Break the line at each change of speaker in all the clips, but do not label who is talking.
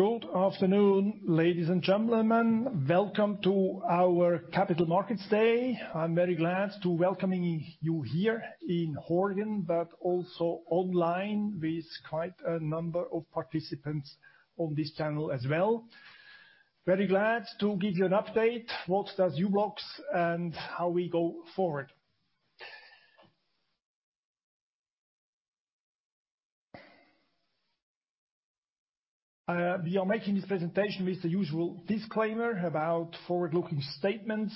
Good afternoon, ladies and gentlemen. Welcome to our Capital Markets Day. I'm very glad to welcoming you here in Horgen, but also online with quite a number of participants on this channel as well. Very glad to give you an update, what does u-blox and how we go forward. We are making this presentation with the usual disclaimer about forward-looking statements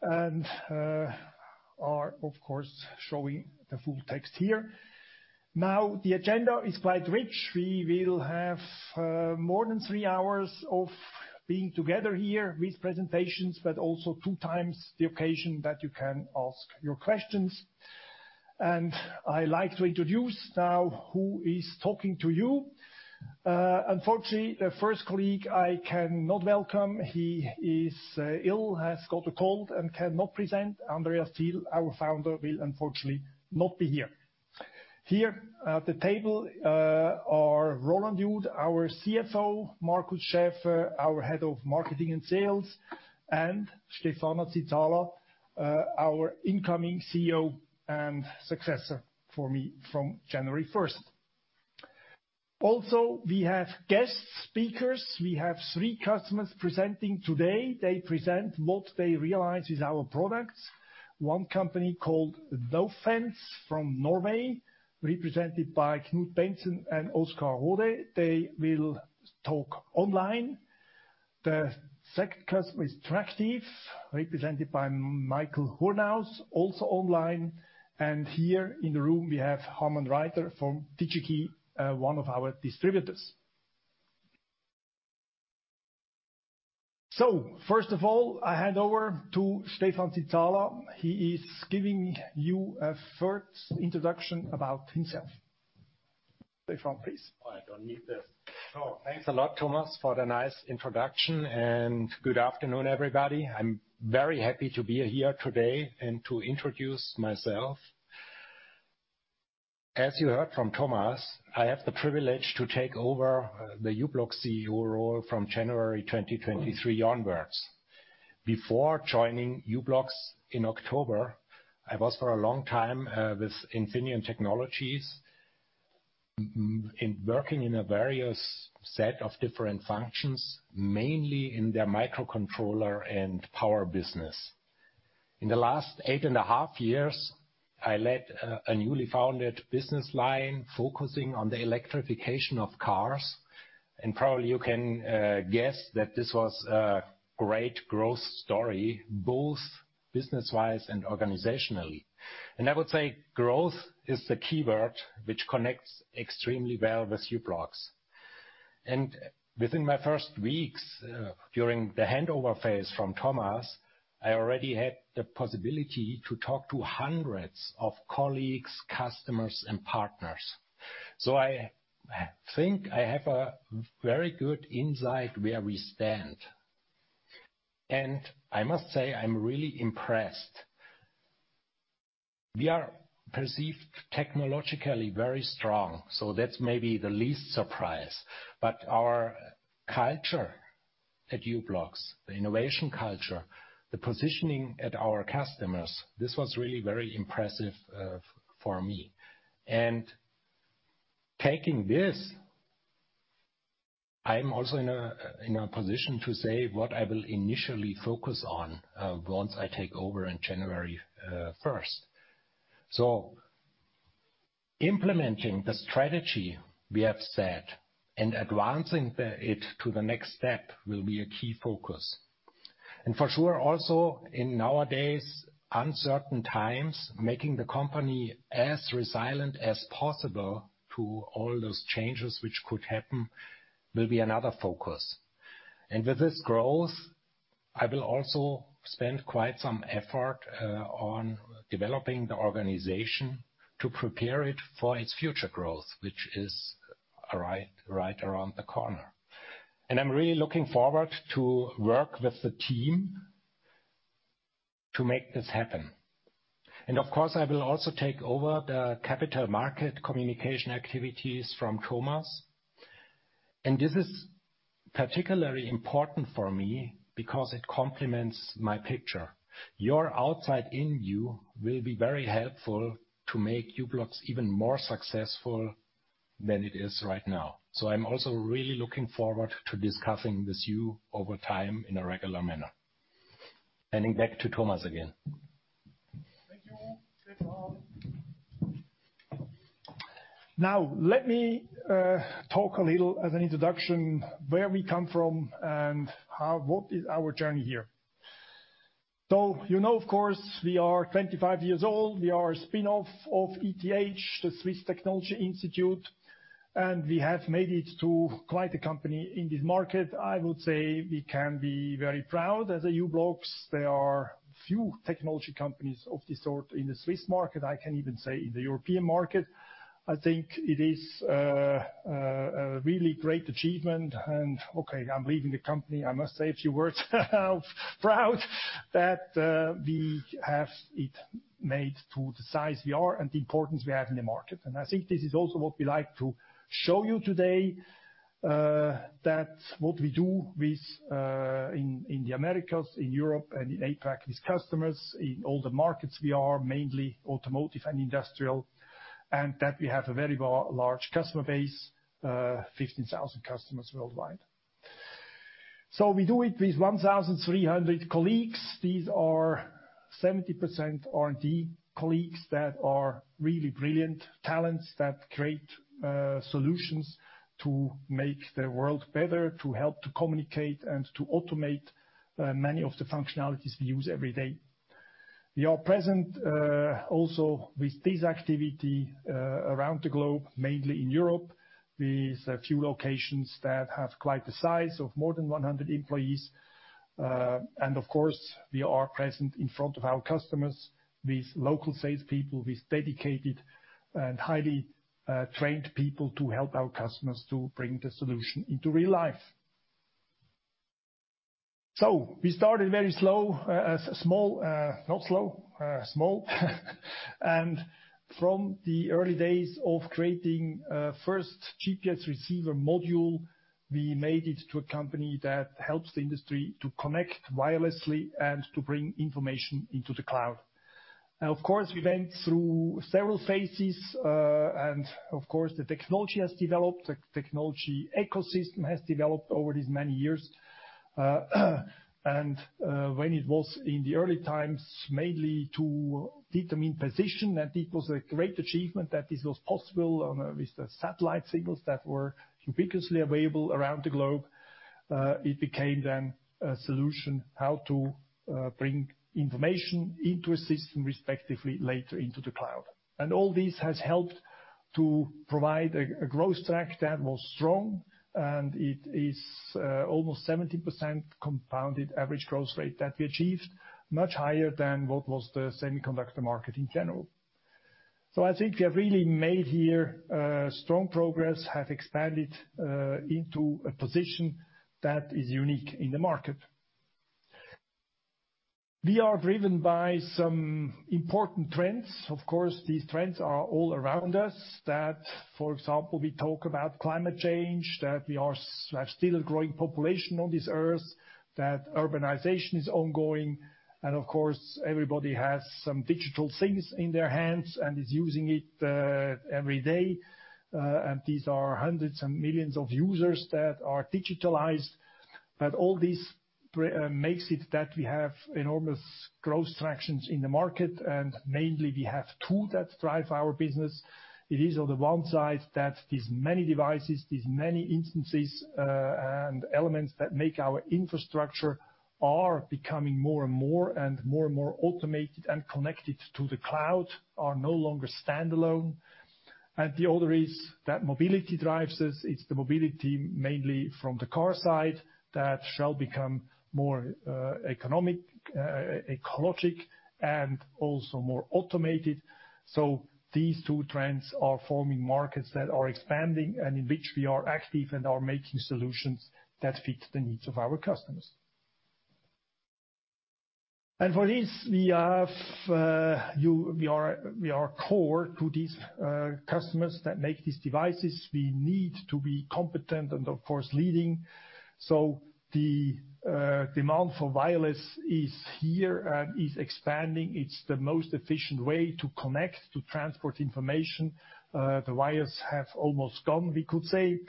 and are of course showing the full text here. Now, the agenda is quite rich. We will have more than three hours of being together here with presentations, but also two times the occasion that you can ask your questions. I like to introduce now who is talking to you. Unfortunately, the first colleague I cannot welcome, he is ill, has got a cold, and cannot present. Andreas Thiel, our founder, will unfortunately not be here. Here at the table, are Roland Jud, our CFO, Markus Schaefer, our head of Marketing and Sales, and Stephan Zizala, our incoming CEO and successor for me from 1 January 2023. We have guest speakers. We have three customers presenting today. They present what they realize with our products. One company called Nofence from Norway, represented by Knut Bengtsson and Oskar Røed. They will talk online. The second customer is Tractive, represented by Michael Hurnaus, also online. Here in the room we have Hermann Reiter from Digi-Key, one of our distributors. First of all, I hand over to Stephan Zizala. He is giving you a first introduction about himself. Stephan, please.
I don't need this. Thanks a lot, Thomas, for the nice introduction, and good afternoon, everybody. I'm very happy to be here today and to introduce myself. As you heard from Thomas, I have the privilege to take over the u-blox CEO role from January 2023 onwards. Before joining u-blox in October, I was for a long time with Infineon Technologies, working in a various set of different functions, mainly in their microcontroller and power business. In the last 8.5 years, I led a newly founded business line focusing on the electrification of cars. Probably you can guess that this was a great growth story, both business-wise and organizationally. I would say growth is the keyword which connects extremely well with u-blox. Within my first weeks, during the handover phase from Thomas, I already had the possibility to talk to hundreds of colleagues, customers and partners. I think I have a very good insight where we stand. I must say I'm really impressed. We are perceived technologically very strong, so that's maybe the least surprise. Our culture at u-blox, the innovation culture, the positioning at our customers, this was really very impressive for me. Taking this, I'm also in a position to say what I will initially focus on once I take over on 1 January 2023. Implementing the strategy we have set and advancing it to the next step will be a key focus. For sure, also in nowadays uncertain times, making the company as resilient as possible to all those changes which could happen will be another focus. With this growth, I will also spend quite some effort on developing the organization to prepare it for its future growth, which is right around the corner. I'm really looking forward to work with the team to make this happen. Of course, I will also take over the capital market communication activities from Thomas. This is particularly important for me because it complements my picture. Your outside-in view will be very helpful to make u-blox even more successful than it is right now. I'm also really looking forward to discussing with you over time in a regular manner. Handing back to Thomas again.
Thank you, Stephan. Let me talk a little as an introduction, where we come from and how, what is our journey here. You know, of course, we are 25 years old. We are a spinoff of ETH, the Swiss Technology Institute. We have made it to quite a company in this market. I would say we can be very proud as a u-blox. There are few technology companies of this sort in the Swiss market, I can even say in the European market. I think it is a really great achievement and, okay, I'm leaving the company, I must say a few words of proud that we have it made to the size we are and the importance we have in the market. I think this is also what we like to show you today, that what we do with in the Americas, in Europe and in APAC with customers, in all the markets we are, mainly automotive and industrial, and that we have a very large customer base, 15,000 customers worldwide. We do it with 1,300 colleagues. These are 70% R&D colleagues that are really brilliant talents that create solutions to make the world better, to help to communicate, and to automate many of the functionalities we use every day. We are present also with this activity around the globe, mainly in Europe. These are a few locations that have quite the size of more than 100 employees. Of course, we are present in front of our customers, with local salespeople, with dedicated and highly trained people to help our customers to bring the solution into real life. We started very slow, small, not slow, small. From the early days of creating first GPS receiver module, we made it to a company that helps the industry to connect wirelessly and to bring information into the cloud. Of course, we went through several phases, and of course, the technology has developed, the technology ecosystem has developed over these many years. When it was in the early times, mainly to determine position and it was a great achievement that this was possible with the satellite signals that were ubiquitously available around the globe, it became then a solution how to bring information into a system, respectively later into the cloud. All this has helped to provide a growth track that was strong, and it is almost 70% compounded average growth rate that we achieved, much higher than what was the semiconductor market in general. I think we have really made here strong progress, have expanded into a position that is unique in the market. We are driven by some important trends. Of course, these trends are all around us that, for example, we talk about climate change, that we are still a growing population on this Earth, that urbanization is ongoing, and of course, everybody has some digital things in their hands and is using it every day. These are hundreds and millions of users that are digitalized. All this makes it that we have enormous growth tractions in the market, and mainly we have two that drive our business. It is on the one side that these many devices, these many instances, and elements that make our infrastructure are becoming more and more, and more and more automated and connected to the cloud, are no longer standalone. The other is that mobility drives us. It's the mobility mainly from the car side that shall become more, economic, ecologic, and also more automated. These two trends are forming markets that are expanding and in which we are active and are making solutions that fit the needs of our customers. For this, we are core to these customers that make these devices. We need to be competent and, of course, leading. The demand for wireless is here and is expanding. It's the most efficient way to connect, to transport information. The wires have almost gone, we could say.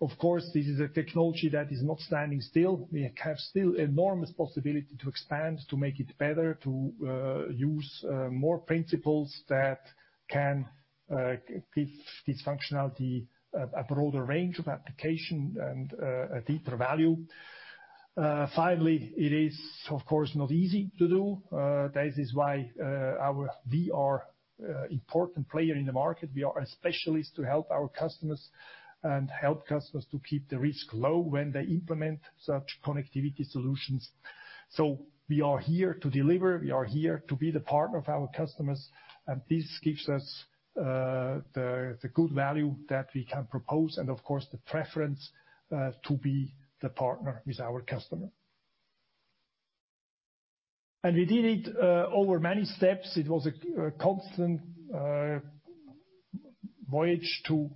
Of course, this is a technology that is not standing still. We have still enormous possibility to expand, to make it better, to use more principles that can give this functionality a broader range of application and a deeper value. Finally, it is, of course, not easy to do. This is why we are an important player in the market. We are a specialist to help our customers and help customers to keep the risk low when they implement such connectivity solutions. We are here to deliver, we are here to be the partner of our customers, and this gives us the good value that we can propose, and of course, the preference to be the partner with our customer. We did it over many steps. It was a constant voyage to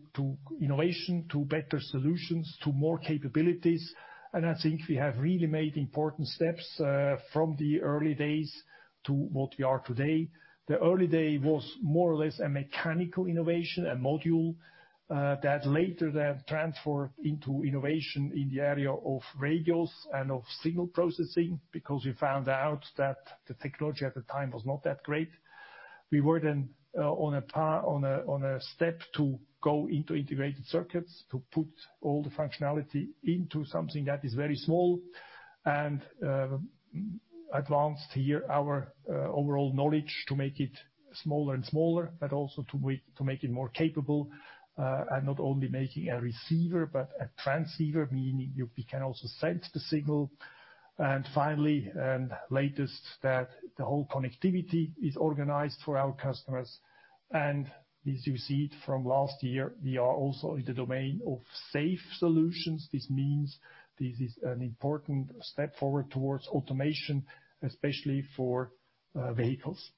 innovation, to better solutions, to more capabilities. I think we have really made important steps from the early days to what we are today. The early day was more or less a mechanical innovation, a module that later then transferred into innovation in the area of radios and of signal processing, because we found out that the technology at the time was not that great. We were then on a step to go into integrated circuits to put all the functionality into something that is very small and advanced here our overall knowledge to make it smaller and smaller, but also to make it more capable. Not only making a receiver but a transceiver, meaning you, we can also sense the signal. Finally, and latest, that the whole connectivity is organized for our customers. As you see it from last year, we are also in the domain of safe solutions. This means this is an important step forward towards automation, especially for vehicles.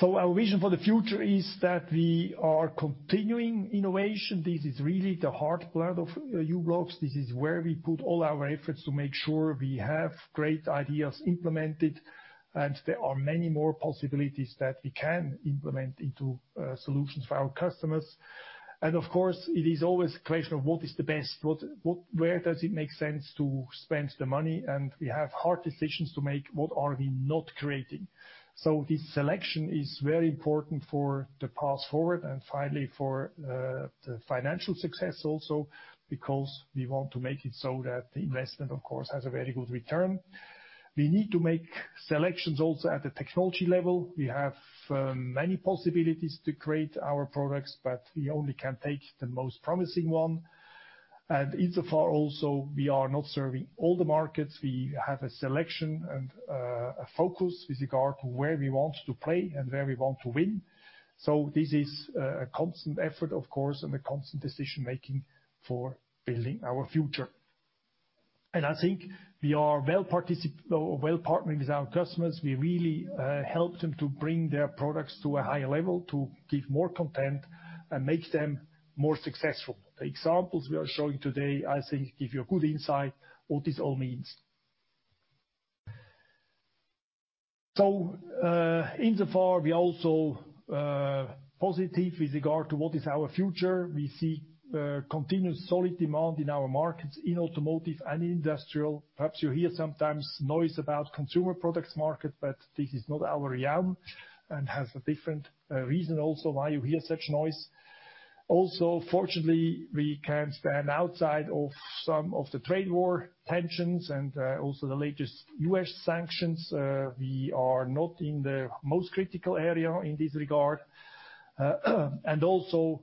Our vision for the future is that we are continuing innovation. This is really the heart blood of u-blox. This is where we put all our efforts to make sure we have great ideas implemented, and there are many more possibilities that we can implement into solutions for our customers. Of course, it is always a question of what is the best, where does it make sense to spend the money? We have hard decisions to make. What are we not creating? This selection is very important for the path forward and finally for the financial success also because we want to make it so that the investment, of course, has a very good return. We need to make selections also at the technology level. We have many possibilities to create our products, but we only can take the most promising one. Insofar also, we are not serving all the markets. We have a selection and a focus with regard to where we want to play and where we want to win. This is a constant effort, of course, and a constant decision-making for building our future. I think we are well partnering with our customers. We really help them to bring their products to a higher level, to give more content and make them more successful. The examples we are showing today, I think, give you a good insight what this all means. Insofar, we are also positive with regard to what is our future. We see continuous solid demand in our markets, in automotive and industrial. Perhaps you hear sometimes noise about consumer products market, but this is not our realm and has a different reason also why you hear such noise. Fortunately, we can stand outside of some of the trade war tensions and also the latest US sanctions. We are not in the most critical area in this regard. Also,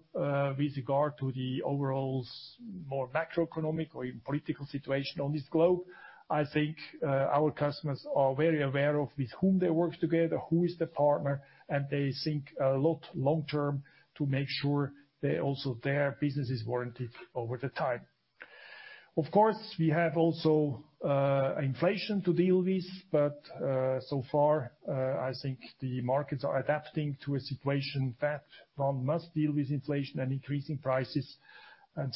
with regard to the overall more macroeconomic or even political situation on this globe, I think, our customers are very aware of with whom they work together, who is the partner, and they think a lot long term to make sure they also, their business is warranted over the time. Of course, we have also inflation to deal with, but, so far, I think the markets are adapting to a situation that one must deal with inflation and increasing prices.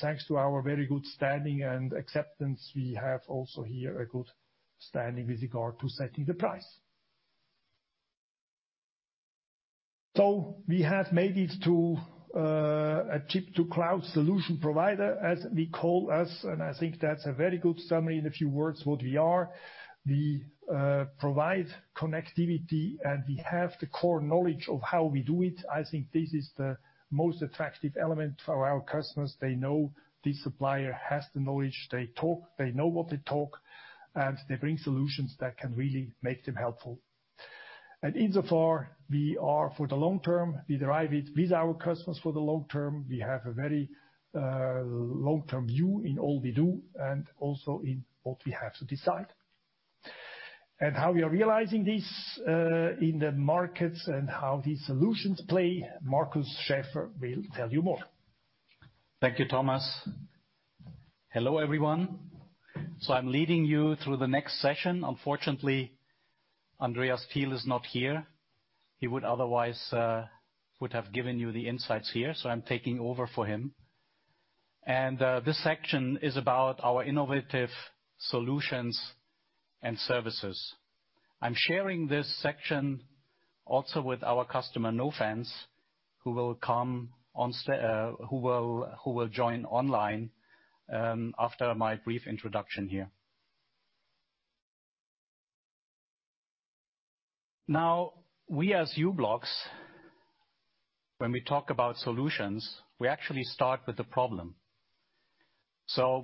Thanks to our very good standing and acceptance, we have also here a good standing with regard to setting the price. We have made it to a chip to cloud solution provider, as we call us, and I think that's a very good summary in a few words what we are. We provide connectivity, and we have the core knowledge of how we do it. I think this is the most attractive element for our customers. They know this supplier has the knowledge. They talk, they know what they talk, and they bring solutions that can really make them helpful. Insofar we are for the long term, we derive it with our customers for the long term. We have a very long-term view in all we do and also in what we have to decide. How we are realizing this in the markets and how these solutions play, Markus Schaefer will tell you more.
Thank you, Thomas. Hello, everyone. I'm leading you through the next session. Unfortunately, Andreas Thiel is not here. He would otherwise would have given you the insights here, so I'm taking over for him. This section is about our innovative solutions and services. I'm sharing this section also with our customer, Nofence, who will join online after my brief introduction here. Now, we as u-blox, when we talk about solutions, we actually start with the problem.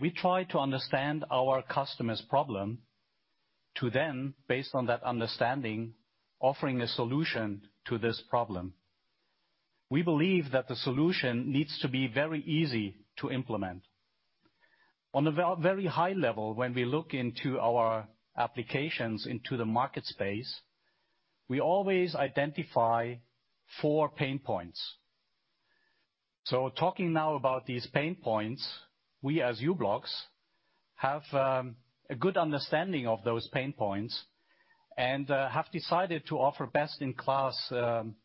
We try to understand our customer's problem to then, based on that understanding, offering a solution to this problem. We believe that the solution needs to be very easy to implement. On a very high level, when we look into our applications into the market space, we always identify four pain points. Talking now about these pain points, we as u-blox have a good understanding of those pain points and have decided to offer best-in-class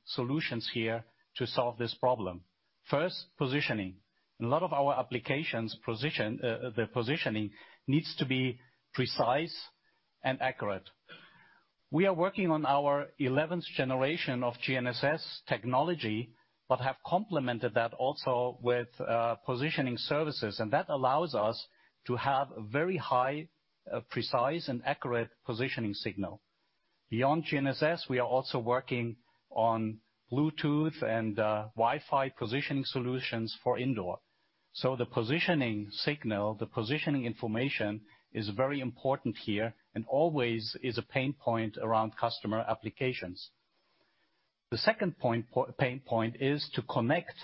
solutions here to solve this problem. First, positioning. In a lot of our applications the positioning needs to be precise and accurate. We are working on our 11th generation of GNSS technology but have complemented that also with positioning services, and that allows us to have a very high, precise, and accurate positioning signal. Beyond GNSS, we are also working on Bluetooth and Wi-Fi positioning solutions for indoor. The positioning signal, the positioning information is very important here and always is a pain point around customer applications. The second pain point is to connect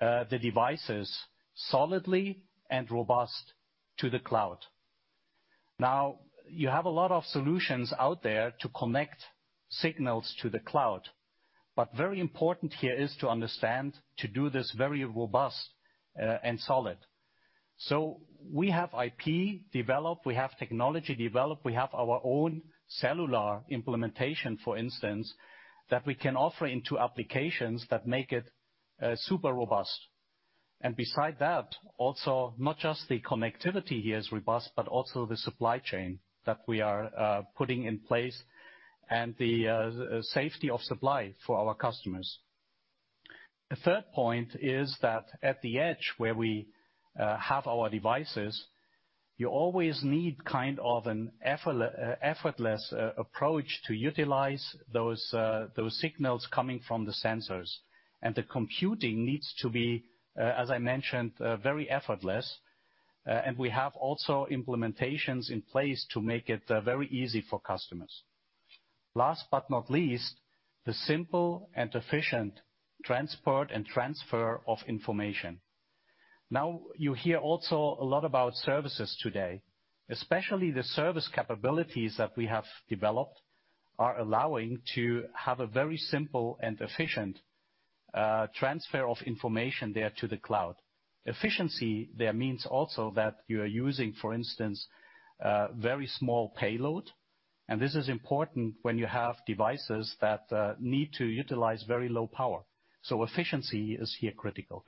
the devices solidly and robust to the cloud. You have a lot of solutions out there to connect signals to the cloud, but very important here is to understand, to do this very robust and solid. We have IP developed, we have technology developed, we have our own cellular implementation, for instance, that we can offer into applications that make it super robust. Beside that, also, not just the connectivity here is robust, but also the supply chain that we are putting in place, and the safety of supply for our customers. The third point is that at the edge where we have our devices, you always need kind of an effortless approach to utilize those signals coming from the sensors. The computing needs to be, as I mentioned, very effortless. We have also implementations in place to make it very easy for customers. Last but not least, the simple and efficient transport and transfer of information. You hear also a lot about services today. Especially the service capabilities that we have developed are allowing to have a very simple and efficient transfer of information there to the cloud. Efficiency there means also that you are using, for instance, a very small payload, and this is important when you have devices that need to utilize very low power. Efficiency is here critical.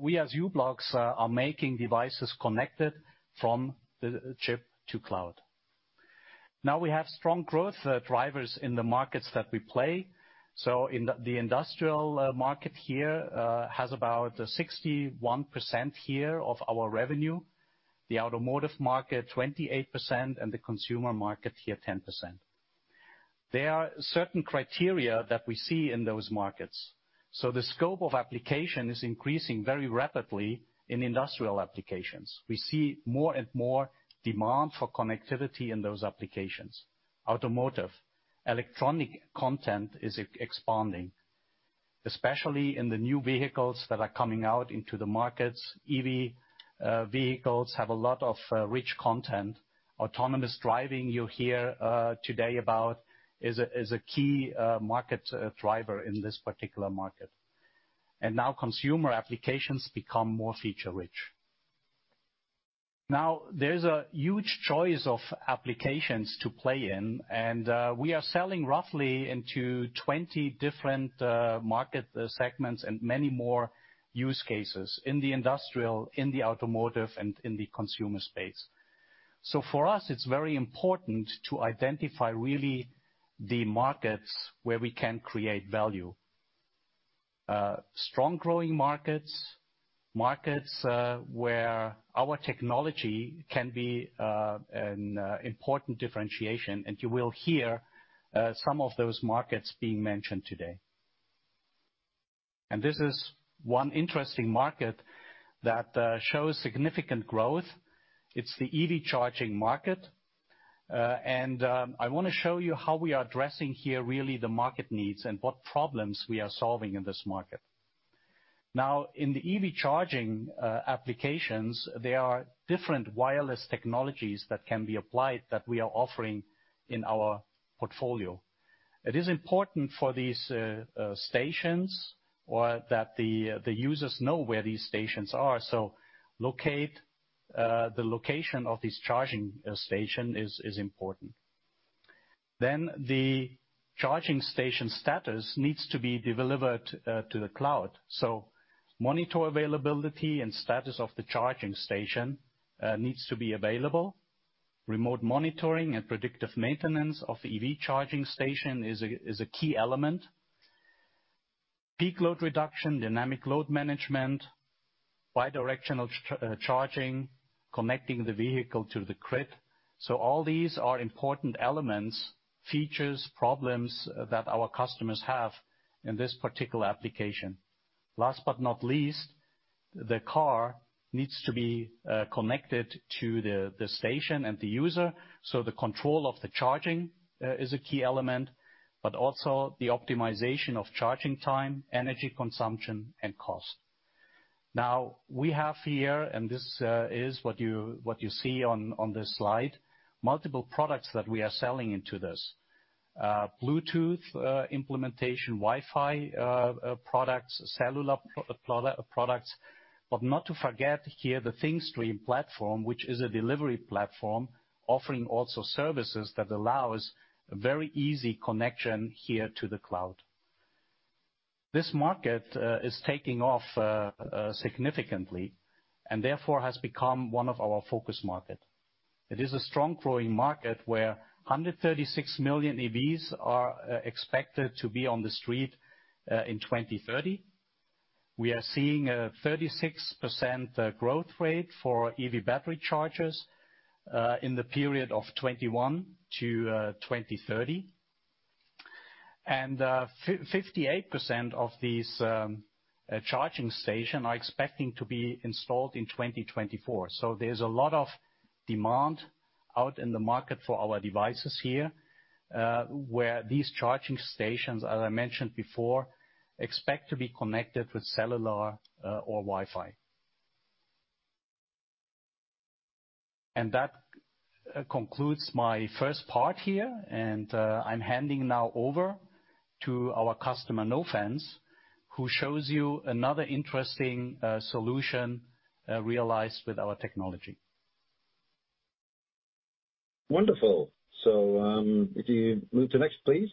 We as u-blox are making devices connected from the chip to cloud. We have strong growth drivers in the markets that we play. In the industrial market here has about 61% here of our revenue, the automotive market 28%, and the consumer market here 10%. There are certain criteria that we see in those markets. The scope of application is increasing very rapidly in industrial applications. We see more and more demand for connectivity in those applications. Automotive. Electronic content is e-expanding, especially in the new vehicles that are coming out into the markets. EV vehicles have a lot of rich content. Autonomous driving you'll hear today about is a key market driver in this particular market. Now consumer applications become more feature-rich. Now there's a huge choice of applications to play in, and we are selling roughly into 20 different market segments and many more use cases in the industrial, in the automotive, and in the consumer space. For us, it's very important to identify really the markets where we can create value. Strong growing markets where our technology can be an important differentiation, and you will hear some of those markets being mentioned today. This is one interesting market that shows significant growth. It's the EV charging market. I wanna show you how we are addressing here really the market needs and what problems we are solving in this market. Now, in the EV charging applications, there are different wireless technologies that can be applied that we are offering in our portfolio. It is important for these stations or that the users know where these stations are. Locate the location of this charging station is important. The charging station status needs to be delivered to the cloud. Monitor availability and status of the charging station needs to be available. Remote monitoring and predictive maintenance of the EV charging station is a key element. Peak load reduction, dynamic load management, bi-directional charging, connecting the vehicle to the grid. All these are important elements, features, problems that our customers have in this particular application. Last but not least, the car needs to be connected to the station and the user. The control of the charging is a key element, but also the optimization of charging time, energy consumption, and cost. Now we have here, this is what you see on this slide, multiple products that we are selling into this. Bluetooth implementation, Wi-Fi products, cellular products, not to forget here the Thingstream platform, which is a delivery platform offering also services that allows a very easy connection here to the cloud. This market is taking off significantly and therefore has become one of our focus market. It is a strong growing market where 136 million EVs are expected to be on the street in 2030. We are seeing a 36% growth rate for EV battery chargers in the period of 2021 to 2030. 58% of these charging station are expecting to be installed in 2024. There's a lot of demand out in the market for our devices here, where these charging stations, as I mentioned before, expect to be connected with cellular or Wi-Fi. That concludes my first part here, and I'm handing now over to our customer, Nofence, who shows you another interesting solution realized with our technology.
Wonderful. If you move to next, please.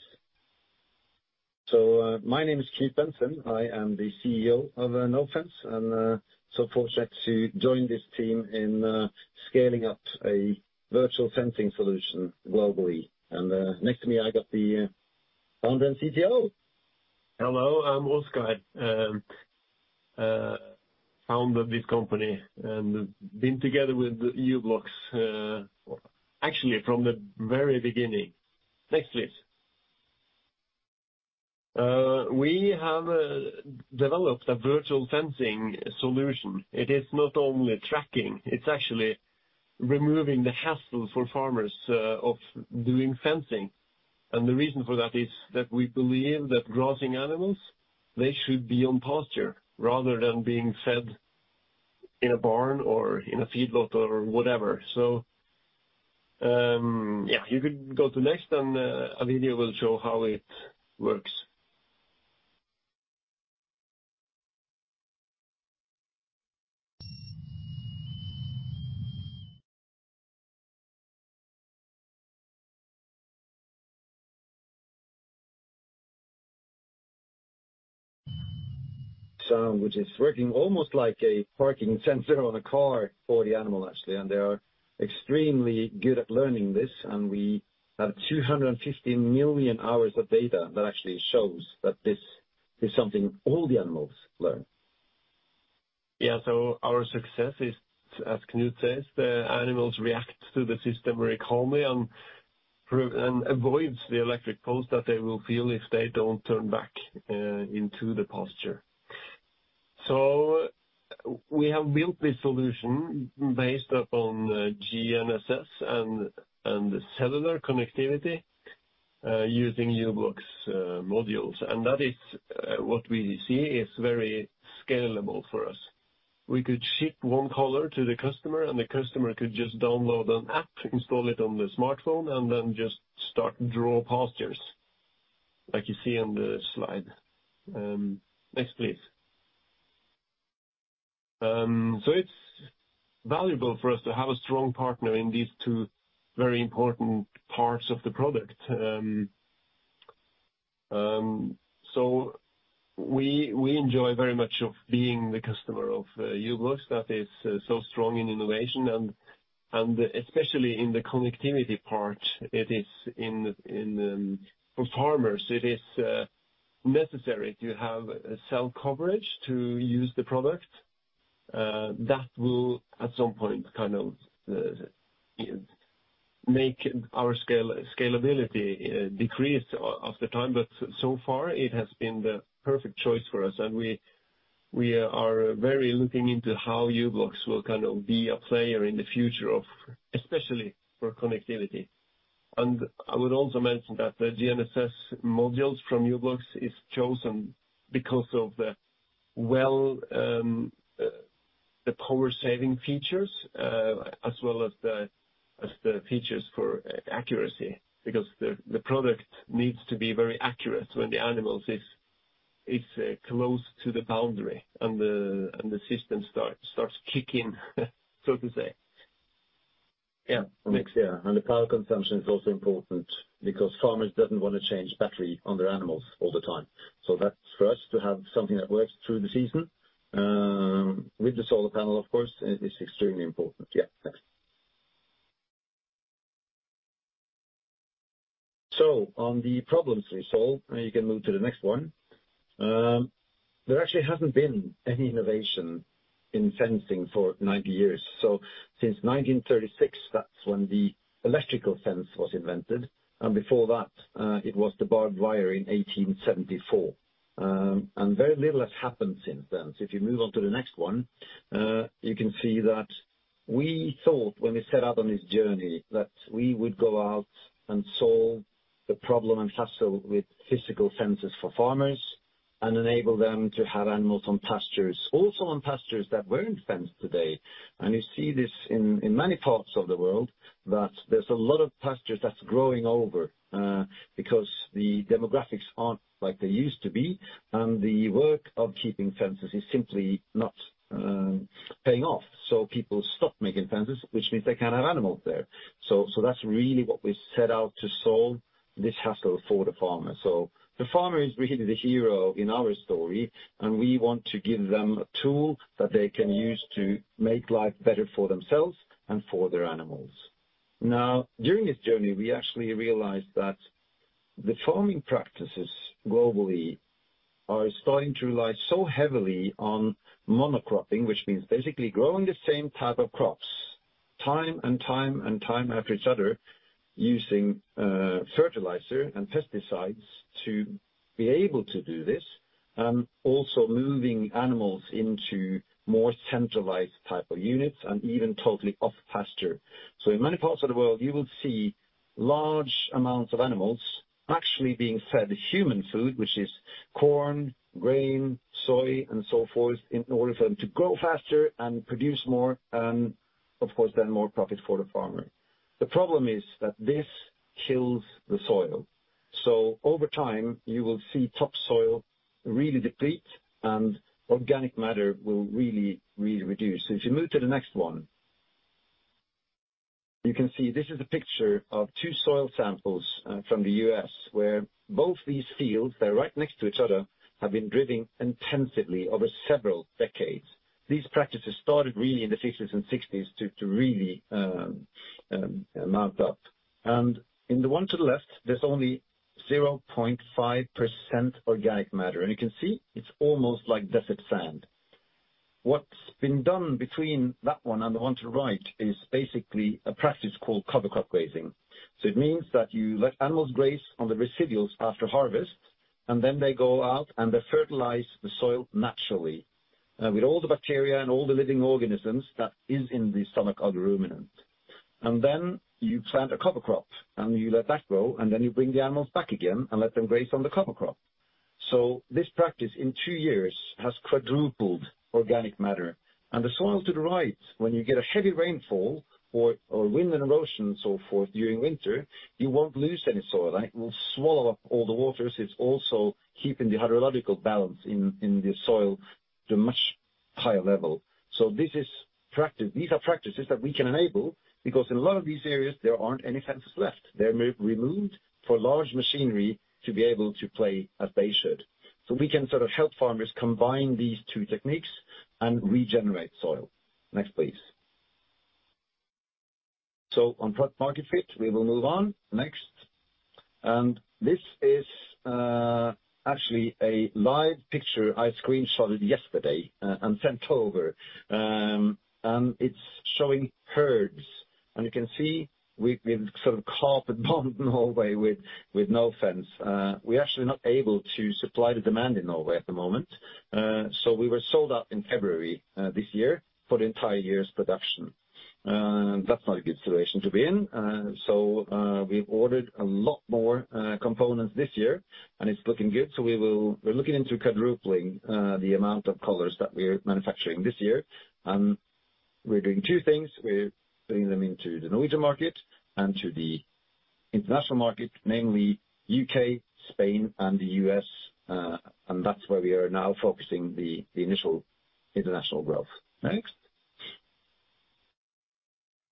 My name is Knut Bengtsson. I am the CEO of Nofence, and so fortunate to join this team in scaling up a virtual fencing solution globally. Next to me, I got the founder and CTO.
Hello, I'm Oskar, founder of this company, been together with u-blox actually from the very beginning. Next, please. We have developed a virtual fencing solution. It is not only tracking, it's actually removing the hassle for farmers of doing fencing. The reason for that is that we believe that grazing animals, they should be on pasture rather than being fed in a barn or in a feedlot or whatever. You could go to next, a video will show how it works. Sound, which is working almost like a parking sensor on a car for the animal actually. They are extremely good at learning this. We have 250 million hours of data that actually shows that this is something all the animals learn. Yeah. Our success is, as Knut says, the animals react to the system very calmly and avoids the electric pulse that they will feel if they don't turn back into the pasture. We have built this solution based upon GNSS and cellular connectivity using u-blox modules. That is what we see is very scalable for us. We could ship one collar to the customer, and the customer could just download an app, install it on the smartphone, and then just start draw pastures, like you see on the slide. Next, please. It's valuable for us to have a strong partner in these two very important parts of the product. We enjoy very much of being the customer of u-blox that is so strong in innovation and especially in the connectivity part. It is for farmers, it is necessary to have cell coverage to use the product. That will, at some point, make our scalability decrease over time. So far it has been the perfect choice for us, and we are very looking into how u-blox will be a player in the future of especially for connectivity. I would also mention that the GNSS modules from u-blox is chosen because of the power saving features, as well as the features for accuracy, because the product needs to be very accurate when the animal is close to the boundary, and the system starts kicking, so to say. Yeah. Next.
Yeah. The power consumption is also important because farmers doesn't wanna change battery on their animals all the time. That's for us to have something that works through the season, with the solar panel, of course, is extremely important. Yeah. Next. On the problems we solve, you can move to the next one. There actually hasn't been any innovation in fencing for 90 years. Since 1936, that's when the electrical fence was invented, and before that, it was the barbed wire in 1874. Very little has happened since then. If you move on to the next one, you can see that we thought when we set out on this journey that we would go out and solve the problem and hassle with physical fences for farmers and enable them to have animals on pastures, also on pastures that weren't fenced today. You see this in many parts of the world, that there's a lot of pastures that's growing over, because the demographics aren't like they used to be, and the work of keeping fences is simply not paying off. People stop making fences, which means they can't have animals there. That's really what we set out to solve this hassle for the farmer. The farmer is really the hero in our story, and we want to give them a tool that they can use to make life better for themselves and for their animals. During this journey, we actually realized. The farming practices globally are starting to rely so heavily on monocropping, which means basically growing the same type of crops time and time and time after each other, using fertilizer and pesticides to be able to do this, and also moving animals into more centralized type of units and even totally off pasture. In many parts of the world, you will see large amounts of animals actually being fed human food, which is corn, grain, soy and so forth, in order for them to grow faster and produce more and of course, then more profit for the farmer. The problem is that this kills the soil. Over time you will see topsoil really deplete and organic matter will really, really reduce. If you move to the next one. You can see this is a picture of two soil samples from the US, where both these fields, they're right next to each other, have been driven intensively over several decades. These practices started really in the fifties and sixties to really mount up. In the one to the left, there's only 0.5% organic matter. You can see it's almost like desert sand. What's been done between that one and the one to the right is basically a practice called cover crop grazing. It means that you let animals graze on the residuals after harvest, and then they go out and they fertilize the soil naturally, with all the bacteria and all the living organisms that is in the stomach of the ruminant. Then you plant a cover crop and you let that grow, and then you bring the animals back again and let them graze on the cover crop. This practice in two years has quadrupled organic matter. The soil to the right, when you get a heavy rainfall or wind and erosion and so forth during winter, you won't lose any soil. It will swallow up all the waters. It's also keeping the hydrological balance in the soil to a much higher level. These are practices that we can enable because in a lot of these areas, there aren't any fences left. They're re-removed for large machinery to be able to play as they should. We can sort of help farmers combine these two techniques and regenerate soil. Next, please. On product market fit, we will move on. Next. This is actually a live picture I screenshotted yesterday and sent over. It's showing herds. You can see we've sort of carpet-bombed Norway with Nofence. We're actually not able to supply the demand in Norway at the moment, so we were sold out in February this year for the entire year's production. That's not a good situation to be in. We've ordered a lot more components this year, and it's looking good. We're looking into quadrupling the amount of collars that we are manufacturing this year. We're doing two things. We're bringing them into the Norwegian market and to the international market, namely UK, Spain and the US, and that's where we are now focusing the initial international growth. Next.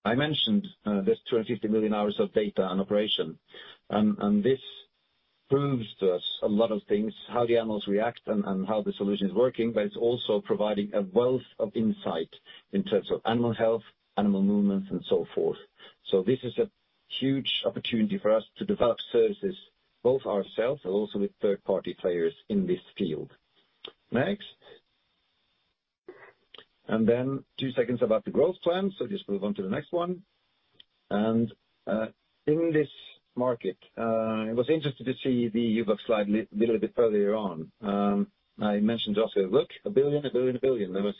I mentioned these 250 million hours of data and operation. This proves to us a lot of things, how the animals react and how the solution is working, but it's also providing a wealth of insight in terms of animal health, animal movements and so forth. This is a huge opportunity for us to develop services both ourselves and also with third-party players in this field. Next. Two seconds about the growth plan. Just move on to the next one. In this market, it was interesting to see the u-blox slide little bit earlier on. I mentioned also, look a billion, a billion, a billion.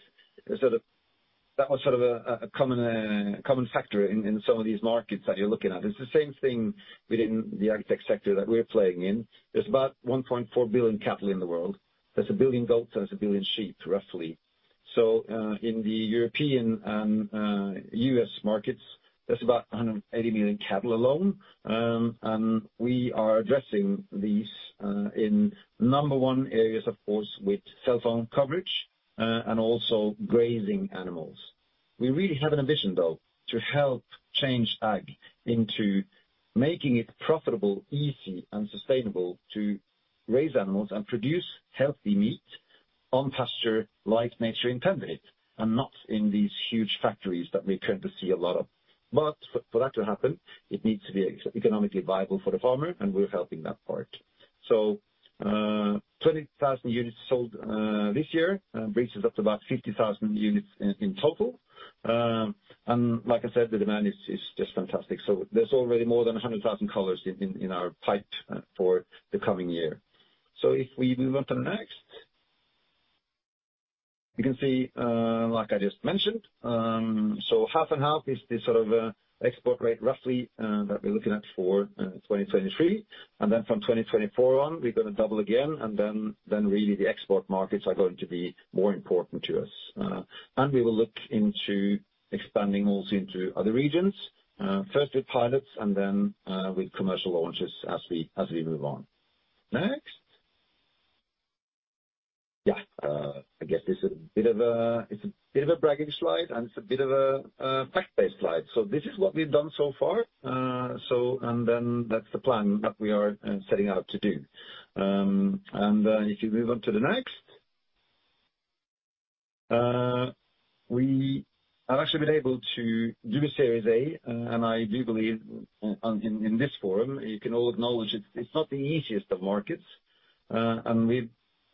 There was a sort of a common factor in some of these markets that you're looking at. It's the same thing within the AgTech sector that we're playing in. There's about 1.4 billion cattle in the world. There's a billion goats, there's a billion sheep, roughly. In the European and US markets, there's about 180 million cattle alone. And we are addressing these in number one areas, of course, with cell phone coverage, and also grazing animals. We really have an ambition, though, to help change ag into making it profitable, easy and sustainable to raise animals and produce healthy meat on pasture like nature intended it, and not in these huge factories that we tend to see a lot of. For that to happen, it needs to be economically viable for the farmer, and we're helping that part. 20,000 units sold this year brings us up to about 50,000 units in total. And like I said, the demand is just fantastic. There's already more than 100,000 collars in our pipe for the coming year. If we move on to the next. You can see, like I just mentioned, 1/2 and 1/2 is the sort of export rate, roughly, that we're looking at for 2023. From 2024 on, we're gonna double again and then really the export markets are going to be more important to us. And we will look into expanding also into other regions, first with pilots and then with commercial launches as we move on. Next. I guess this is a bit of a, it's a bit of a bragging slide and it's a bit of a fact-based slide. This is what we've done so far. That's the plan that we are setting out to do. And if you move on to the next. We have actually been able to do a Series A, and I do believe in this forum, you can all acknowledge it's not the easiest of markets. And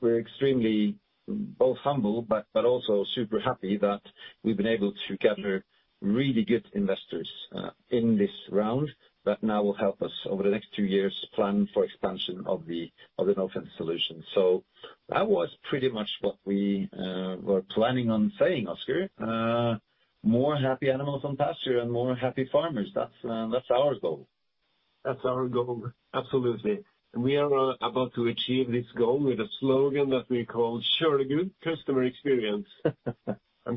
we're extremely both humbled, but also super happy that we've been able to gather really good investors in this round that now will help us over the next two years plan for expansion of the Nofence solution. That was pretty much what we were planning on saying, Oskar. More happy animals on pasture and more happy farmers. That's our goal.
That's our goal, absolutely. We are about to achieve this goal with a slogan that we call "Sjørågod customer experience".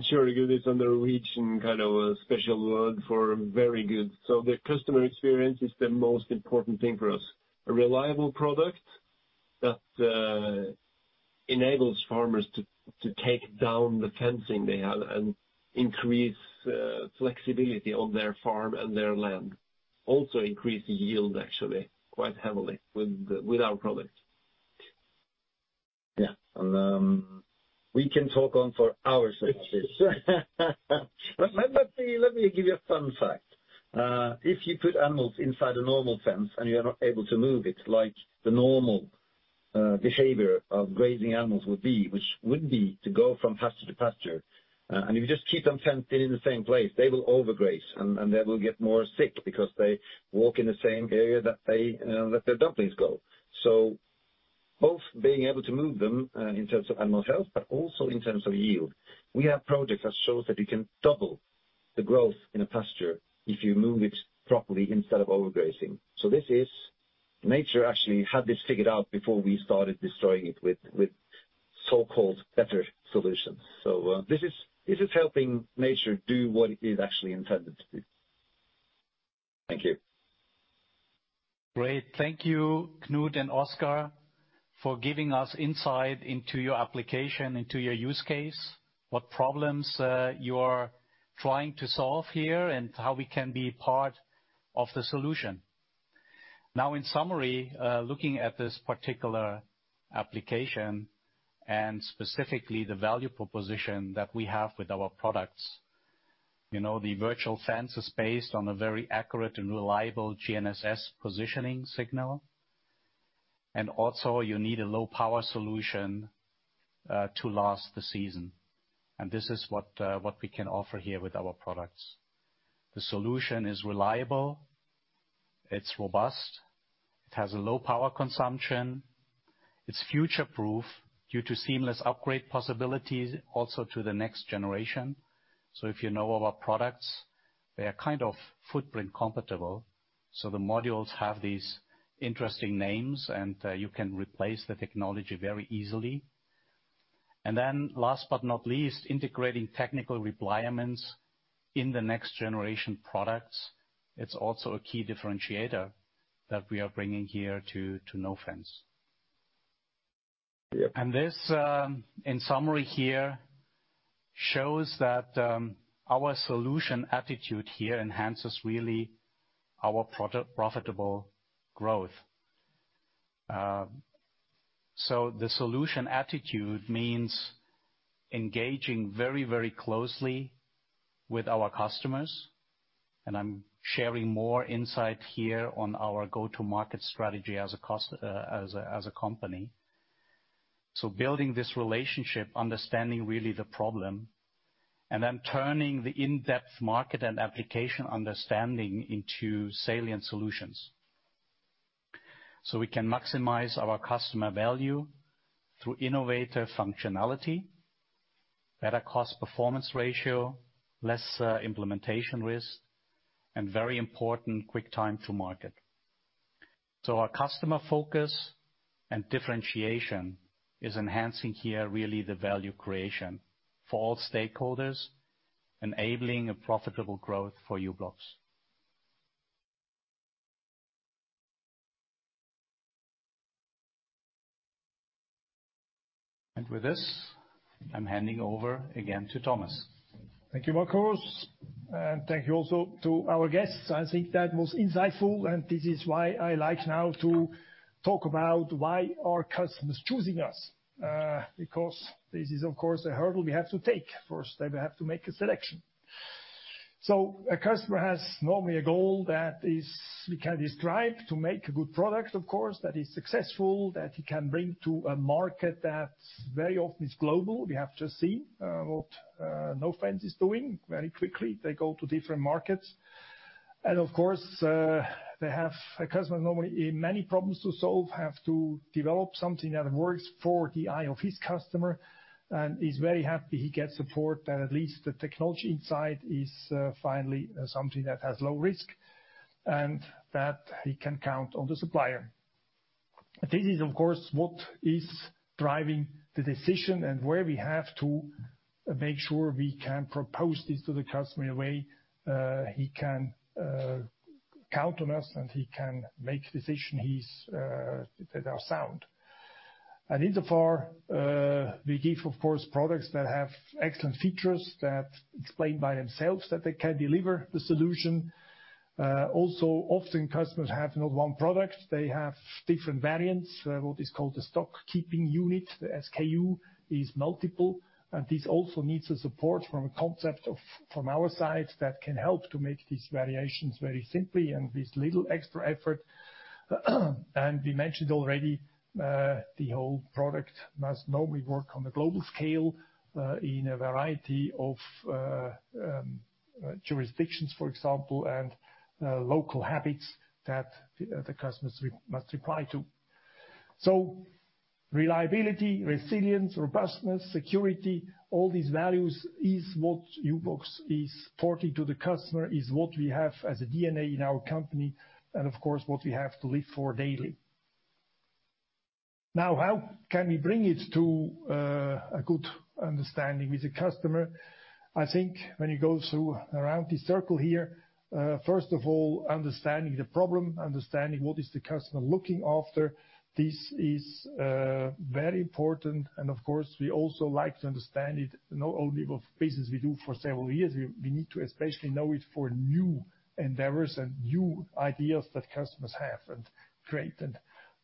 Sjørågod is a Norwegian kind of a special word for very good. The customer experience is the most important thing for us. A reliable product that enables farmers to take down the fencing they have and increase flexibility on their farm and their land. Also increase yield, actually, quite heavily with our product.
Yeah. We can talk on for hours about this. Let me give you a fun fact. If you put animals inside a normal fence and you're not able to move it like the normal behavior of grazing animals would be, which would be to go from pasture to pasture, and if you just keep them fenced in in the same place, they will overgraze, and they will get more sick because they walk in the same area that they that their dumplings go. Both being able to move them in terms of animal health, but also in terms of yield. We have projects that shows that you can double the growth in a pasture if you move it properly instead of overgrazing. This is nature actually had this figured out before we started destroying it with so-called better solutions. This is helping nature do what it is actually intended to do. Thank you.
Great. Thank you, Knut and Oskar, for giving us insight into your application, into your use case, what problems you are trying to solve here, and how we can be part of the solution. Now, in summary, looking at this particular application and specifically the value proposition that we have with our products, you know, the virtual fence is based on a very accurate and reliable GNSS positioning signal. You need a low power solution to last the season. This is what we can offer here with our products. The solution is reliable, it's robust, it has a low power consumption, it's future proof due to seamless upgrade possibilities also to the next generation. If you know our products, they are kind of footprint compatible. The modules have these interesting names, and you can replace the technology very easily. Last but not least, integrating technical requirements in the next generation products. It's also a key differentiator that we are bringing here to Nofence.
Yeah.
This, in summary here, shows that our solution attitude here enhances really our profitable growth. The solution attitude means engaging very, very closely with our customers. I'm sharing more insight here on our go-to-market strategy as a company. Building this relationship, understanding really the problem, and then turning the in-depth market and application understanding into salient solutions. We can maximize our customer value through innovative functionality, better cost performance ratio, less implementation risk, and very important, quick time to market. Our customer focus and differentiation is enhancing here really the value creation for all stakeholders, enabling a profitable growth for u-blox. With this, I'm handing over again to Thomas.
Thank you, Markus. Thank you also to our guests. I think that was insightful, and this is why I like now to talk about why are customers choosing us. Because this is of course a hurdle we have to take. First they will have to make a selection. A customer has normally a goal that is. We can describe to make a good product, of course, that is successful, that he can bring to a market that very often is global. We have just seen what Nofence is doing very quickly. They go to different markets. Of course, they have a customer normally, many problems to solve, have to develop something that works for the eye of his customer, and is very happy he gets support, that at least the technology inside is finally something that has low risk and that he can count on the supplier. This is of course what is driving the decision and where we have to make sure we can propose this to the customer a way he can count on us and he can make decision he's that are sound. Insofar, we give, of course, products that have excellent features that explain by themselves that they can deliver the solution. Also often customers have not one product, they have different variants. What is called the stock keeping unit. The SKU is multiple, and this also needs a support from a concept of, from our side that can help to make these variations very simply and with little extra effort. We mentioned already, the whole product must normally work on a global scale, in a variety of jurisdictions, for example, and local habits that the customers must apply to. Reliability, resilience, robustness, security, all these values is what u-blox is supporting to the customer, is what we have as a DNA in our company and of course, what we have to live for daily. How can we bring it to a good understanding with the customer? I think when you go through around the circle here, first of all, understanding the problem, understanding what is the customer looking after, this is very important. Of course, we also like to understand it not only of business we do for several years, we need to especially know it for new endeavors and new ideas that customers have and create.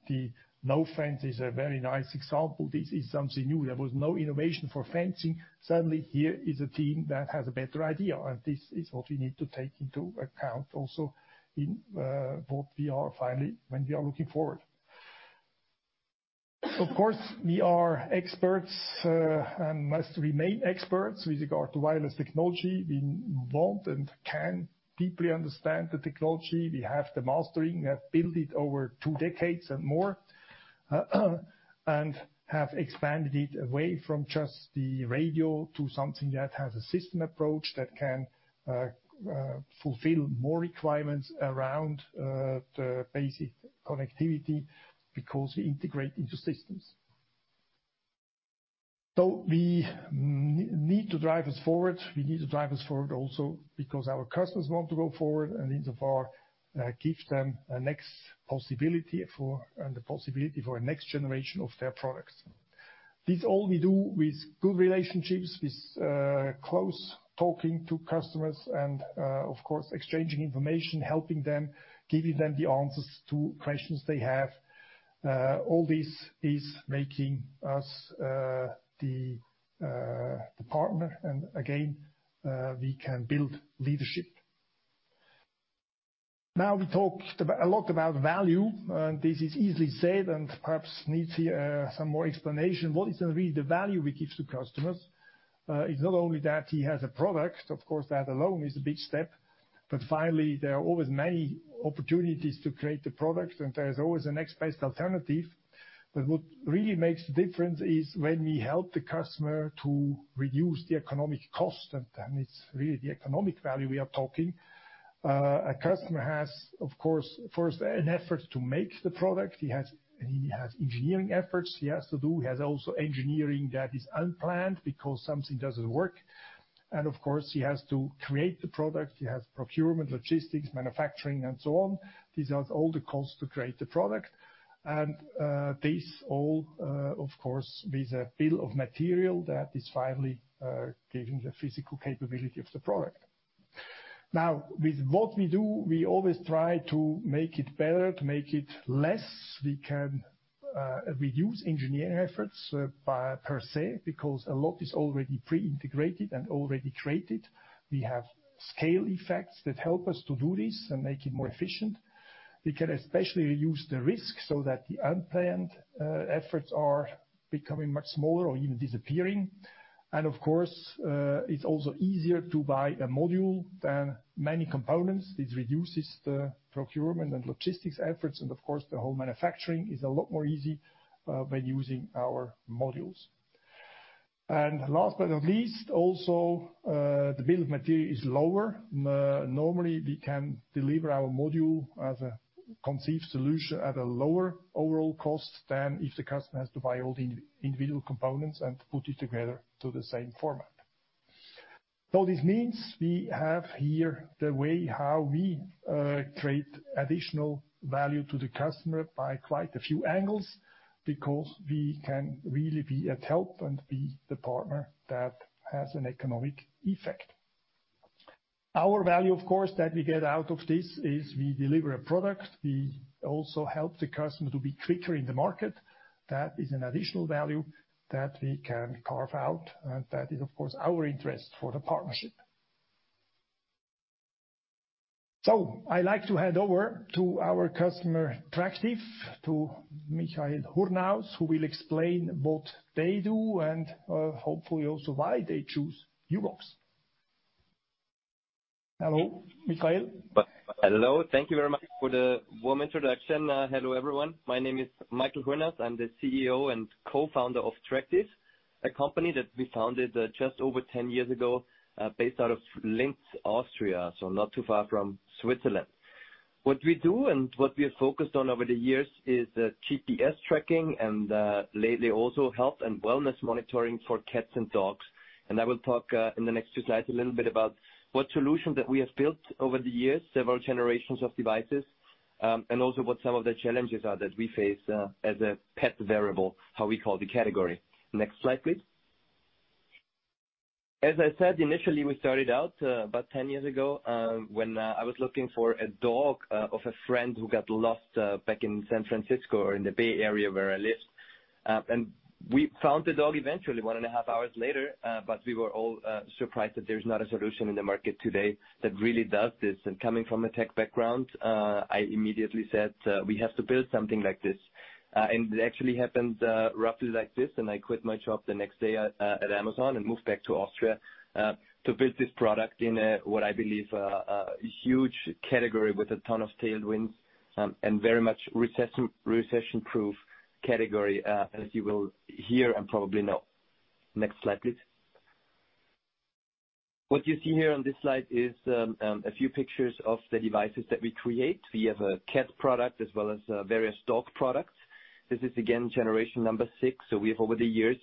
The Nofence is a very nice example. This is something new. There was no innovation for fencing. Suddenly, here is a team that has a better idea, and this is what we need to take into account also in what we are finally when we are looking forward. Of course, we are experts and must remain experts with regard to wireless technology. We want and can deeply understand the technology. We have the mastering. We have built it over two decades and more, and have expanded it away from just the radio to something that has a system approach that can fulfill more requirements around the basic connectivity because we integrate into systems. We need to drive us forward. We need to drive us forward also because our customers want to go forward, and insofar, give them a next possibility for, and the possibility for a next generation of their products. This all we do with good relationships, with close talking to customers and of course, exchanging information, helping them, giving them the answers to questions they have. All this is making us the partner. Again, we can build leadership. Now, we talked a lot about value, and this is easily said and perhaps needs some more explanation. What is really the value we give to customers? It's not only that he has a product, of course, that alone is a big step, but finally, there are always many opportunities to create the product, and there's always a next best alternative. What really makes the difference is when we help the customer to reduce the economic cost, and it's really the economic value we are talking. A customer has, of course, first an effort to make the product. He has engineering efforts he has to do. He has also engineering that is unplanned because something doesn't work. Of course, he has to create the product. He has procurement, logistics, manufacturing and so on. These are all the costs to create the product. This all, of course, with a bill of material that is finally giving the physical capability of the product. With what we do, we always try to make it better, to make it less. We can reduce engineering efforts by per se because a lot is already pre-integrated and already created. We have scale effects that help us to do this and make it more efficient. We can especially reduce the risk so that the unplanned efforts are becoming much smaller or even disappearing. Of course, it's also easier to buy a module than many components. This reduces the procurement and logistics efforts. Of course, the whole manufacturing is a lot more easy when using our modules. Last but not least, also, the bill of material is lower. Normally, we can deliver our module as a conceived solution at a lower overall cost than if the customer has to buy all the in-individual components and put it together to the same format. This means we have here the way how we create additional value to the customer by quite a few angles because we can really be at help and be the partner that has an economic effect. Our value, of course, that we get out of this is we deliver a product. We also help the customer to be quicker in the market. That is an additional value that we can carve out, and that is, of course, our interest for the partnership. I like to hand over to our customer, Tractive, to Michael Hurnaus, who will explain what they do and hopefully also why they choose u-blox. Hello, Michael.
Hello. Thank you very much for the warm introduction. Hello, everyone. My name is Michael Hurnaus. I'm the CEO and Co-Founder of Tractive, a company that we founded just over 10 years ago, based out of Linz, Austria, so not too far from Switzerland. What we do and what we are focused on over the years is the GPS tracking and lately also health and wellness monitoring for cats and dogs. I will talk in the next two slides a little bit about what solution that we have built over the years, several generations of devices. Also what some of the challenges are that we face as a pet wearable, how we call the category. Next slide, please. As I said initially, we started out about 10 years ago, when I was looking for a dog of a friend who got lost back in San Francisco or in the Bay Area where I live. We found the dog eventually 1.5 hours later, but we were all surprised that there's not a solution in the market today that really does this. Coming from a tech background, I immediately said, we have to build something like this. It actually happened, roughly like this, and I quit my job the next day at Amazon and moved back to Austria, to build this product in a, what I believe a huge category with a ton of tailwinds, and very much recess-recession-proof category, as you will hear and probably know. Next slide, please. What you see here on this slide is a few pictures of the devices that we create. We have a cat product as well as various dog products. This is again generation number six. We have over the years,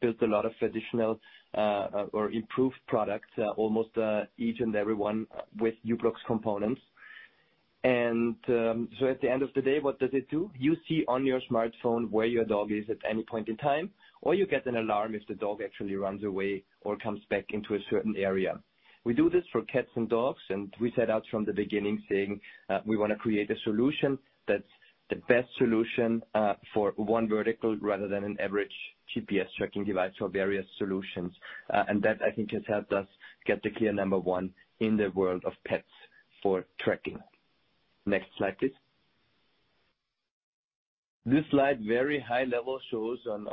built a lot of additional, or improved products, almost each and every one with u-blox components. At the end of the day, what does it do? You see on your smartphone where your dog is at any point in time, or you get an alarm if the dog actually runs away or comes back into a certain area. We do this for cats and dogs, and we set out from the beginning saying, we wanna create a solution that's the best solution for one vertical rather than an average GPS tracking device or various solutions. And that, I think, has helped us get the clear number one in the world of pets for tracking. Next slide, please. This slide, very high level, shows on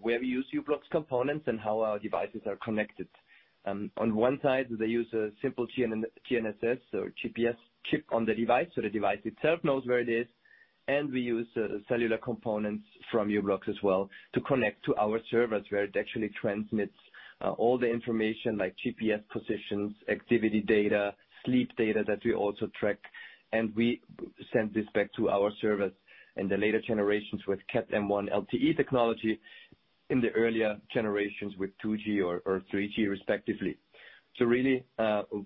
where we use u-blox components and how our devices are connected. On one side, they use a simple GNSS or GPS chip on the device, so the device itself knows where it is. We use cellular components from u-blox as well to connect to our servers, where it actually transmits all the information like GPS positions, activity data, sleep data that we also track, and we send this back to our servers in the later generations with Cat M1 LTE technology, in the earlier generations with 2G or 3G respectively. Really,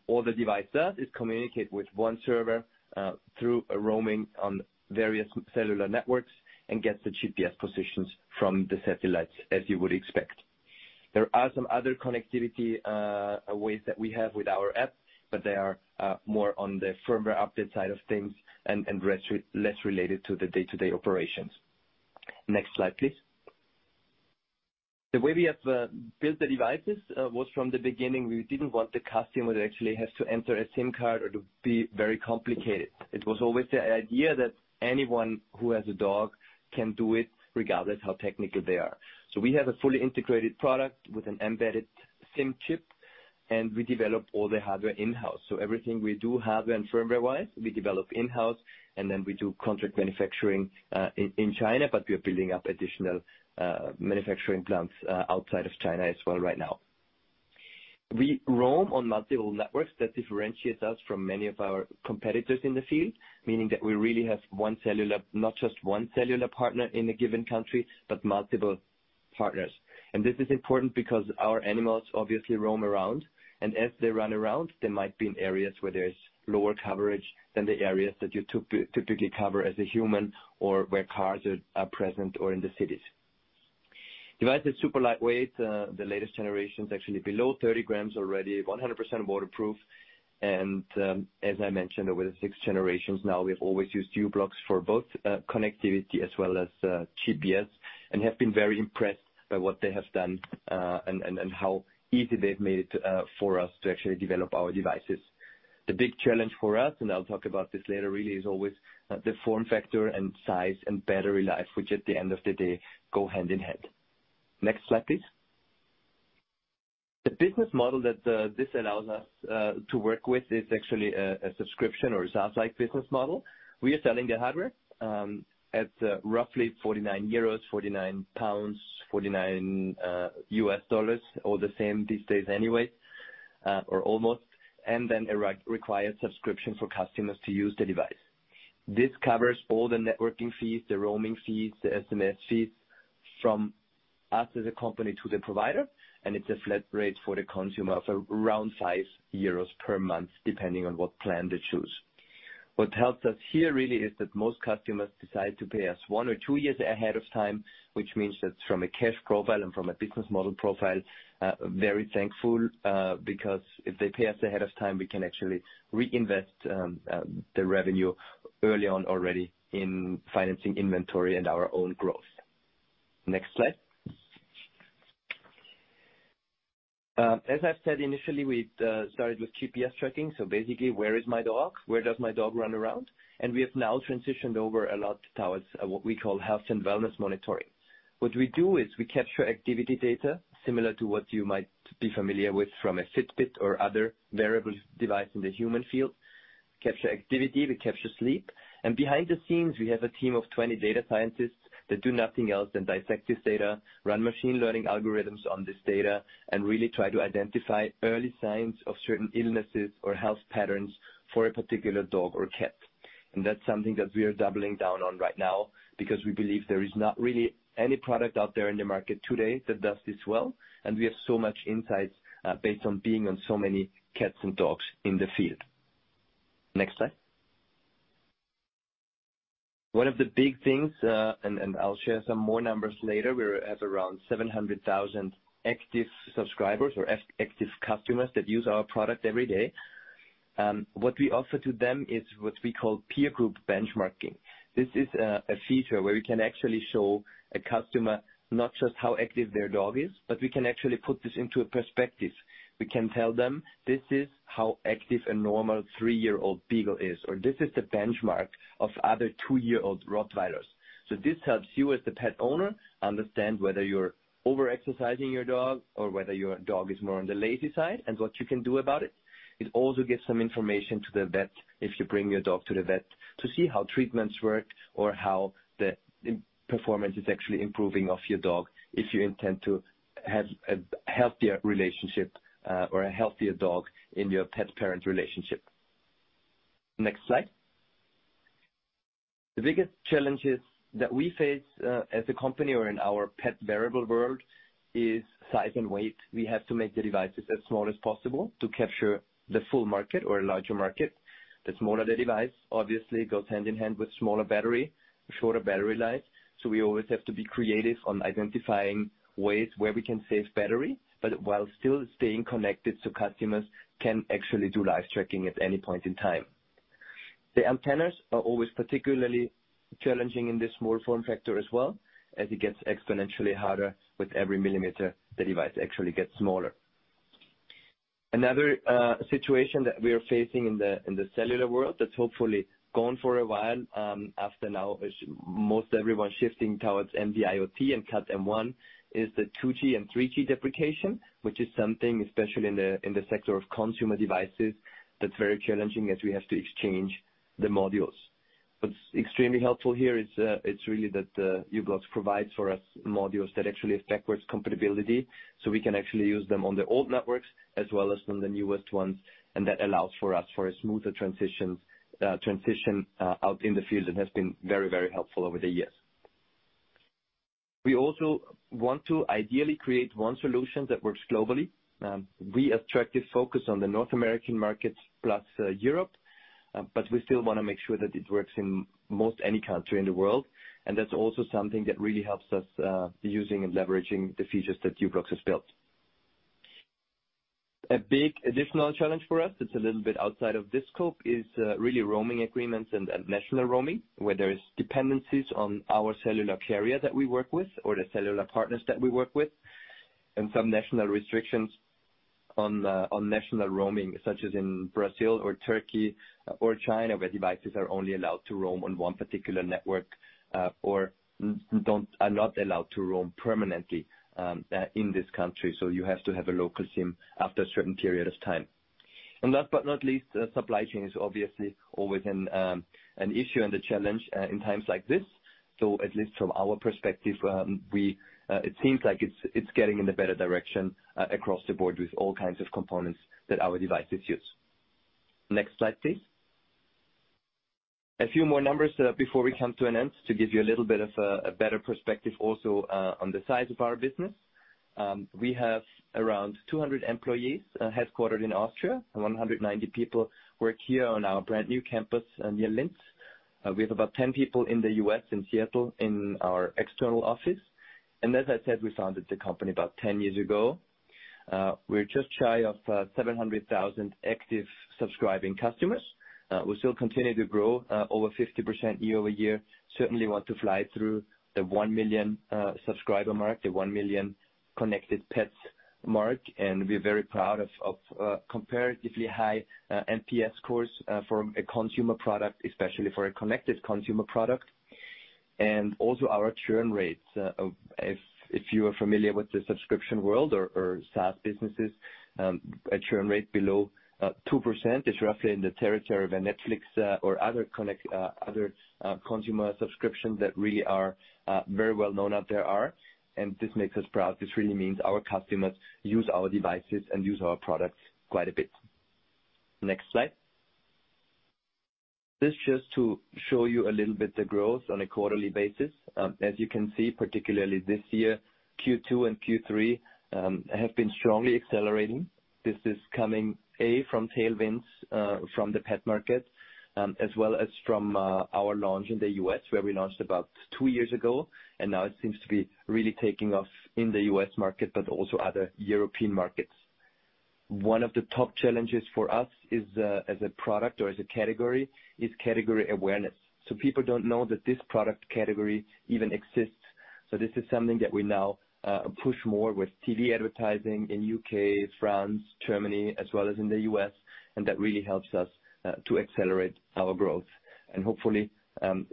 all the device does is communicate with one server through a roaming on various cellular networks and gets the GPS positions from the satellites, as you would expect. There are some other connectivity ways that we have with our app, but they are more on the firmware update side of things and less related to the day-to-day operations. Next slide, please. The way we have built the devices was from the beginning, we didn't want the customer to actually have to enter a SIM card or to be very complicated. It was always the idea that anyone who has a dog can do it regardless how technical they are. We have a fully integrated product with an embedded SIM chip, and we develop all the hardware in-house. Everything we do hardware and firmware-wise, we develop in-house, and then we do contract manufacturing in China, but we are building up additional manufacturing plants outside of China as well right now. We roam on multiple networks. That differentiates us from many of our competitors in the field. Meaning that we really have not just one cellular partner in a given country, but multiple partners. This is important because our animals obviously roam around, and as they run around, they might be in areas where there's lower coverage than the areas that you typically cover as a human or where cars are present or in the cities. Device is super lightweight. The latest generation is actually below 30 grams already, 100% waterproof. As I mentioned, over the six generations now, we've always used u-blox for both connectivity as well as GPS and have been very impressed by what they have done, and how easy they've made it for us to actually develop our devices. The big challenge for us, and I'll talk about this later, really is always the form factor and size and battery life, which at the end of the day go hand in hand. Next slide, please. The business model that this allows us to work with is actually a subscription or a SaaS-like business model. We are selling the hardware at roughly 49 euros, 49 pounds, $49, all the same these days anyway, or almost. Then a re-required subscription for customers to use the device. This covers all the networking fees, the roaming fees, the SMS fees from us as a company to the provider. It's a flat rate for the consumer of around 5 euros per month, depending on what plan they choose. What helps us here really is that most customers decide to pay us one or two years ahead of time, which means that from a cash profile and from a business model profile, very thankful, because if they pay us ahead of time, we can actually reinvest the revenue early on already in financing inventory and our own growth. Next slide. As I've said initially, we'd started with GPS tracking, so basically, where is my dog? Where does my dog run around? We have now transitioned over a lot towards what we call health and wellness monitoring. What we do is we capture activity data similar to what you might be familiar with from a Fitbit or other wearable device in the human field. Capture activity, we capture sleep, and behind the scenes we have a team of 20 data scientists that do nothing else than dissect this data, run machine learning algorithms on this data, and really try to identify early signs of certain illnesses or health patterns for a particular dog or cat. That's something that we are doubling down on right now because we believe there is not really any product out there in the market today that does this well, and we have so much insights based on being on so many cats and dogs in the field. Next slide. One of the big things, and I'll share some more numbers later. We're at around 700,000 active subscribers or active customers that use our product every day. What we offer to them is what we call peer group benchmarking. This is a feature where we can actually show a customer not just how active their dog is, but we can actually put this into a perspective. We can tell them, "This is how active a normal three-year-old beagle is," or, "This is the benchmark of other 2-year-old Rottweilers." This helps you as the pet owner understand whether you're over-exercising your dog or whether your dog is more on the lazy side, and what you can do about it. It also gives some information to the vet, if you bring your dog to the vet, to see how treatments work or how the performance is actually improving of your dog if you intend to have a healthier relationship, or a healthier dog in your pet-parent relationship. Next slide. The biggest challenges that we face as a company or in our pet wearable world is size and weight. We have to make the devices as small as possible to capture the full market or a larger market. The smaller the device obviously goes hand in hand with smaller battery, shorter battery life. We always have to be creative on identifying ways where we can save battery, but while still staying connected so customers can actually do live tracking at any point in time. The antennas are always particularly challenging in this small form factor as well, as it gets exponentially harder with every millimeter the device actually gets smaller. Another situation that we are facing in the cellular world that's hopefully gone for a while after now is most everyone shifting towards NB-IoT and Cat M1 is the 2G and 3G deprecation, which is something, especially in the sector of consumer devices, that's very challenging as we have to exchange the modules. What's extremely helpful here is it's really that u-blox provides for us modules that actually have backwards compatibility, so we can actually use them on the old networks as well as on the newest ones, that allows for us for a smoother transition out in the field and has been very, very helpful over the years. We also want to ideally create one solution that works globally. We have tracked the focus on the North American markets plus Europe, but we still wanna make sure that it works in most any country in the world. That's also something that really helps us using and leveraging the features that u-blox has built. A big additional challenge for us that's a little bit outside of this scope is really roaming agreements and national roaming, where there's dependencies on our cellular carrier that we work with or the cellular partners that we work with, and some national restrictions on national roaming, such as in Brazil or Turkey or China, where devices are only allowed to roam on one particular network or are not allowed to roam permanently in this country. You have to have a local SIM after a certain period of time. Last but not least, supply chain is obviously always an issue and a challenge in times like this. At least from our perspective, it seems like it's getting in a better direction across the board with all kinds of components that our devices use. Next slide, please. A few more numbers before we come to an end to give you a little bit of a better perspective also on the size of our business. We have around 200 employees, headquartered in Austria. 190 people work here on our brand-new campus near Linz. We have about 10 people in the US, in Seattle, in our external office. As I said, we founded the company about 10 years ago. We're just shy of 700,000 active subscribing customers. We still continue to grow over 50% year-over-year. Certainly, want to fly through the 1 million subscriber mark, the 1 million connected pets mark, and we're very proud of comparatively high NPS scores for a consumer product, especially for a connected consumer product. Also our churn rates. If you are familiar with the subscription world or SaaS businesses, a churn rate below 2% is roughly in the territory of a Netflix or other consumer subscription that really are very well known out there, and this makes us proud. This really means our customers use our devices and use our products quite a bit. Next slide. This just to show you a little bit the growth on a quarterly basis. As you can see, particularly this year, second quarter and third quarter, have been strongly accelerating. This is coming A, from tailwinds, from the pet market, as well as from, our launch in the US, where we launched about two years ago, and now it seems to be really taking off in the US market but also other European markets. One of the top challenges for us is, as a product or as a category, is category awareness. People don't know that this product category even exists. This is something that we now push more with TV advertising in UK, France, Germany, as well as in the US, and that really helps us to accelerate our growth. Hopefully,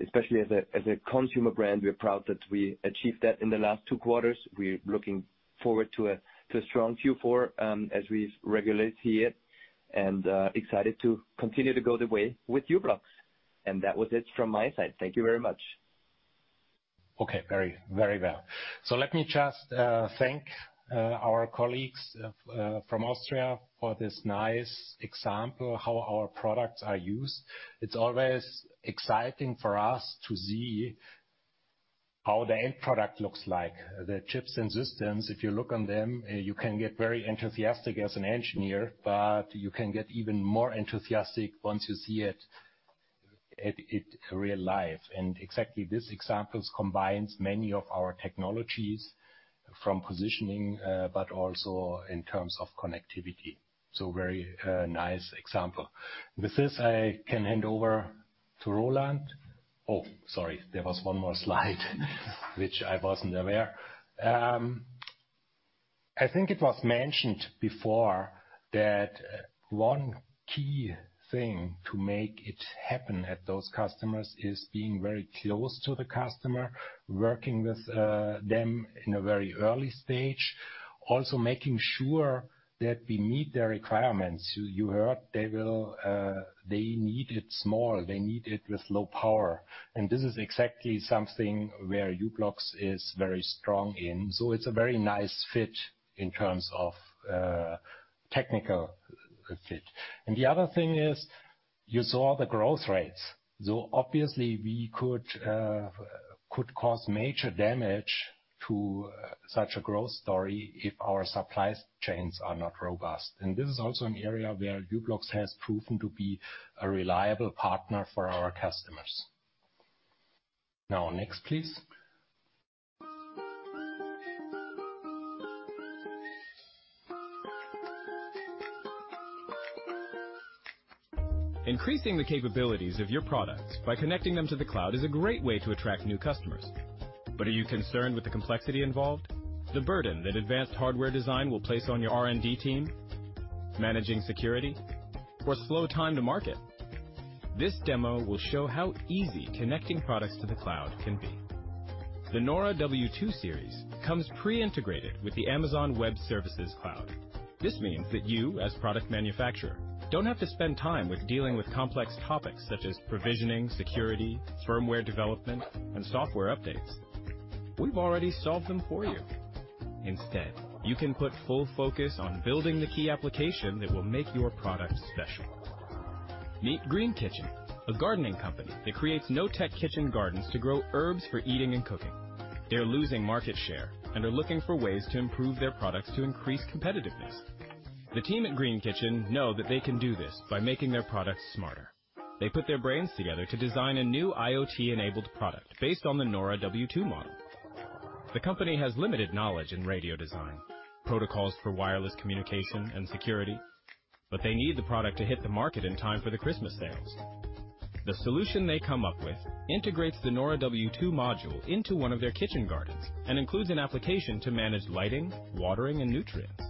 especially as a consumer brand, we are proud that we achieved that in the last two quarters. We're looking forward to a strong third quarter, as we regularly see it and excited to continue to go the way with u-blox. That was it from my side. Thank you very much.
Okay. Very, very well. Let me just thank our colleagues from Austria for this nice example how our products are used. It's always exciting for us to see how the end product looks like. The chips and systems, if you look on them, you can get very enthusiastic as an engineer, but you can get even more enthusiastic once you see it in real life. Exactly these examples combines many of our technologies from positioning, but also in terms of connectivity. Very nice example. With this, I can hand over to Roland. Oh, sorry, there was one more slide which I wasn't aware. I think it was mentioned before that one key thing to make it happen at those customers is being very close to the customer, working with them in a very early stage, also making sure that we meet their requirements. You heard they need it small, they need it with low power. This is exactly something where u-blox is very strong in. It's a very nice fit in terms of technical fit. The other thing is, you saw the growth rates. Obviously we could cause major damage to such a growth story if our supplies chains are not robust. This is also an area where u-blox has proven to be a reliable partner for our customers. Next, please.
Increasing the capabilities of your products by connecting them to the cloud is a great way to attract new customers. Are you concerned with the complexity involved? The burden that advanced hardware design will place on your R&D team? Managing security or slow time to market? This demo will show how easy connecting products to the cloud can be. The NORA-W2 series comes pre-integrated with the Amazon Web Services cloud. This means that you as product manufacturer, don't have to spend time with dealing with complex topics such as provisioning, security, firmware development, and software updates. We've already solved them for you. Instead, you can put full focus on building the key application that will make your product special. Meet Green Kitchen, a gardening company that creates no-tech kitchen gardens to grow herbs for eating and cooking. They're losing market share and are looking for ways to improve their products to increase competitiveness. The team at Green Kitchen know that they can do this by making their products smarter. They put their brains together to design a new IoT-enabled product based on the NORA-W2 model. The company has limited knowledge in radio design, protocols for wireless communication, and security, but they need the product to hit the market in time for the Christmas sales. The solution they come up with integrates the NORA-W2 module into one of their kitchen gardens and includes an application to manage lighting, watering, and nutrients.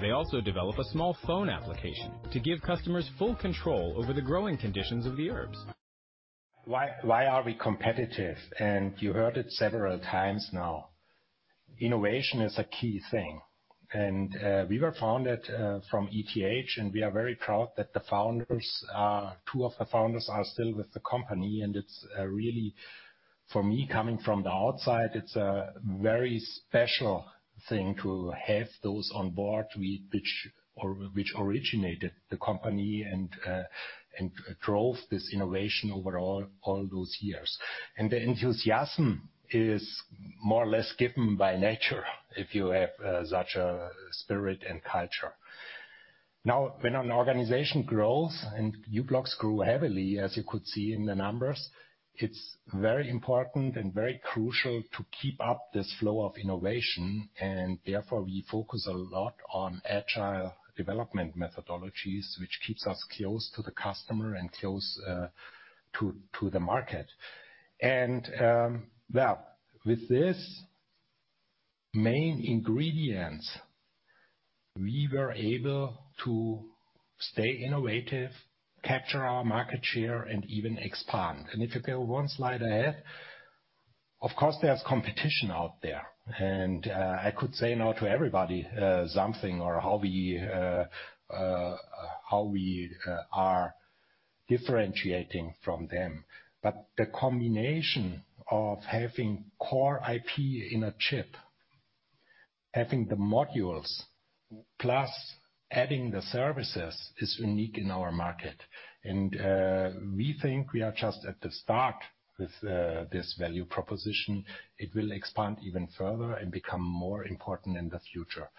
They also develop a small phone application to give customers full control over the growing conditions of the herbs.
Why are we competitive? You heard it several times now. Innovation is a key thing. We were founded from ETH, and we are very proud that two of the founders are still with the company. It's really for me, coming from the outside, it's a very special thing to have those on board which originated the company and drove this innovation over all those years. The enthusiasm is more or less given by nature if you have such a spirit and culture. When an organization grows and u-blox grew heavily, as you could see in the numbers, it's very important and very crucial to keep up this flow of innovation. Therefore, we focus a lot on agile development methodologies, which keeps us close to the customer and close to the market. Well, with this main ingredients, we were able to stay innovative, capture our market share, and even expand. If you go one slide ahead. Of course, there's competition out there, and I could say now to everybody something or how we are differentiating from them. The combination of having core IP in a chip, having the modules, plus adding the services is unique in our market. We think we are just at the start with this value proposition. It will expand even further and become more important in the future.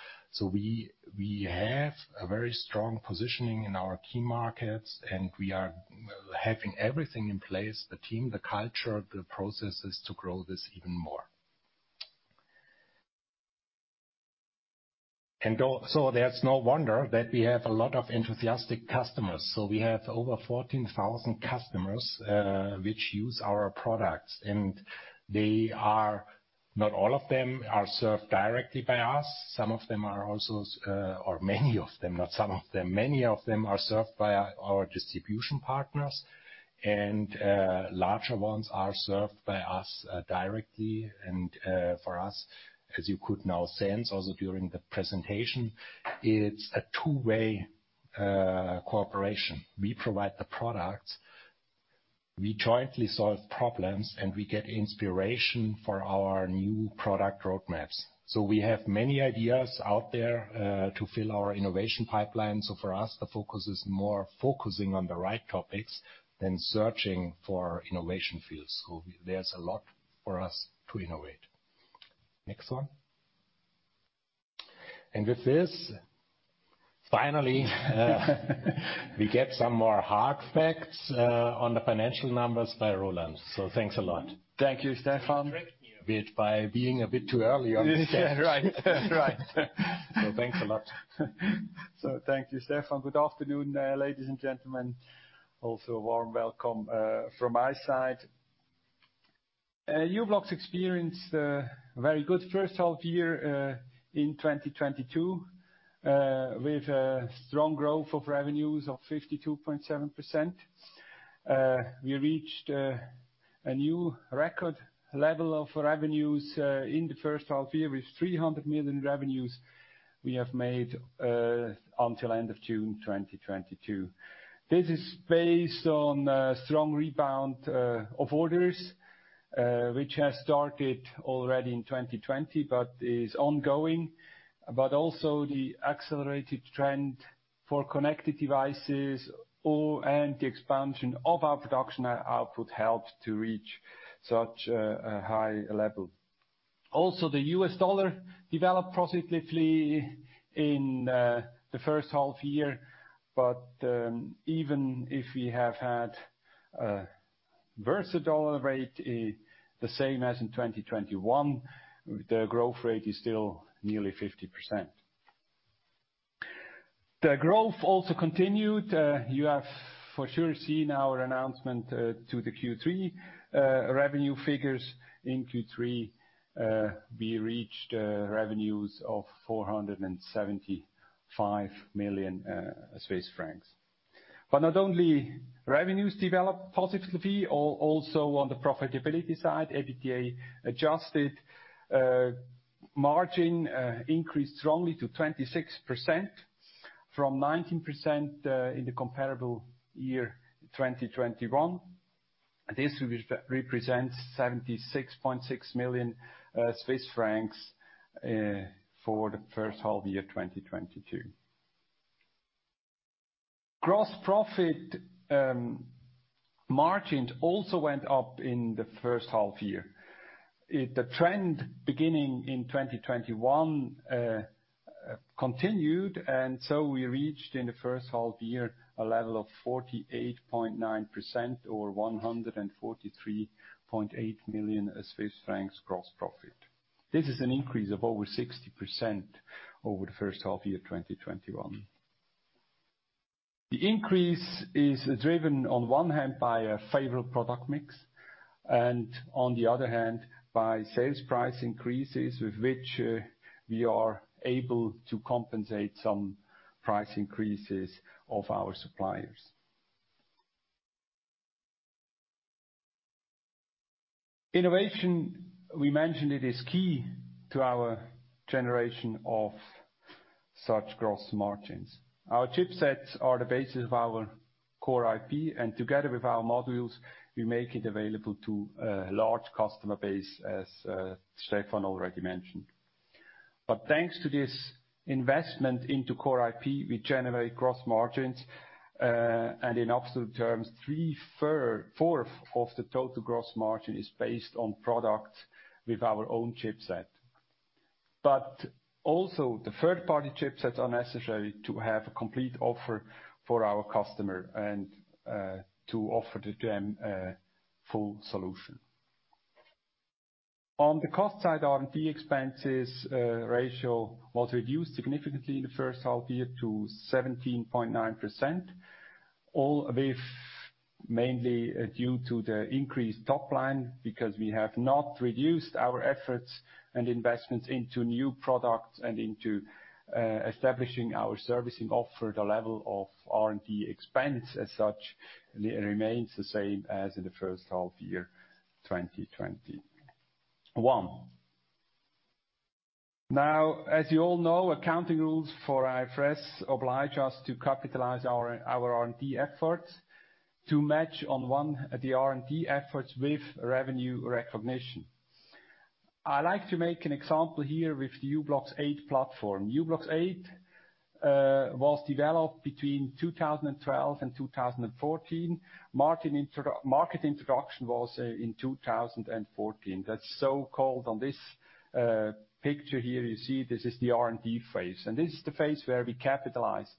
We have a very strong positioning in our key markets, and we are having everything in place, the team, the culture, the processes to grow this even more. There's no wonder that we have a lot of enthusiastic customers. We have over 14,000 customers which use our products, not all of them are served directly by us. Some of them are also, or many of them, not some of them. Many of them are served by our distribution partners. Larger ones are served by us directly. For us, as you could now sense also during the presentation, it's a two-way cooperation. We provide the products, we jointly solve problems, and we get inspiration for our new product roadmaps. We have many ideas out there, to fill our innovation pipeline. For us, the focus is more focusing on the right topics than searching for innovation fields. There's a lot for us to innovate. Next one. With this, finally We get some more hard facts, on the financial numbers by Roland. Thanks a lot.
Thank you, Stephan.
Tricked me a bit by being a bit too early on the stage...
Yeah, right. Right.
Thanks a lot.
Thank you, Stephan. Good afternoon, ladies and gentlemen. A warm welcome from my side. u-blox experienced a very good first half year in 2022 with a strong growth of revenues of 52.7%. We reached a new record level of revenues in the first half year with 300 million revenues we have made until end of June 2022. This is based on a strong rebound of orders which has started already in 2020, but is ongoing. Also the accelerated trend for connected devices or/and the expansion of our production output helped to reach such a high level. The US dollar developed positively in the first half year. Even if we have had worse dollar rate, the same as in 2021, the growth rate is still nearly 50%. The growth also continued. You have for sure seen our announcement to the third quarter revenue figures. In third quarter, we reached revenues of 475 million Swiss francs. Not only revenues developed positively, also on the profitability side, EBITDA adjusted margin increased strongly to 26% from 19% in the comparable year 2021. This represents CHF 76.6 million for the first half year of 2022. Gross profit margins also went up in the first half year. The trend beginning in 2021 continued, and we reached in the first half year a level of 48.9% or 143.8 million Swiss francs gross profit. This is an increase of over 60% over the first half year of 2021. The increase is driven on one hand by a favorable product mix and on the other hand, by sales price increases, with which we are able to compensate some price increases of our suppliers. Innovation, we mentioned it is key to our generation of such gross margins. Our chipsets are the basis of our core IP, and together with our modules, we make it available to a large customer base, as Stephan already mentioned. Thanks to this investment into core IP, we generate gross margins, and in absolute terms, three-fourths of the total gross margin is based on products with our own chipset. Also the third-party chipsets are necessary to have a complete offer for our customer and to offer to them a full solution. On the cost side, R&D expenses ratio was reduced significantly in the first half year to 17.9%, all with mainly due to the increased top line because we have not reduced our efforts and investments into new products and into establishing our servicing offer. The level of R&D expense as such remains the same as in the first half year, 2021. Now, as you all know, accounting rules for IFRS oblige us to capitalize our R&D efforts to match on one at the R&D efforts with revenue recognition. I like to make an example here with u-blox 8 platform. u-blox 8 was developed between 2012 and 2014. market introduction was in 2014. That's so-called on this picture here, you see this is the R&D phase, and this is the phase where we capitalize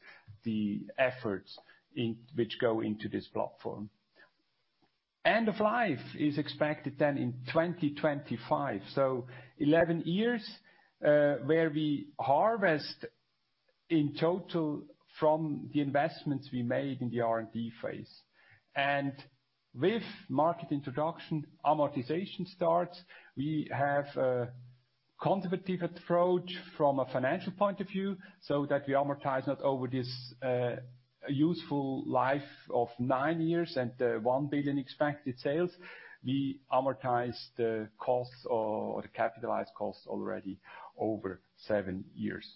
the efforts which go into this platform. End of life is expected then in 2025, so 11 years where we harvest in total from the investments we made in the R&D phase. With market introduction, amortization starts. We have a conservative approach from a financial point of view so that we amortize not over this useful life of nine years and 1 billion expected sales. We amortize the costs or the capitalized costs already over seven years.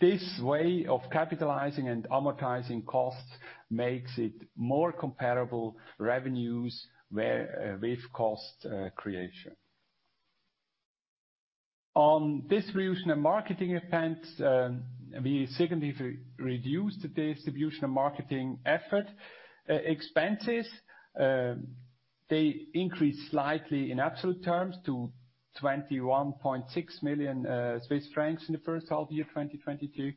This way of capitalizing and amortizing costs makes it more comparable revenues where with cost creation. On distribution and marketing events, we significantly reduced the distribution and marketing effort expenses. They increased slightly in absolute terms to 21.6 million Swiss francs in the first half year 2022.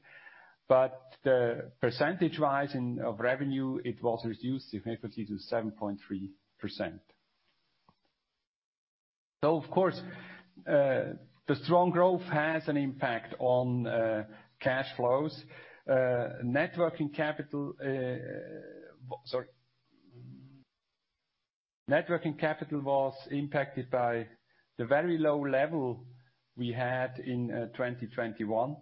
The percentage rise in, of revenue, it was reduced significantly to 7.3%. Of course, the strong growth has an impact on cash flows. Networking capital, sorry. Networking capital was impacted by the very low level we had in 2021.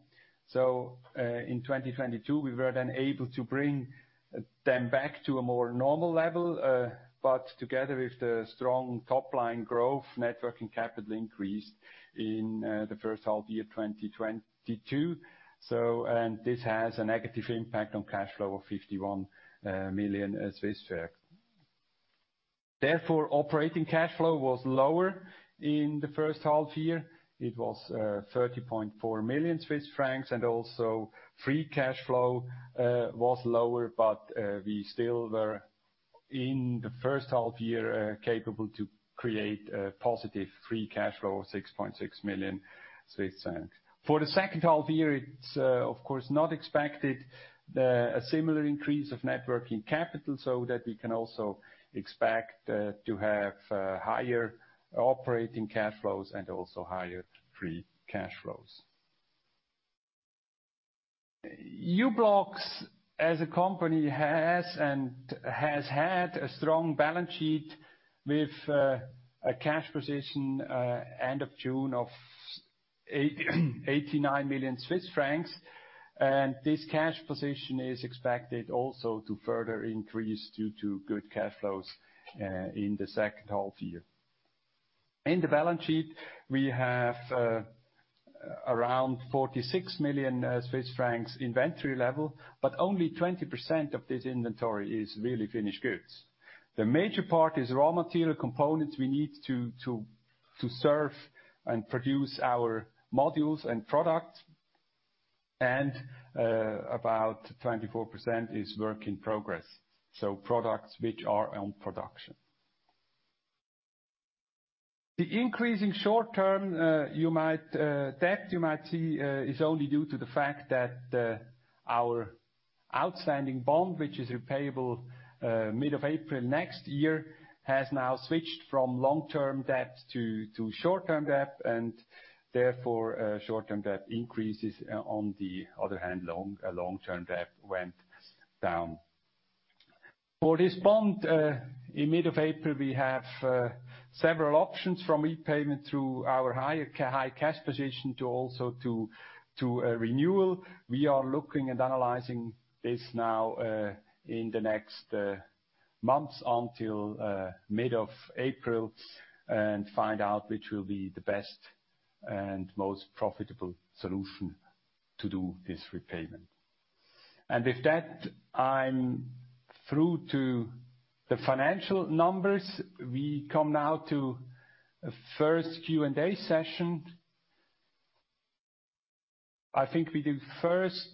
In 2022, we were then able to bring them back to a more normal level. Together with the strong top-line growth, net working capital increased in the first half year, 2022. This has a negative impact on cash flow of 51 million Swiss francs. Therefore, operating cash flow was lower in the first half year. It was 30.4 million Swiss francs, and also free cash flow was lower, but we still were, in the first half year, capable to create a positive free cash flow of 6.6 million Swiss franc. For the second half year, it's, of course, not expected a similar increase of net working capital so that we can also expect to have higher operating cash flows and also higher free cash flows. u-blox as a company has and has had a strong balance sheet with a cash position end of June of 89 million Swiss francs. This cash position is expected also to further increase due to good cash flows in the second half-year. In the balance sheet, we have around 46 million Swiss francs inventory level, but only 20% of this inventory is really finished goods. The major part is raw material components we need to serve and produce our modules and products, about 24% is work in progress, so products which are on production. The increase in short-term, you might, debt you might see, is only due to the fact that, our outstanding bond, which is repayable, mid of April next year, has now switched from long-term debt to short-term debt, and therefore, short-term debt increases. On the other hand, long-term debt went down. For this bond, in mid of April, we have several options from repayment through our high cash position to also to renewal. We are looking and analyzing this now, in the next months until, mid of April and find out which will be the best and most profitable solution to do this repayment. With that, I'm through to the financial numbers. We come now to a first Q&A session.I think we do first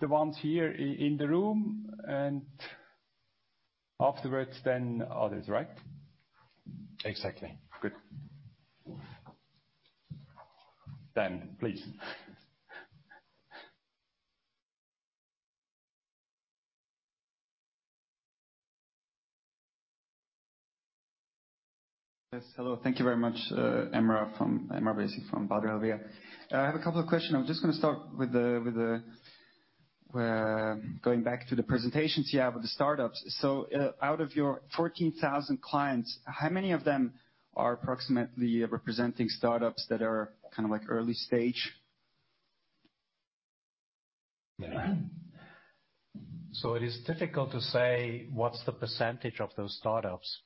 the ones here in the room and afterwards then others, right?
Exactly.
Good. Please.
Yes. Hello. Thank you very much. Ermin Bašić from Baader Helvea. I have a couple of questions. I'm just gonna start with the going back to the presentations you have with the startups. Out of your 14,000 clients, how many of them are approximately representing startups that are kind of like early stage?
It is difficult to say what's the percentage of those startups.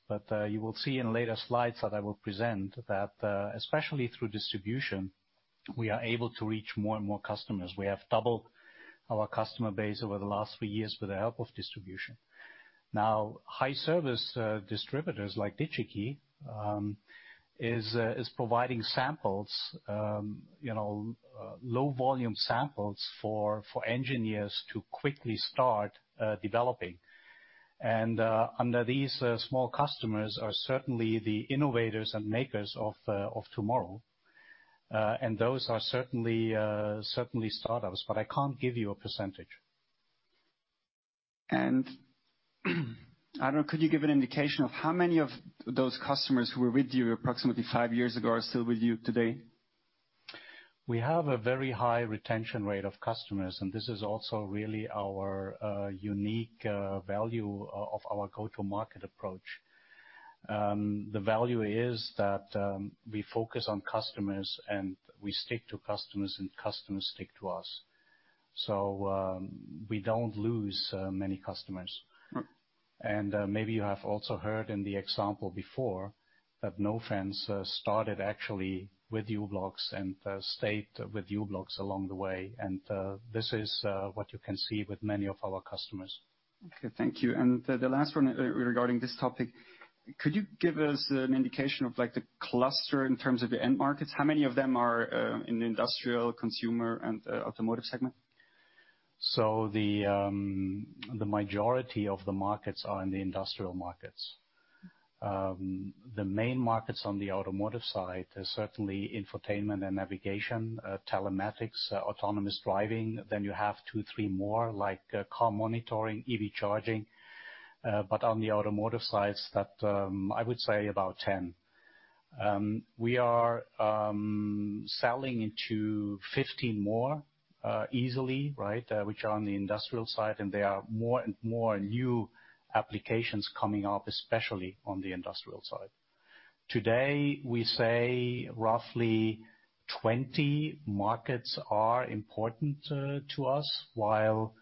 You will see in later slides that I will present that, especially through distribution, we are able to reach more and more customers. We have doubled our customer base over the last three years with the help of distribution. Now, high service, distributors like Digi-Key, is providing samples, you know, low volume samples for engineers to quickly start developing. Under these, small customers are certainly the innovators and makers of tomorrow. Those are certainly startups, but I can't give you a percentage.
I don't know, could you give an indication of how many of those customers who were with you approximately five years ago are still with you today?
We have a very high retention rate of customers, and this is also really our unique value of our go-to-market approach. The value is that we focus on customers, and we stick to customers, and customers stick to us. We don't lose many customers. Maybe you have also heard in the example before that Nofence started actually with u-blox and stayed with u-blox along the way. This is what you can see with many of our customers.
Okay. Thank you. The last one regarding this topic, could you give us an indication of like the cluster in terms of the end markets? How many of them are in the industrial, consumer, and automotive segment?
The majority of the markets are in the industrial markets. The main markets on the automotive side is certainly infotainment and navigation, telematics, autonomous driving. You have two, three more like car monitoring, EV charging. On the automotive sides that, I would say about 10. We are selling into 15 more easily, right? Which are on the industrial side, and there are more and more new applications coming up, especially on the industrial side. Today, we say roughly 20 markets are important to us. While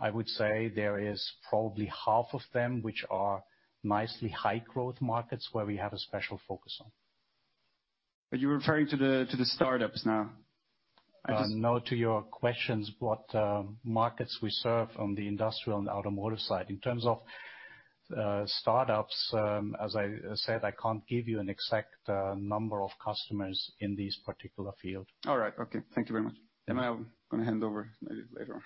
I would say there is probably 1/2 of them, which are nicely high growth markets where we have a special focus on.
Are you referring to the startups now?
No. To your questions, what markets we serve on the industrial and automotive side. In terms of startups, as I said, I can't give you an exact number of customers in this particular field.
All right. Okay. Thank you very much.
Yeah, man.
I'm gonna hand over maybe later.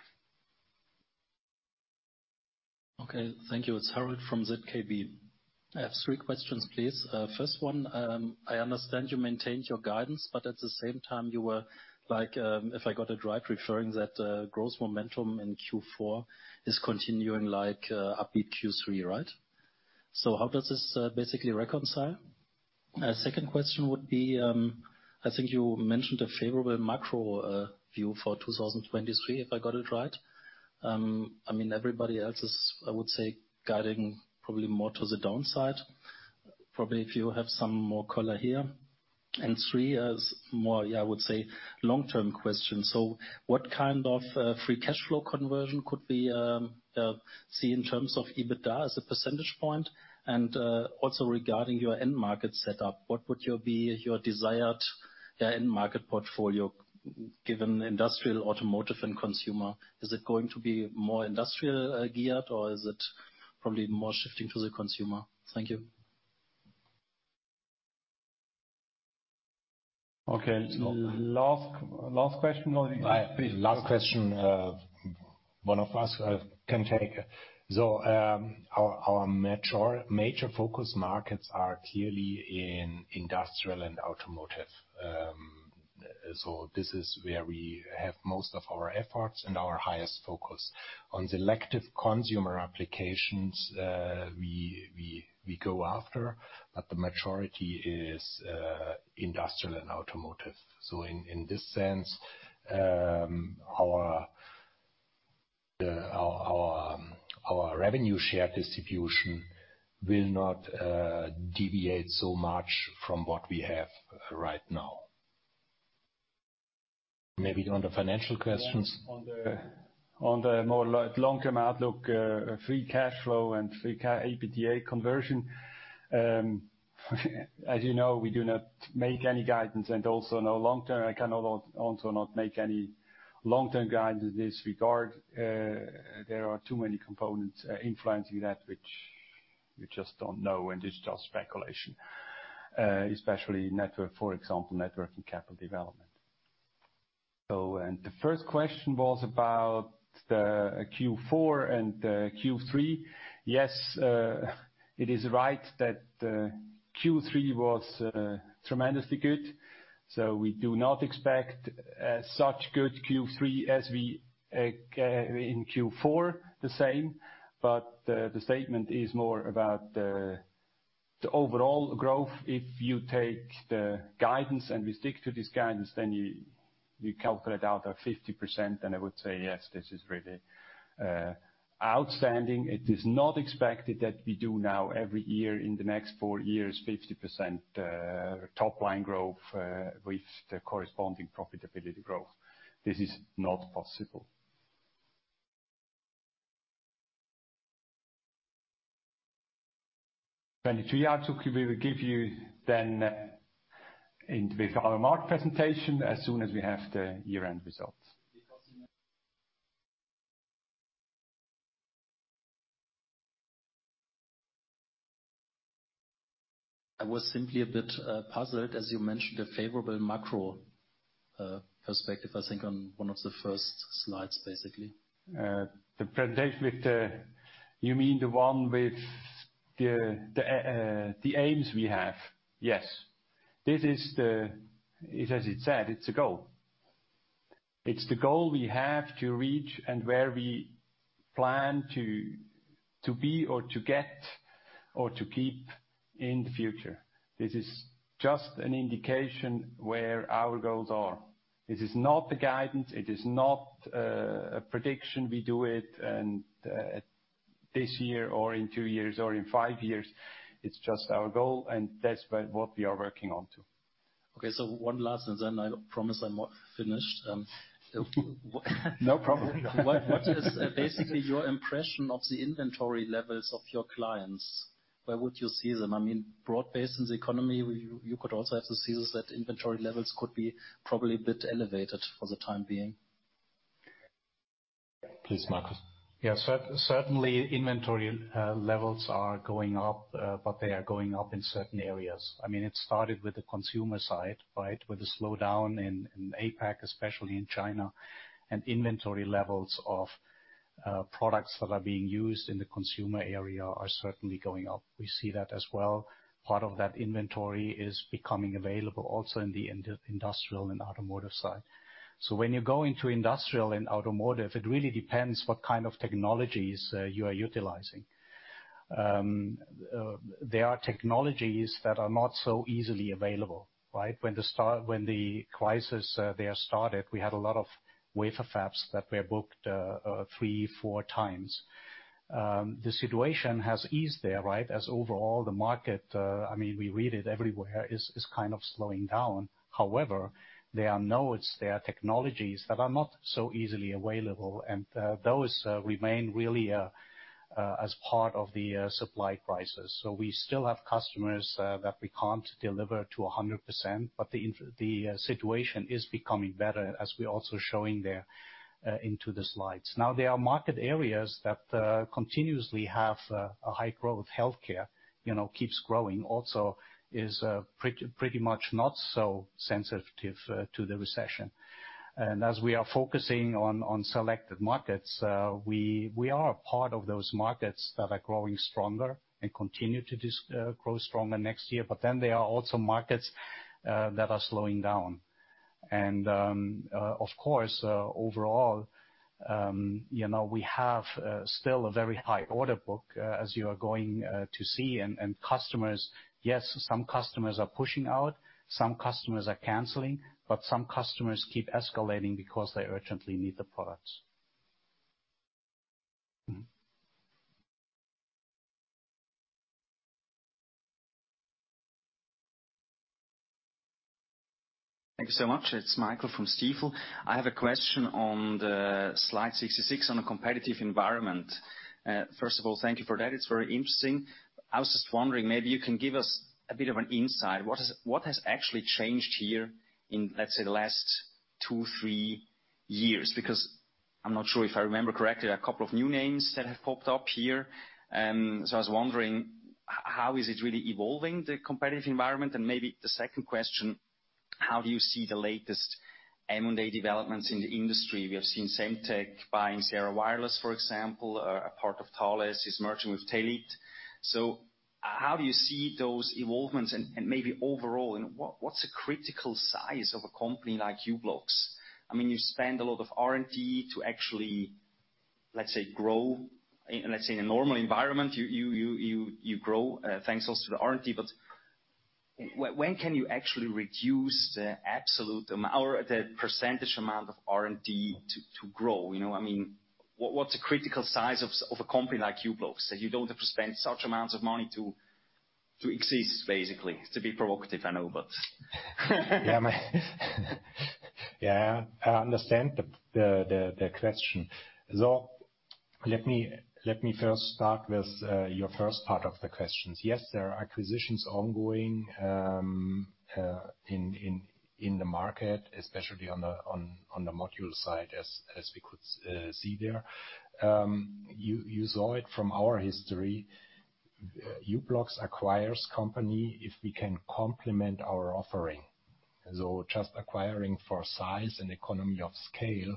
Okay. Thank you. It's Harold from ZKB. I have three questions, please. First one, I understand you maintained your guidance, but at the same time you were like, if I got it right, referring that growth momentum in third quarter is continuing like upbeat third quarter, right? How does this basically reconcile? Second question would be, I think you mentioned a favorable macro view for 2023, if I got it right? I mean, everybody else is, I would say, guiding probably more to the downside. Probably if you have some more color here. Three is more, yeah, I would say long-term questions. What kind of free cash flow conversion could we see in terms of EBITDA as a percentage point? Also regarding your end market setup, what would you be your desired end market portfolio given industrial, automotive and consumer? Is it going to be more industrial geared, or is it probably more shifting to the consumer? Thank you.
Okay. Last question or...
Last question, one of us can take. Our major focus markets are clearly in industrial and automotive. This is where we have most of our efforts and our highest focus. On selective consumer applications, we go after, but the majority is industrial and automotive. In this sense, our revenue share distribution will not deviate so much from what we have right now. Maybe on the financial questions.
On the more long-term outlook, free cash flow and EBITDA conversion, as you know, we do not make any guidance and also no long-term. I cannot also not make any long-term guidance in this regard. There are too many components influencing that which we just don't know and it's just speculation. Especially network, for example, network and capital development. The first question was about the third quarter and the third quarter. Yes, it is right that the third quarter was tremendously good. We do not expect such good third quarter as we in third quarter, the same. The statement is more about the overall growth. If you take the guidance and we stick to this guidance, you calculate out a 50%, then I would say, yes, this is really outstanding. It is not expected that we do now every year in the next four years, 50% top line growth, with the corresponding profitability growth. This is not possible. 2023, also we will give you then in with our market presentation as soon as we have the year-end results.
I was simply a bit puzzled, as you mentioned, a favorable macro perspective, I think on one of the first slides, basically.
The presentation with the... You mean the one with the aims we have? Yes. This is the... As it said, it's a goal. It's the goal we have to reach and where we plan to be or to get or to keep in the future. This is just an indication where our goals are. This is not the guidance. It is not a prediction. We do it and this year or in two years or in five years, it's just our goal, and that's what we are working on to.
Okay. One last, and then I promise I'm not finished...
No problem.
What is basically your impression of the inventory levels of your clients? Where would you see them? I mean, broad-based in the economy, you could also have to see that inventory levels could be probably a bit elevated for the time being.
Please, Markus.
Certainly inventory levels are going up, they are going up in certain areas. I mean, it started with the consumer side, right? With the slowdown in APAC, especially in China, inventory levels of products that are being used in the consumer area are certainly going up. We see that as well. Part of that inventory is becoming available also in the industrial and automotive side. When you go into industrial and automotive, it really depends what kind of technologies you are utilizing. There are technologies that are not so easily available, right? When the crisis there started, we had a lot of wafer fabs that were booked three, four times. The situation has eased there, right? Overall the market, I mean we read it everywhere, is kind of slowing down. There are nodes, there are technologies that are not so easily available and those remain really as part of the supply crisis. We still have customers that we can't deliver to 100%, but the situation is becoming better as we're also showing there into the slides. There are market areas that continuously have a high growth. Healthcare, you know, keeps growing, also is pretty much not so sensitive to the recession. As we are focusing on selected markets, we are a part of those markets that are growing stronger and continue to grow stronger next year. There are also markets that are slowing down. Of course, overall, you know, we have still a very high order book, as you are going to see. Customers, yes, some customers are pushing out, some customers are canceling, but some customers keep escalating because they urgently need the products.
Thank you so much. It's Michael from Stifel. I have a question on the slide 66 on a competitive environment. First of all, thank you for that. It's very interesting. I was just wondering, maybe you can give us a bit of an insight. What has actually changed here in, let's say, the last two, three years? Because I'm not sure if I remember correctly, a couple of new names that have popped up here. So I was wondering how is it really evolving the competitive environment? Maybe the second question: How do you see the latest M&A developments in the industry? We have seen Semtech buying Sierra Wireless, for example. A part of Thales is merging with Telit. How do you see those involvements and maybe overall and what's a critical size of a company like u-blox? I mean, you spend a lot of R&D to actually, let's say, grow. Let's say in a normal environment, you grow, thanks also to the R&D. When can you actually reduce the absolute amount or the percentage amount of R&D to grow, you know? I mean, what's a critical size of a company like u-blox that you don't have to spend such amounts of money to exist, basically? To be provocative, I know.
Yeah, man. Yeah. I understand the, the question. Let me, let me first start with your first part of the questions. Yes, there are acquisitions ongoing in the market, especially on the, on the module side as we could see there. You, you saw it from our history. u-blox acquires company if we can complement our offering. Just acquiring for size and economy of scale,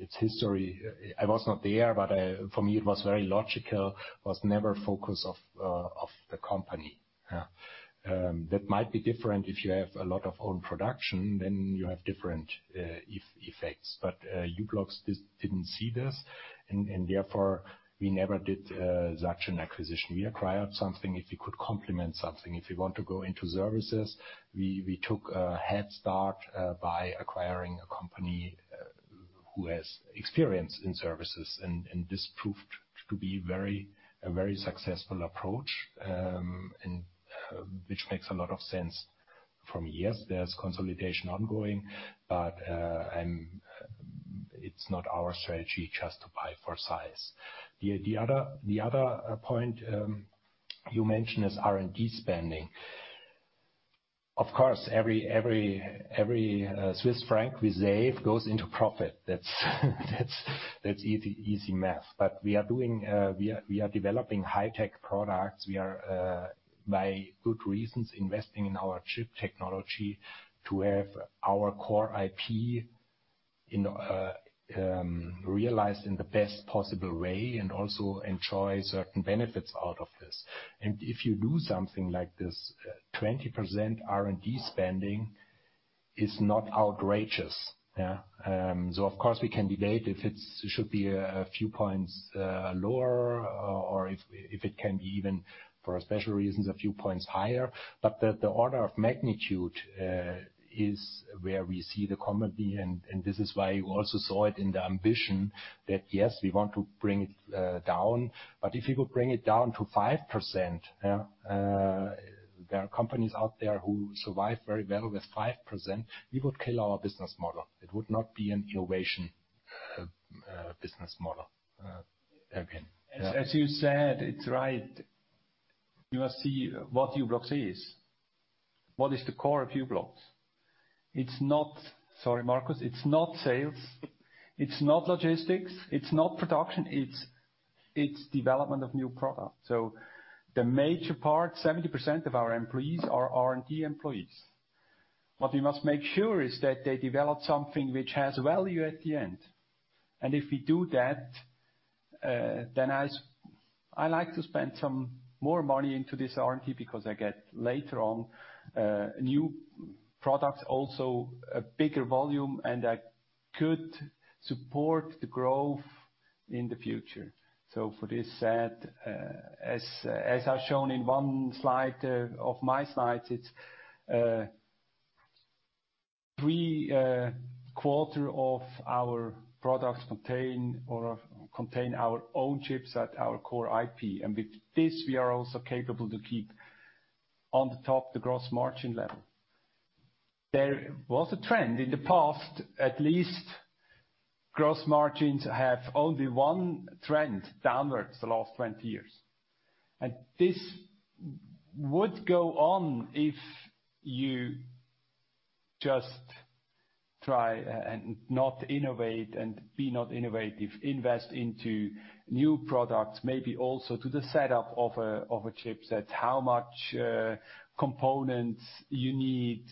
it's history. I was not there, but for me it was very logical, was never focus of the company. That might be different if you have a lot of own production, then you have different effects. u-blox just didn't see this and therefore we never did such an acquisition. We acquired something if we could complement something. If we want to go into services, we took a head start by acquiring a company who has experience in services and this proved to be a very successful approach and which makes a lot of sense for me. Yes, there's consolidation ongoing, but it's not our strategy just to buy for size. The other point you mentioned is R&D spending. Of course, every Swiss franc we save goes into profit. That's easy math. But we are developing high tech products. We are by good reasons, investing in our chip technology to have our core IP in realized in the best possible way and also enjoy certain benefits out of this. If you do something like this, 20% R&D spending is not outrageous. Yeah. Of course we can debate if it should be a few points lower or if it can be even for special reasons, a few points higher. The order of magnitude is where we see the commonly. This is why you also saw it in the ambition that yes, we want to bring it down. If you could bring it down to 5%, yeah, there are companies out there who survive very well with 5%, we would kill our business model. It would not be an innovation business model. Erwin.
As you said, it's right. You must see what u-blox is.
What is the core of u-blox? Sorry, Markus. It's not sales, it's not logistics, it's not production, it's development of new product. The major part, 70% of our employees are R&D employees. What we must make sure is that they develop something which has value at the end. If we do that, then I like to spend some more money into this R&D because I get, later on, new products, also a bigger volume, and I could support the growth in the future. For this said, as I've shown in one slide of my slides, it's three quarter of our products contain our own chips at our core IP. With this, we are also capable to keep on the top the gross margin level. There was a trend in the past, at least gross margins have only one trend, downwards the last 20 years. This would go on if you just try and not innovate and be not innovative, invest into new products, maybe also to the setup of a chipset, how much components you need,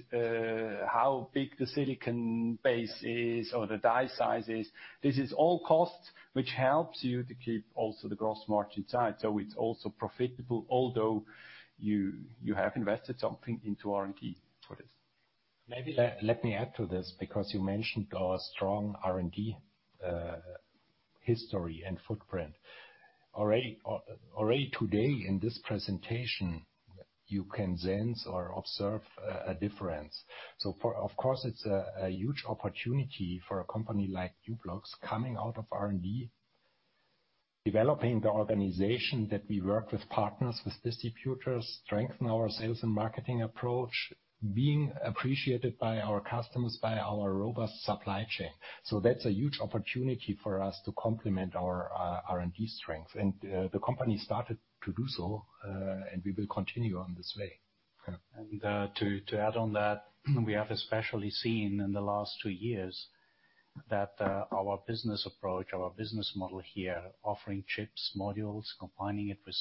how big the silicon base is or the die size is. This is all cost which helps you to keep also the gross margin tight. It's also profitable, although you have invested something into R&D for this.
Maybe let me add to this, because you mentioned our strong R&D history and footprint. Already today in this presentation, you can sense or observe a difference. Of course, it's a huge opportunity for a company like u-blox coming out of R&D, developing the organization that we work with partners, with distributors, strengthen our sales and marketing approach, being appreciated by our customers, by our robust supply chain. That's a huge opportunity for us to complement our R&D strength. The company started to do so, and we will continue on this way.
to add on that, we have especially seen in the last two years that our business approach, our business model here, offering chips, modules, combining it with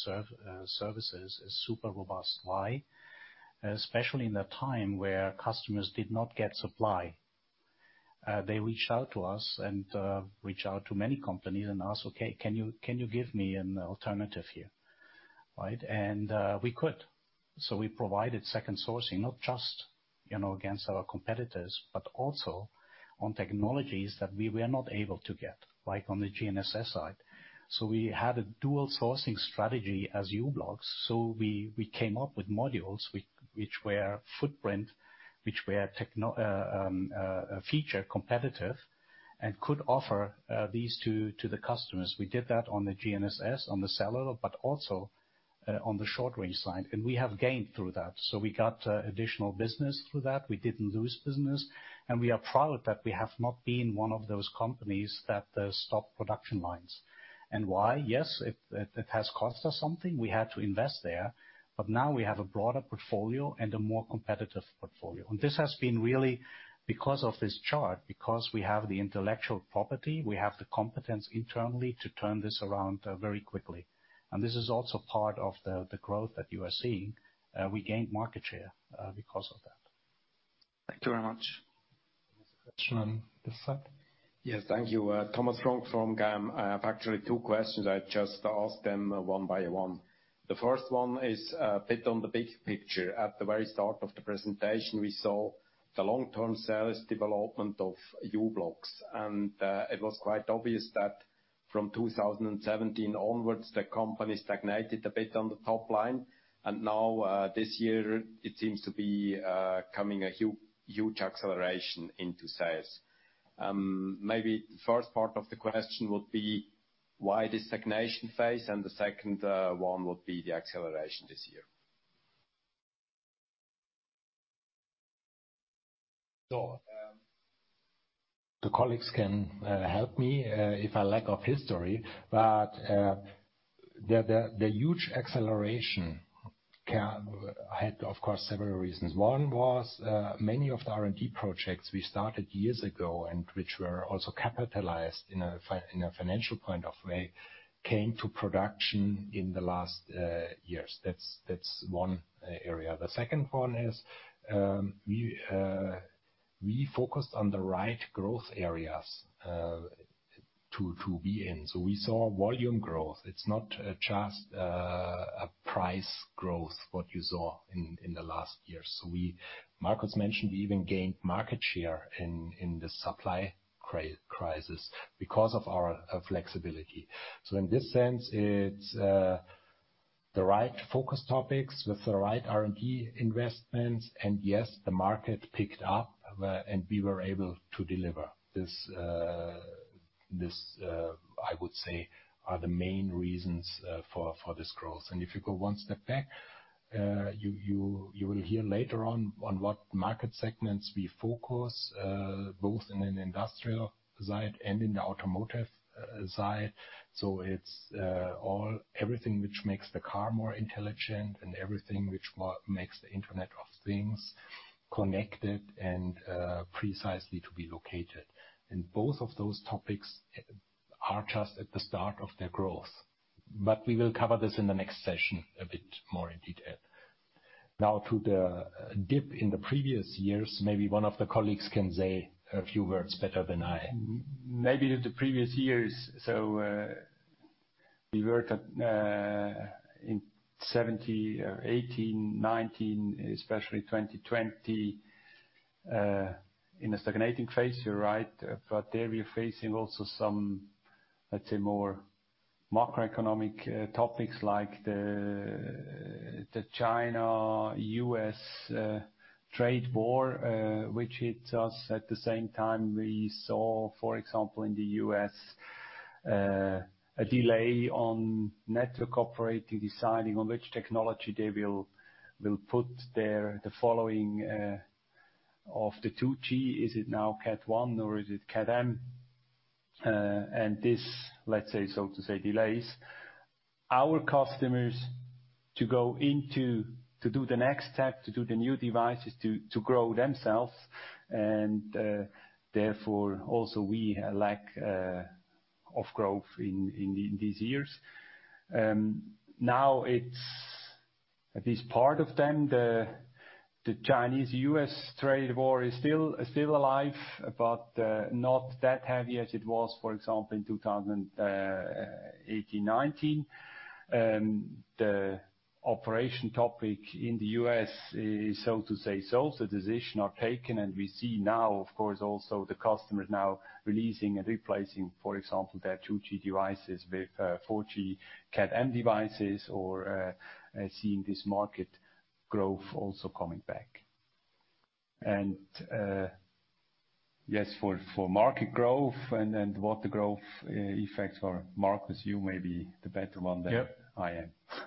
services is super robust. Why? Especially in a time where customers did not get supply, they reached out to us and reach out to many companies and ask, "Okay, can you give me an alternative here?" Right? We could. So we provided second sourcing, not just, you know, against our competitors, but also on technologies that we were not able to get, like on the GNSS side. So we had a dual sourcing strategy as u-blox. So we came up with modules which were footprint, which were feature competitive and could offer these to the customers. We did that on the GNSS, on the cellular, also on the short range side. We have gained through that. We got additional business through that. We didn't lose business, we are proud that we have not been one of those companies that stopped production lines. Why? Yes, it has cost us something. We had to invest there. Now we have a broader portfolio and a more competitive portfolio. This has been really because of this chart, because we have the intellectual property, we have the competence internally to turn this around very quickly. This is also part of the growth that you are seeing. We gained market share because of that.
Thank you very much.
Next question on this side.
Yes. Thank you. Thomas Frank from GAM. I have actually two questions. I just ask them one by one. The first one is bit on the big picture. At the very start of the presentation, we saw the long-term sales development of u-blox, it was quite obvious that from 2017 onwards, the company stagnated a bit on the top line. Now, this year it seems to be coming a huge acceleration into sales. Maybe the first part of the question would be why the stagnation phase? The second one would be the acceleration this year.
The colleagues can help me if I lack of history, but the huge acceleration had, of course, several reasons. One was many of the R&D projects we started years ago, and which were also capitalized in a financial point of way, came to production in the last years. That's one area. The second one is we focused on the right growth areas to be in. We saw volume growth. It's not just a price growth, what you saw in the last year. Markus mentioned we even gained market share in the supply crisis because of our flexibility. In this sense, it's the right focus topics with the right R&D investments. Yes, the market picked up, and we were able to deliver this. This, I would say are the main reasons for this growth. If you go one step back, you will hear later on what market segments we focus both in an industrial side and in the automotive side. It's everything which makes the car more intelligent and everything which makes the Internet of Things connected and precisely to be located. Both of those topics are just at the start of their growth. We will cover this in the next session a bit more in detail. Now to the dip in the previous years, maybe one of the colleagues can say a few words better than I.
Maybe in the previous years. We worked at, in 2017, 2018, 2019, especially 2020, in a stagnating phase, you're right. There we're facing also some, let's say, more macroeconomic, topics like the China-US trade war, which hit us. At the same time, we saw, for example, in the US, a delay on network operating, deciding on which technology they will put their, the following, of the 2G. Is it now Cat 1 or is it Cat M1? This, let's say, so to say, delays our customers to do the next step, to do the new devices, to grow themselves. Therefore, also we lack of growth in these years. Now it's at least part of them. The Chinese-US trade war is still alive, but not that heavy as it was, for example, in 2018, 2019. The operation topic in the US is, so to say, solves. The decision are taken, and we see now, of course, also the customers now releasing and replacing, for example, their 2G devices with 4G Cat M devices or seeing this market growth also coming back. Yes, for market growth and what the growth effects are, Markus, you may be the better one there.
Yep.
I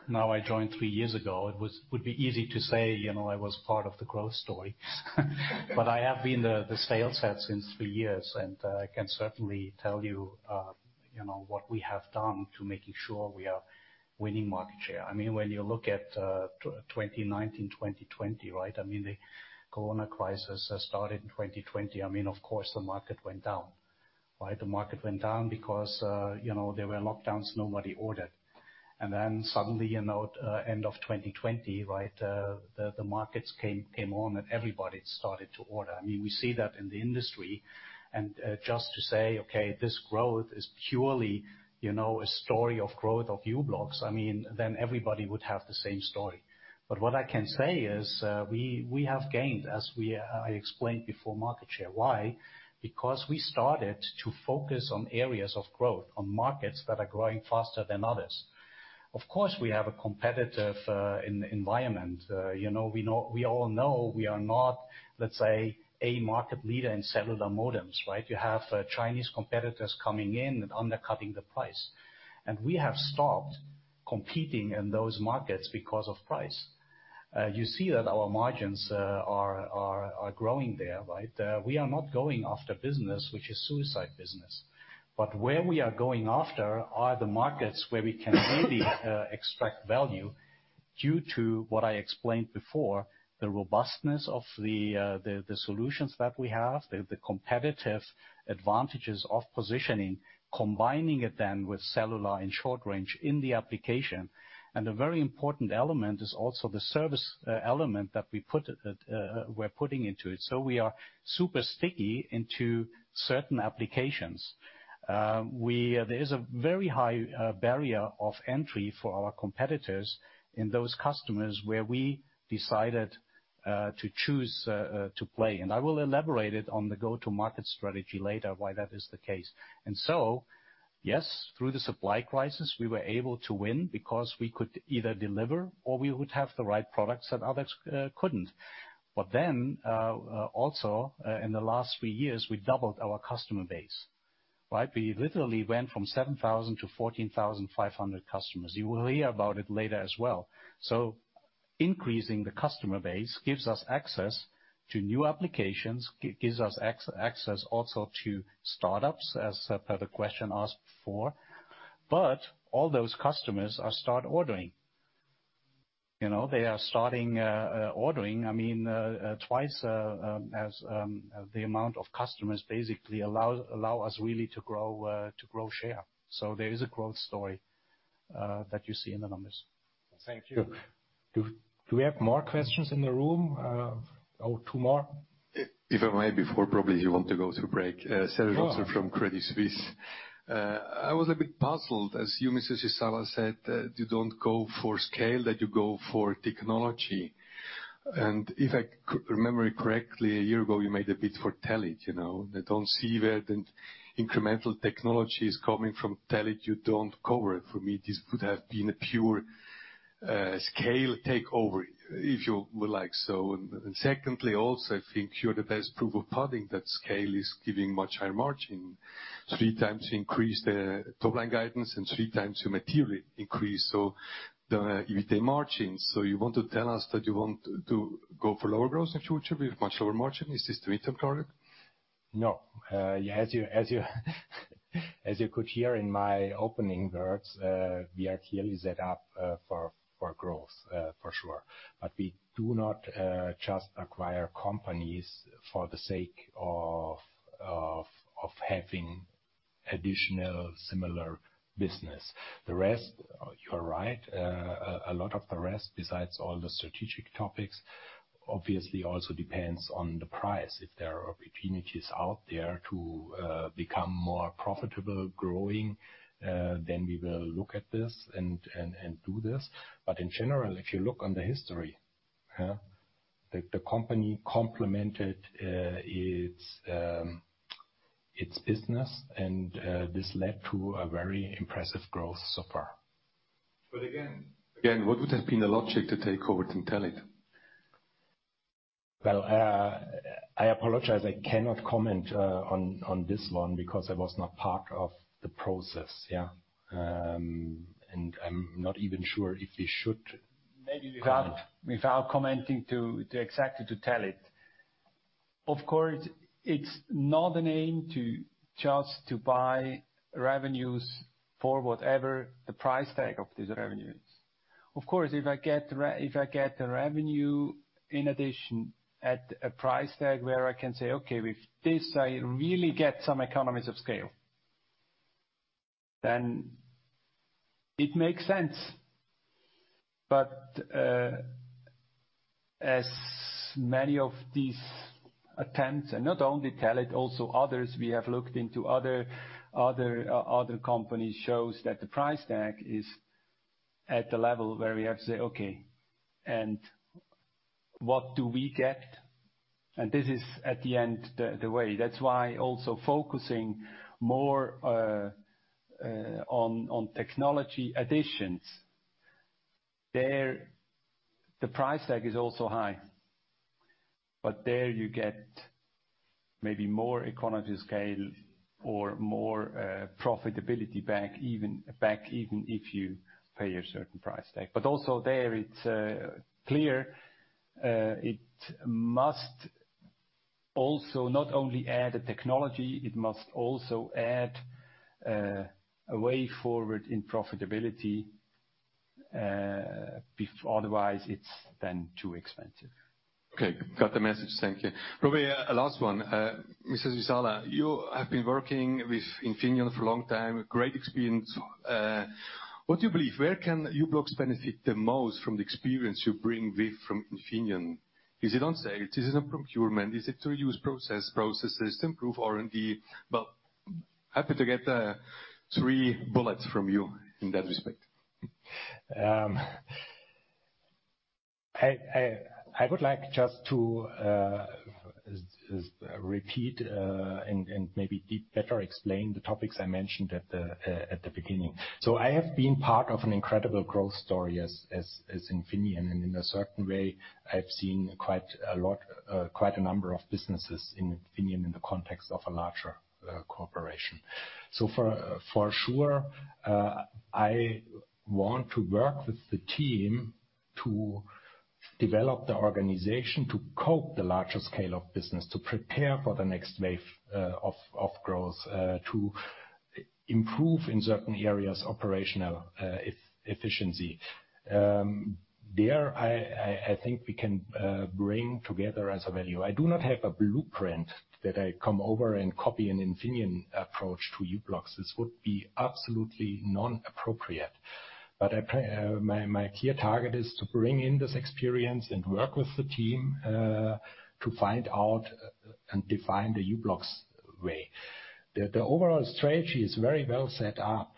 am. I joined three years ago, it would be easy to say, you know, I was part of the growth story. I have been the sales head since three years, and I can certainly tell you know, what we have done to making sure we are winning market share. I mean, when you look at 2019, 2020, right? I mean, the corona crisis started in 2020. I mean, of course, the market went down, right? The market went down because, you know, there were lockdowns, nobody ordered. Suddenly, you know, end of 2020, right, the markets came on and everybody started to order. I mean, we see that in the industry. Just to say, okay, this growth is purely, you know, a story of growth of u-blox. I mean, everybody would have the same story. What I can say is, we have gained, as I explained before, market share. Why? We started to focus on areas of growth, on markets that are growing faster than others. Of course, we have a competitive environment. You know, we all know we are not, let's say, a market leader in cellular modems, right? You have Chinese competitors coming in and undercutting the price. We have stopped competing in those markets because of price. You see that our margins are growing there, right? We are not going after business, which is suicide business. Where we are going after are the markets where we can really extract value due to what I explained before, the robustness of the solutions that we have, the competitive advantages of positioning, combining it then with cellular and short range in the application. A very important element is also the service element that we put, we're putting into it. We are super sticky into certain applications. We, there is a very high barrier of entry for our competitors in those customers where we decided to choose to play. I will elaborate it on the go-to-market strategy later, why that is the case. Yes, through the supply crisis, we were able to win because we could either deliver or we would have the right products that others couldn't. Also, in the last three years, we doubled our customer base, right. We literally went from 7,000 to 14,500 customers. You will hear about it later as well. Increasing the customer base gives us access to new applications, gives us access also to startups, as per the question asked before. All those customers are start ordering. You know, they are starting ordering. I mean, twice as the amount of customers basically allow us really to grow, to grow share. There is a growth story that you see in the numbers.
Thank you. Do we have more questions in the room? Oh, two more.
If I may, before probably you want to go to break. Serge from Credit Suisse. I was a bit puzzled as you, Mr. Zizala said that you don't go for scale, that you go for technology. If I could remember it correctly, a year ago, you made a bid for Telit, you know. I don't see where the incremental technology is coming from Telit you don't cover. For me, this would have been a pure scale takeover, if you would like so. Secondly, also I think you're the best proof of pudding that scale is giving much higher margin. Three times you increased the top line guidance and three times you materially increase the EBITA margins. You want to tell us that you want to go for lower growth in future with much lower margin? Is this the interim product?
No. As you could hear in my opening words, we are clearly set up for growth for sure. We do not just acquire companies for the sake of having additional similar business. The rest, you are right. A lot of the rest, besides all the strategic topics, obviously also depends on the price. If there are opportunities out there to become more profitable, growing, then we will look at this and do this. In general, if you look on the history, huh? The company complemented its business and this led to a very impressive growth so far.
Again, what would have been the logic to take over Telit?
I apologize, I cannot comment on this one because I was not part of the process, yeah. I'm not even sure if we should...
Maybe without...
Comment.
Without commenting to exactly to Telit. Of course, it's not an aim to just to buy revenues for whatever the price tag of these revenues. Of course, if I get a revenue in addition at a price tag where I can say, "Okay, with this, I really get some economies of scale," then it makes sense. As many of these attempts, and not only Telit, also others, we have looked into other companies, shows that the price tag is at a level where we have to say, "Okay, and what do we get?" This is at the end the way. That's why also focusing more on technology additions. There, the price tag is also high, but there you get maybe more economy of scale or more profitability back even if you pay a certain price tag. Also there it's clear, it must also not only add a technology, it must also add a way forward in profitability, otherwise it's then too expensive. Okay. Got the message. Thank you. Probably a last one. Mr. Zizala, you have been working with Infineon for a long time, great experience. What do you believe? Where can u-blox benefit the most from the experience you bring with from Infineon? Is it on sales? Is it on procurement? Is it to use processes to improve R&D? Happy to get three bullets from you in that respect.
I would like just to repeat and maybe better explain the topics I mentioned at the beginning. I have been part of an incredible growth story as Infineon, and in a certain way, I've seen quite a lot, quite a number of businesses in Infineon in the context of a larger corporation. For sure, I want to work with the team to develop the organization to cope the larger scale of business, to prepare for the next wave of growth, to improve in certain areas operational efficiency. There I think we can bring together as a value. I do not have a blueprint that I come over and copy an Infineon approach to u-blox. This would be absolutely non-appropriate. My clear target is to bring in this experience and work with the team to find out and define the u-blox way. The overall strategy is very well set up.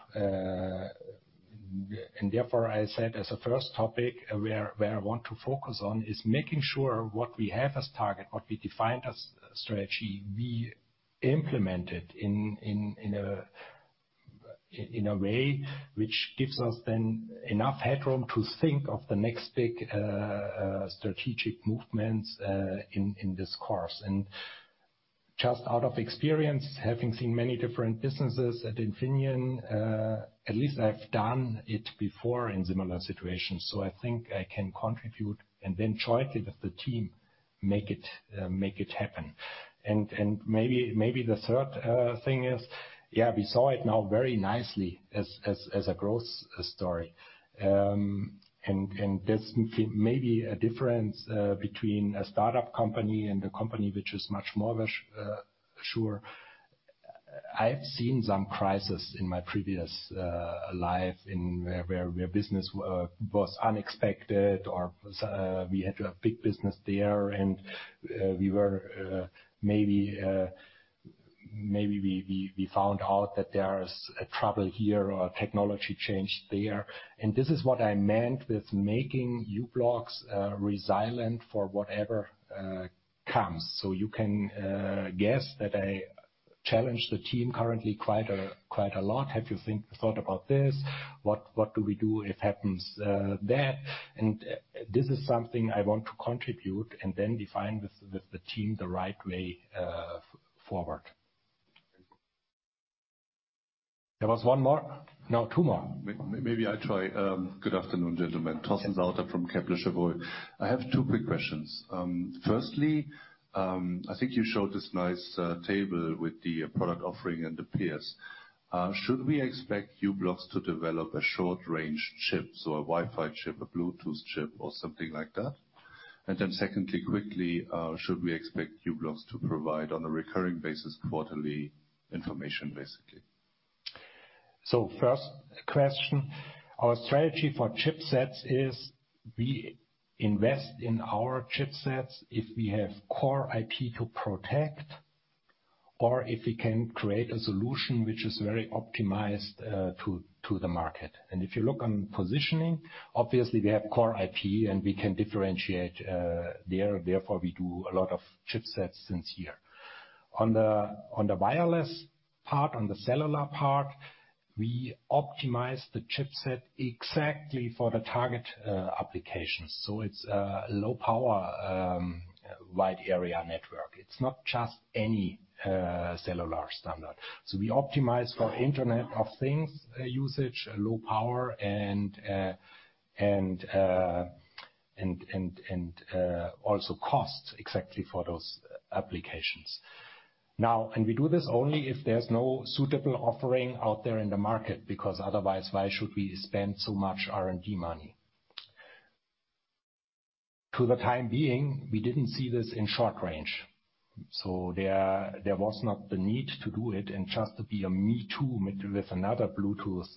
Therefore, I said as a first topic where I want to focus on is making sure what we have as target, what we defined as strategy, we implement it in a way which gives us then enough headroom to think of the next big strategic movements in this course. Just out of experience, having seen many different businesses at Infineon, at least I've done it before in similar situations. I think I can contribute and then jointly with the team, make it happen. Maybe the third thing is, yeah, we saw it now very nicely as, as a growth story. That's maybe a difference between a startup company and a company which is much more mature. I've seen some crisis in my previous life in, where, where business was unexpected or we had a big business there and we were, maybe we, we found out that there's a trouble here or a technology change there. This is what I meant with making u-blox resilient for whatever comes. You can guess that I challenge the team currently quite a, quite a lot. Have you thought about this? What, what do we do if happens that? This is something I want to contribute and then define with the team the right way forward. There was one more? No, two more.
Maybe I try. Good afternoon, gentlemen. Torsten Sauter from Kepler Cheuvreux. I have two quick questions. Firstly, I think you showed this nice table with the product offering and the peers. Should we expect u-blox to develop a short-range chip, so a Wi-Fi chip, a Bluetooth chip, or something like that? Secondly, quickly, should we expect u-blox to provide on a recurring basis quarterly information, basically?
First question, our strategy for chipsets is we invest in our chipsets if we have core IP to protect or if we can create a solution which is very optimized to the market. If you look on positioning, obviously we have core IP, and we can differentiate there. Therefore, we do a lot of chipsets since here. On the wireless part, on the cellular part, we optimize the chipset exactly for the target applications. It's low-power wide-area network. It's not just any cellular standard. We optimize for Internet of Things usage, low power and also costs exactly for those applications. And we do this only if there's no suitable offering out there in the market, because otherwise why should we spend so much R&D money? To the time being, we didn't see this in short range. There was not the need to do it. Just to be a me too with another Bluetooth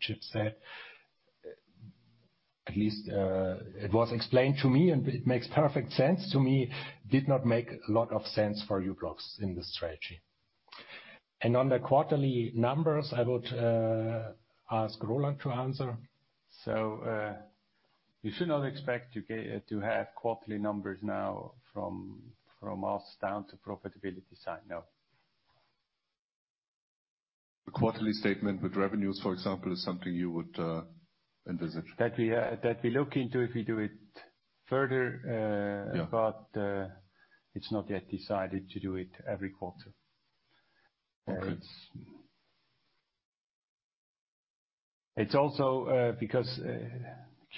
chipset, at least, it was explained to me, and it makes perfect sense to me, did not make a lot of sense for u-blox in the strategy. On the quarterly numbers, I would ask Roland to answer.
You should not expect to have quarterly numbers now from us down to profitability side, no.
A quarterly statement with revenues, for example, is something you would envisage?
That we look into if we do it further...
Yeah.
It's not yet decided to do it every quarter.
Okay.
It's also because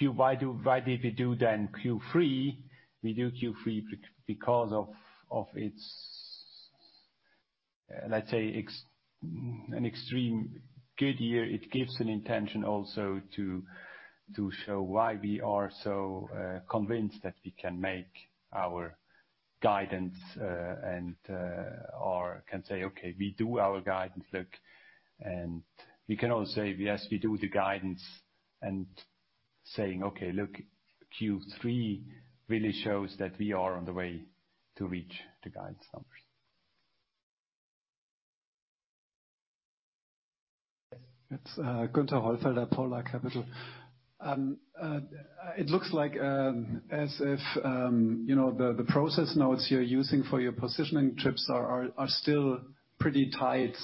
why did we do then third quarter? We do third quarter because of its, let's say, an extreme good year. It gives an intention also to show why we are so convinced that we can make our guidance and or can say, "Okay, we do our guidance. Look." We can also say, "Yes, we do the guidance," and saying, "Okay, look, third quarter really shows that we are on the way to reach the guidance numbers.
It's Guenther Hollfelder, Polar Capital. It looks like, as if, you know, the process nodes you're using for your positioning chips are still pretty tight.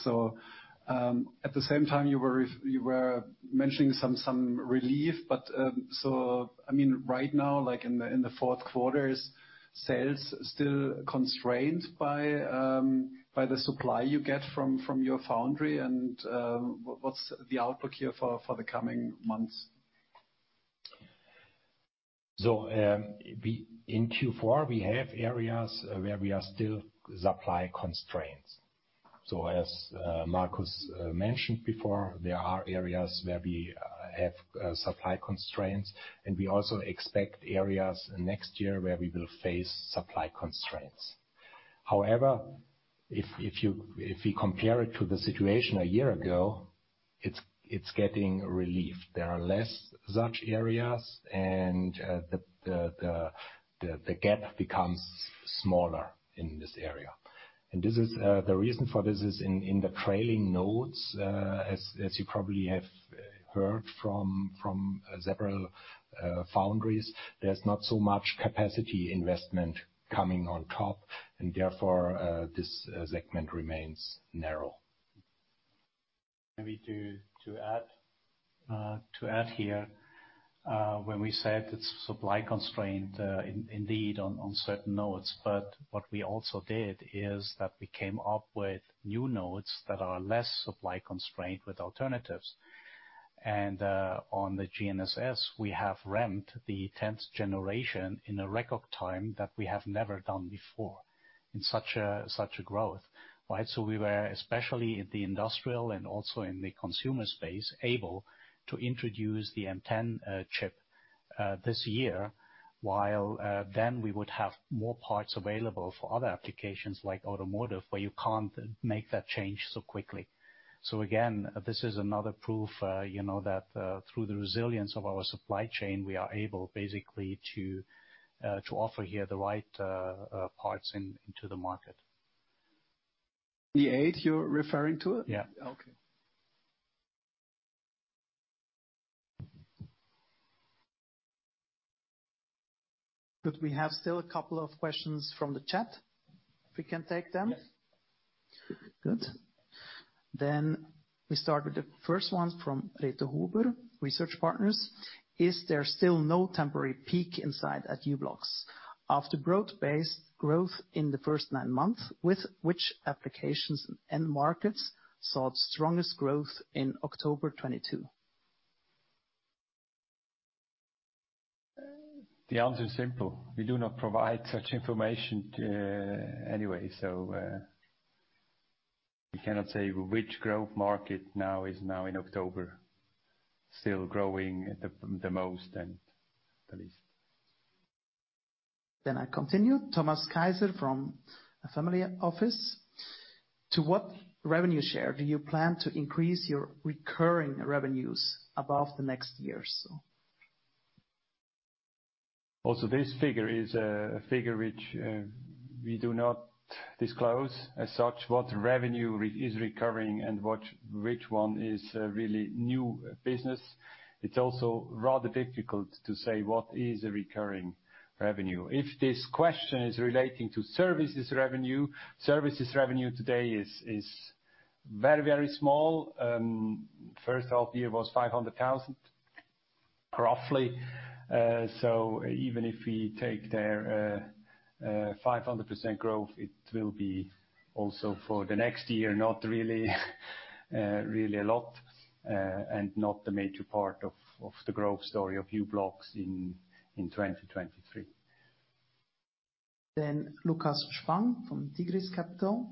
At the same time, you were mentioning some relief. I mean, right now, like in the fourth quarter, is sales still constrained by the supply you get from your foundry? What's the outlook here for the coming months?
In third quarter, we have areas where we are still supply constraints. As Markus mentioned before, there are areas where we have supply constraints, and we also expect areas next year where we will face supply constraints. However, if we compare it to the situation a year ago, it's getting relief. There are less such areas, and the gap becomes smaller in this area. This is the reason for this is in the trailing nodes, as you probably have heard from several foundries, there's not so much capacity investment coming on top, and therefore, this segment remains narrow.
Maybe to add here, when we said it's supply constrained, indeed on certain nodes. What we also did is that we came up with new nodes that are less supply constrained with alternatives. On the GNSS, we have ramped the tenth generation in a record time that we have never done before in such a growth, right? We were, especially in the industrial and also in the consumer space, able to introduce the M10 chip this year, while then we would have more parts available for other applications like automotive, where you can't make that change so quickly. Again, this is another proof, you know, that, through the resilience of our supply chain, we are able basically to offer here the right parts into the market.
The eight you're referring to?
Yeah.
Okay. Good. We have still a couple of questions from the chat, if we can take them.
Yes.
Good. We start with the first one from Reto Huber, Research Partners. Is there still no temporary peak in sight at u-blox after growth base growth in the first nine months, with which applications and markets saw the strongest growth in October 2022?
The answer is simple. We do not provide such information, anyway, so, we cannot say which growth market now is in October still growing at the most and the least.
Thomas Kaiser from Family Office: To what revenue share do you plan to increase your recurring revenues above the next years?
This figure is a figure which we do not disclose as such, what revenue is recurring and which one is really new business. It is also rather difficult to say what is a recurring revenue. If this question is relating to services revenue, services revenue today is very small. First half year was 500,000, roughly. Even if we take their 500% growth, it will be also for the next year, not really a lot, and not the major part of the growth story of u-blox in 2023.
Lucas Schwenk from Tigris Capital: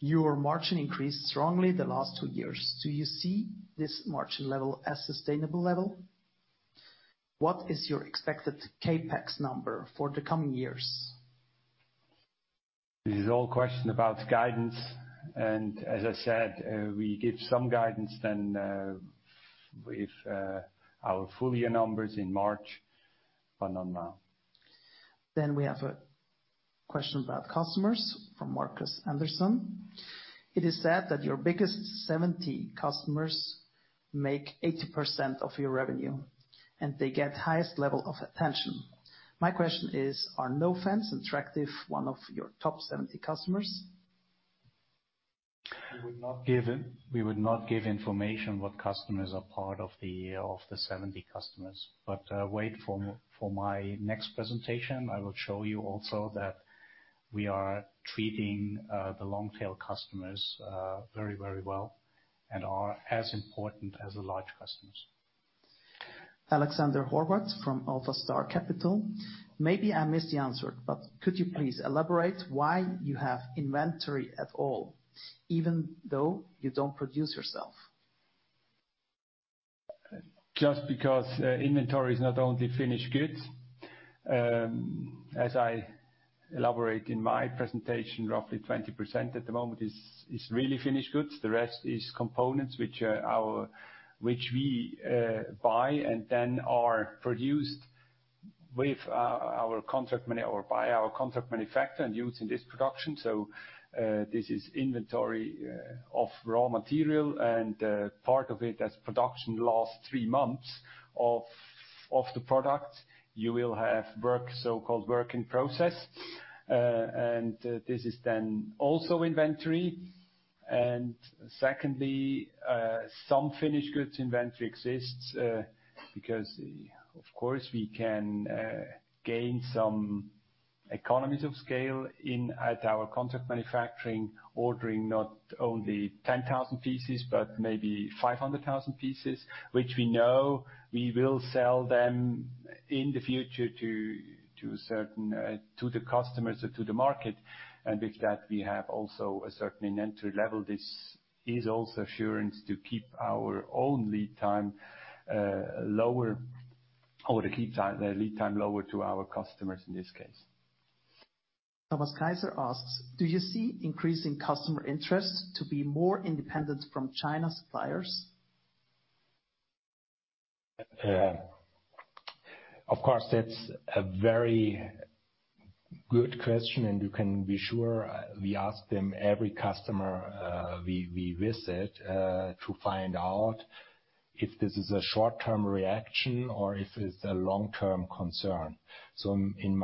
Your margin increased strongly the last two years. Do you see this margin level as sustainable level? What is your expected CapEx number for the coming years?
This is all question about guidance. As I said, we give some guidance then with our full year numbers in March, but none now.
We have a question about customers from Markus Anderson: It is said that your biggest 70 customers make 80% of your revenue, and they get highest level of attention. My question is, are Nofence AS one of your top 70 customers?
We would not give information what customers are part of the 70 customers. Wait for my next presentation. I will show you also that we are treating the long tail customers very, very well and are as important as the large customers.
Maybe I missed the answer, but could you please elaborate why you have inventory at all, even though you don't produce yourself?
Just because inventory is not only finished goods. As I elaborate in my presentation, roughly 20% at the moment is really finished goods. The rest is components which we buy and then are produced with our contract manufacturer or by our contract manufacturer and used in this production. This is inventory of raw material, and part of it as production last three months of the product, you will have work, so-called work in process. This is then also inventory. Secondly, some finished goods inventory exists because, of course, we can gain some economies of scale at our contract manufacturing, ordering not only 10,000 pieces, but maybe 500,000 pieces, which we know we will sell them in the future to certain to the customers or to the market. With that, we have also a certain inventory level. This is also assurance to keep our own lead time lower, or to keep the lead time lower to our customers in this case.
Thomas Kaiser asks: Do you see increasing customer interest to be more independent from China suppliers?
Of course, that's a very good question, you can be sure, we ask them every customer we visit to find out if this is a short-term reaction or if it's a long-term concern. In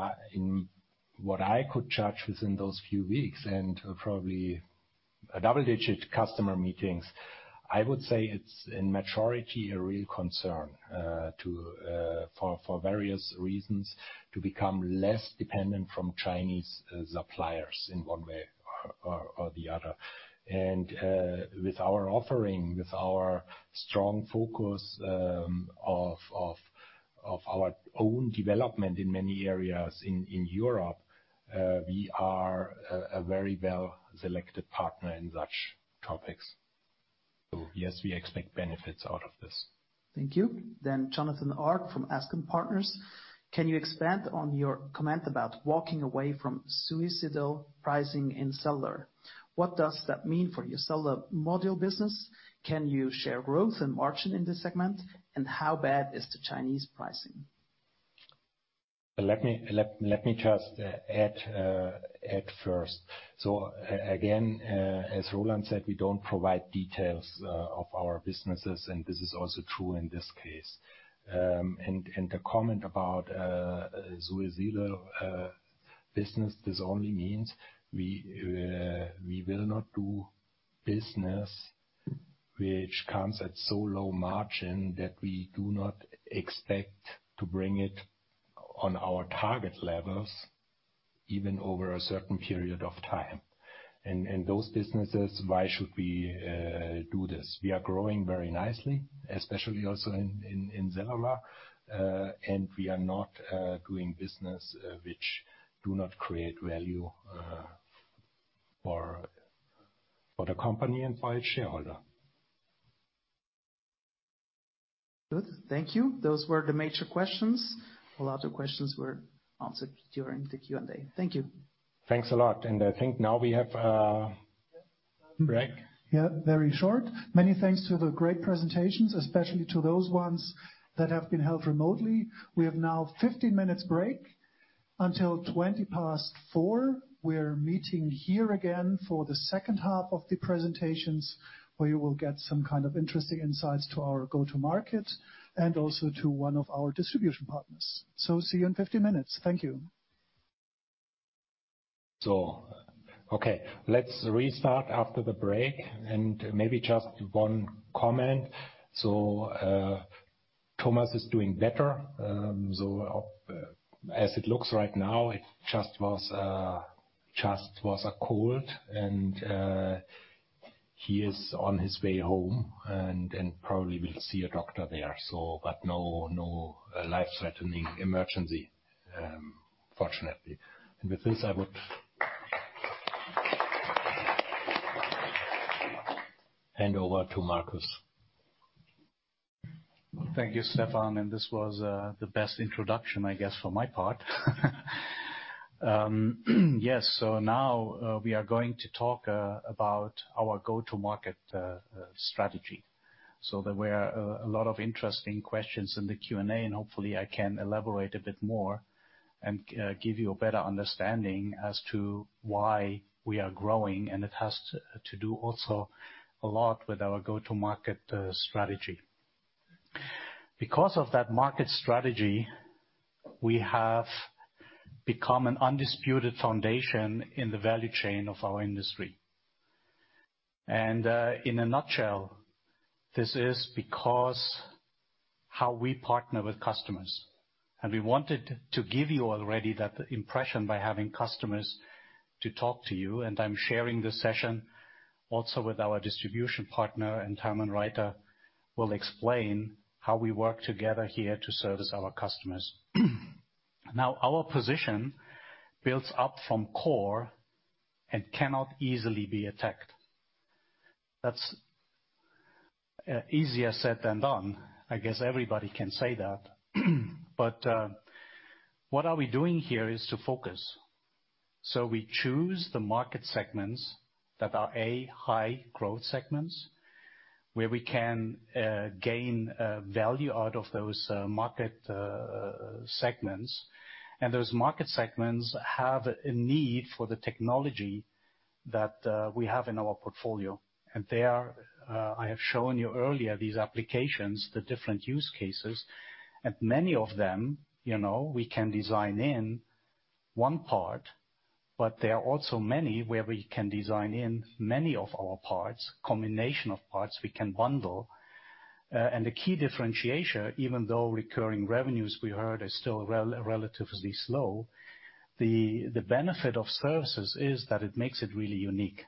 what I could judge within those few weeks and probably a double-digit customer meetings, I would say it's in majority a real concern to for various reasons, to become less dependent from Chinese suppliers in one way or the other. With our offering, with our strong focus of our own development in many areas in Europe, we are a very well-selected partner in such topics. Yes, we expect benefits out of this.
Thank you. Jonathan Ayrton from Azon Partners. Can you expand on your comment about walking away from suicidal pricing in seller? What does that mean for your seller module business? Can you share growth and margin in this segment? How bad is the Chinese pricing?
Let me just add first. Again, as Roland said, we don't provide details of our businesses, and this is also true in this case. The comment about suicidal business, this only means we will not do business which comes at so low margin that we do not expect to bring it on our target levels even over a certain period of time. Those businesses, why should we do this? We are growing very nicely, especially also in Geneva. We are not doing business which do not create value for the company and by shareholder.
Good. Thank you. Those were the major questions. A lot of questions were answered during the Q&A. Thank you.
Thanks a lot. I think now we have a break.
Yeah, very short. Many thanks to the great presentations, especially to those ones that have been held remotely. We have now 15 minutes break until 4:20PM. We're meeting here again for the second half of the presentations, where you will get some kind of interesting insights to our go-to market and also to one of our distribution partners. See you in 50 minutes. Thank you.
Okay, let's restart after the break and maybe just one comment. Thomas is doing better. As it looks right now, it just was a cold and he is on his way home and probably will see a doctor there. But no life-threatening emergency, fortunately. With this, I would hand over to Marcus.
Thank you, Stephan. This was the best introduction, I guess, for my part. Yes. Now, we are going to talk about our go-to market strategy. There were a lot of interesting questions in the Q&A, and hopefully I can elaborate a bit more and give you a better understanding as to why we are growing. It has to do also a lot with our go-to market strategy. Because of that market strategy, we have become an undisputed foundation in the value chain of our industry. In a nutshell, this is because how we partner with customers. We wanted to give you already that impression by having customers to talk to you. I'm sharing this session also with our distribution partner, and Hermann Reiter will explain how we work together here to service our customers. Our position builds up from core and cannot easily be attacked. That's easier said than done. I guess everybody can say that. What are we doing here is to focus. We choose the market segments that are, A, high growth segments, where we can gain value out of those market segments. Those market segments have a need for the technology that we have in our portfolio. They are I have shown you earlier these applications, the different use cases, and many of them, you know, we can design in one part, but there are also many where we can design in many of our parts, combination of parts we can bundle. The key differentiation, even though recurring revenues we heard is still relatively slow, the benefit of services is that it makes it really unique.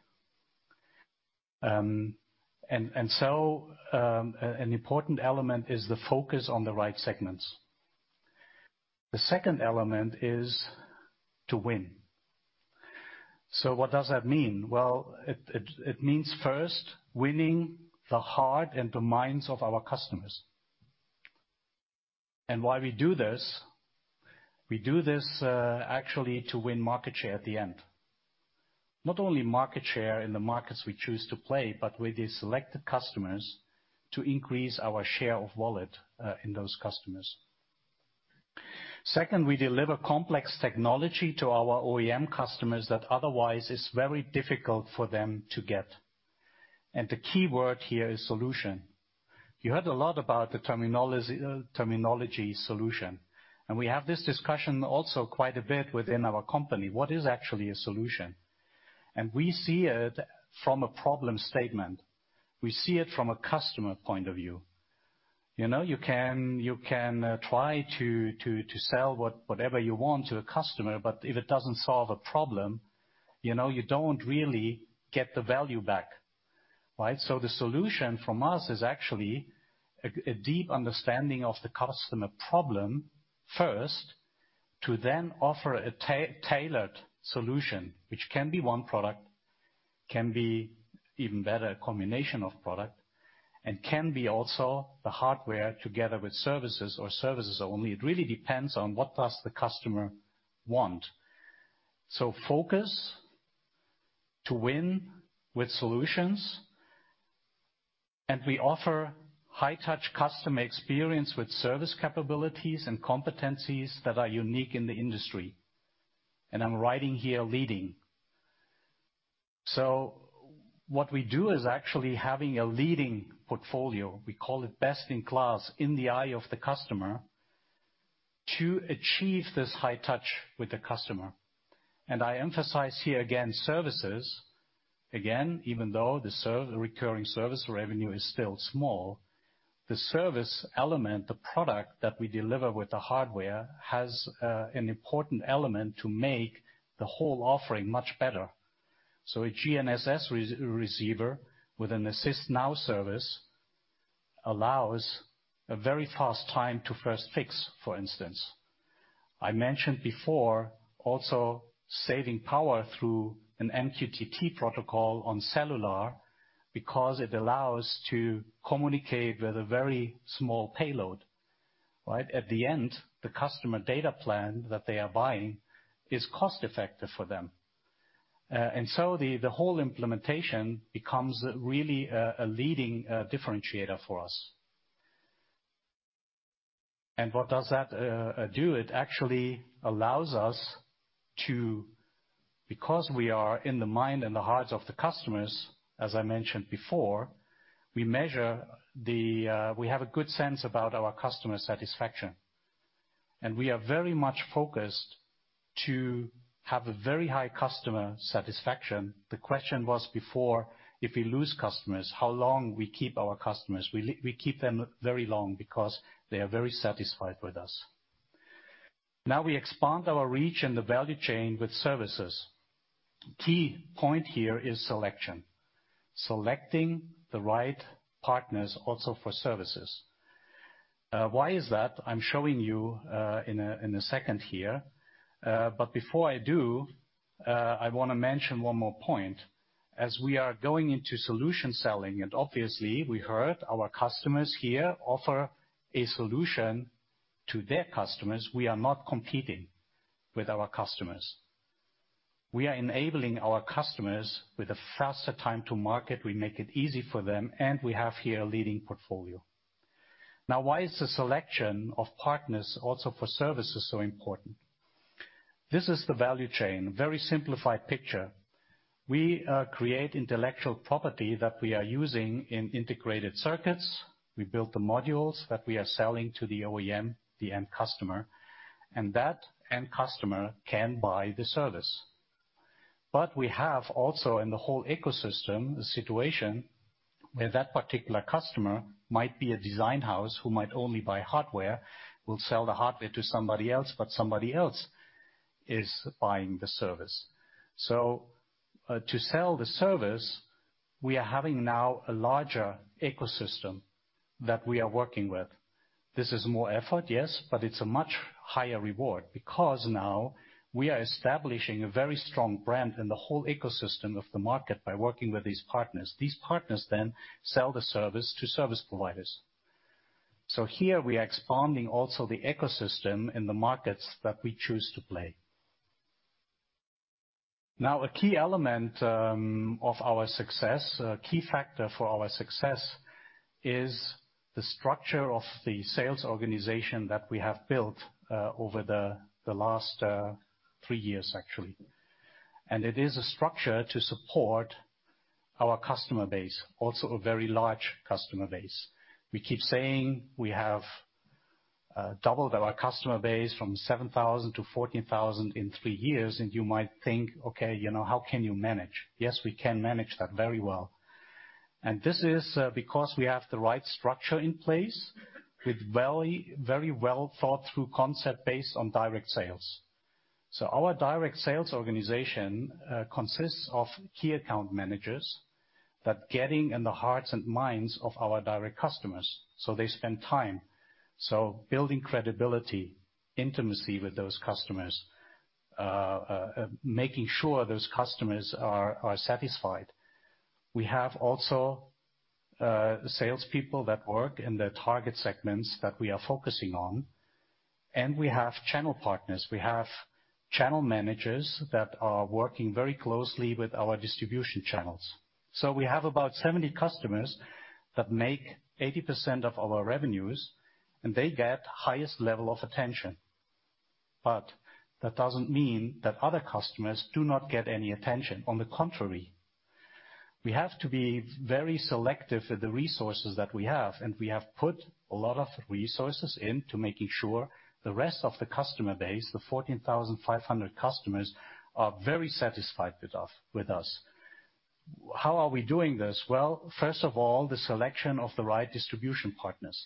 An important element is the focus on the right segments. The second element is to win. What does that mean? Well, it means first winning the heart and the minds of our customers. Why we do this, we do this actually to win market share at the end. Not only market share in the markets we choose to play, but with the selected customers to increase our share of wallet in those customers. Second, we deliver complex technology to our OEM customers that otherwise is very difficult for them to get. The key word here is solution. You heard a lot about the terminology solution, and we have this discussion also quite a bit within our company. What is actually a solution? We see it from a problem statement. We see it from a customer point of view. You know, you can try to sell whatever you want to a customer, but if it doesn't solve a problem, you know, you don't really get the value back, right? The solution from us is actually a deep understanding of the customer problem first to then offer a tailored solution, which can be one product. Can be even better combination of product and can be also the hardware together with services or services only. It really depends on what does the customer want. Focus to win with solutions, and we offer high touch customer experience with service capabilities and competencies that are unique in the industry. I'm writing here leading. What we do is actually having a leading portfolio. We call it best in class in the eye of the customer to achieve this high touch with the customer. I emphasize here again, services, again, even though the recurring service revenue is still small, the service element, the product that we deliver with the hardware has an important element to make the whole offering much better. A GNSS receiver with an AssistNow service allows a very fast time to first fix, for instance. I mentioned before also saving power through an MQTT protocol on cellular because it allows to communicate with a very small payload, right? At the end, the customer data plan that they are buying is cost-effective for them. The whole implementation becomes really a leading differentiator for us. What does that do? It actually allows us because we are in the mind and the hearts of the customers, as I mentioned before, we measure. We have a good sense about our customer satisfaction, and we are very much focused to have a very high customer satisfaction. The question was before, if we lose customers, how long we keep our customers? We keep them very long because they are very satisfied with us. Now we expand our reach and the value chain with services. Key point here is selection. Selecting the right partners also for services. Why is that? I'm showing you in a second here. Before I do, I wanna mention one more point. As we are going into solution selling, and obviously we heard our customers here offer a solution to their customers, we are not competing with our customers. We are enabling our customers with a faster time to market. We make it easy for them, and we have here a leading portfolio. Why is the selection of partners also for services so important? This is the value chain, very simplified picture. We create intellectual property that we are using in integrated circuits. We build the modules that we are selling to the OEM, the end customer, and that end customer can buy the service. We have also in the whole ecosystem, a situation where that particular customer might be a design house who might only buy hardware, will sell the hardware to somebody else, but somebody else is buying the service. To sell the service, we are having now a larger ecosystem that we are working with. This is more effort, yes, but it's a much higher reward because now we are establishing a very strong brand in the whole ecosystem of the market by working with these partners. These partners then sell the service to service providers. Here we are expanding also the ecosystem in the markets that we choose to play. A key element of our success, a key factor for our success is the structure of the sales organization that we have built over the last three years actually. It is a structure to support our customer base, also a very large customer base. We keep saying we have doubled our customer base from 7,000 to 14,000 in three years, and you might think, okay, you know, how can you manage? Yes, we can manage that very well. This is because we have the right structure in place with very, very well thought through concept based on direct sales. Our direct sales organization consists of key account managers that getting in the hearts and minds of our direct customers, so they spend time. Building credibility, intimacy with those customers, making sure those customers are satisfied. We have also salespeople that work in the target segments that we are focusing on, and we have channel partners. We have channel managers that are working very closely with our distribution channels. We have about 70 customers that make 80% of our revenues, and they get highest level of attention. That doesn't mean that other customers do not get any attention. On the contrary, we have to be very selective with the resources that we have, and we have put a lot of resources into making sure the rest of the customer base, the 14,500 customers, are very satisfied with us. How are we doing this? First of all, the selection of the right distribution partners.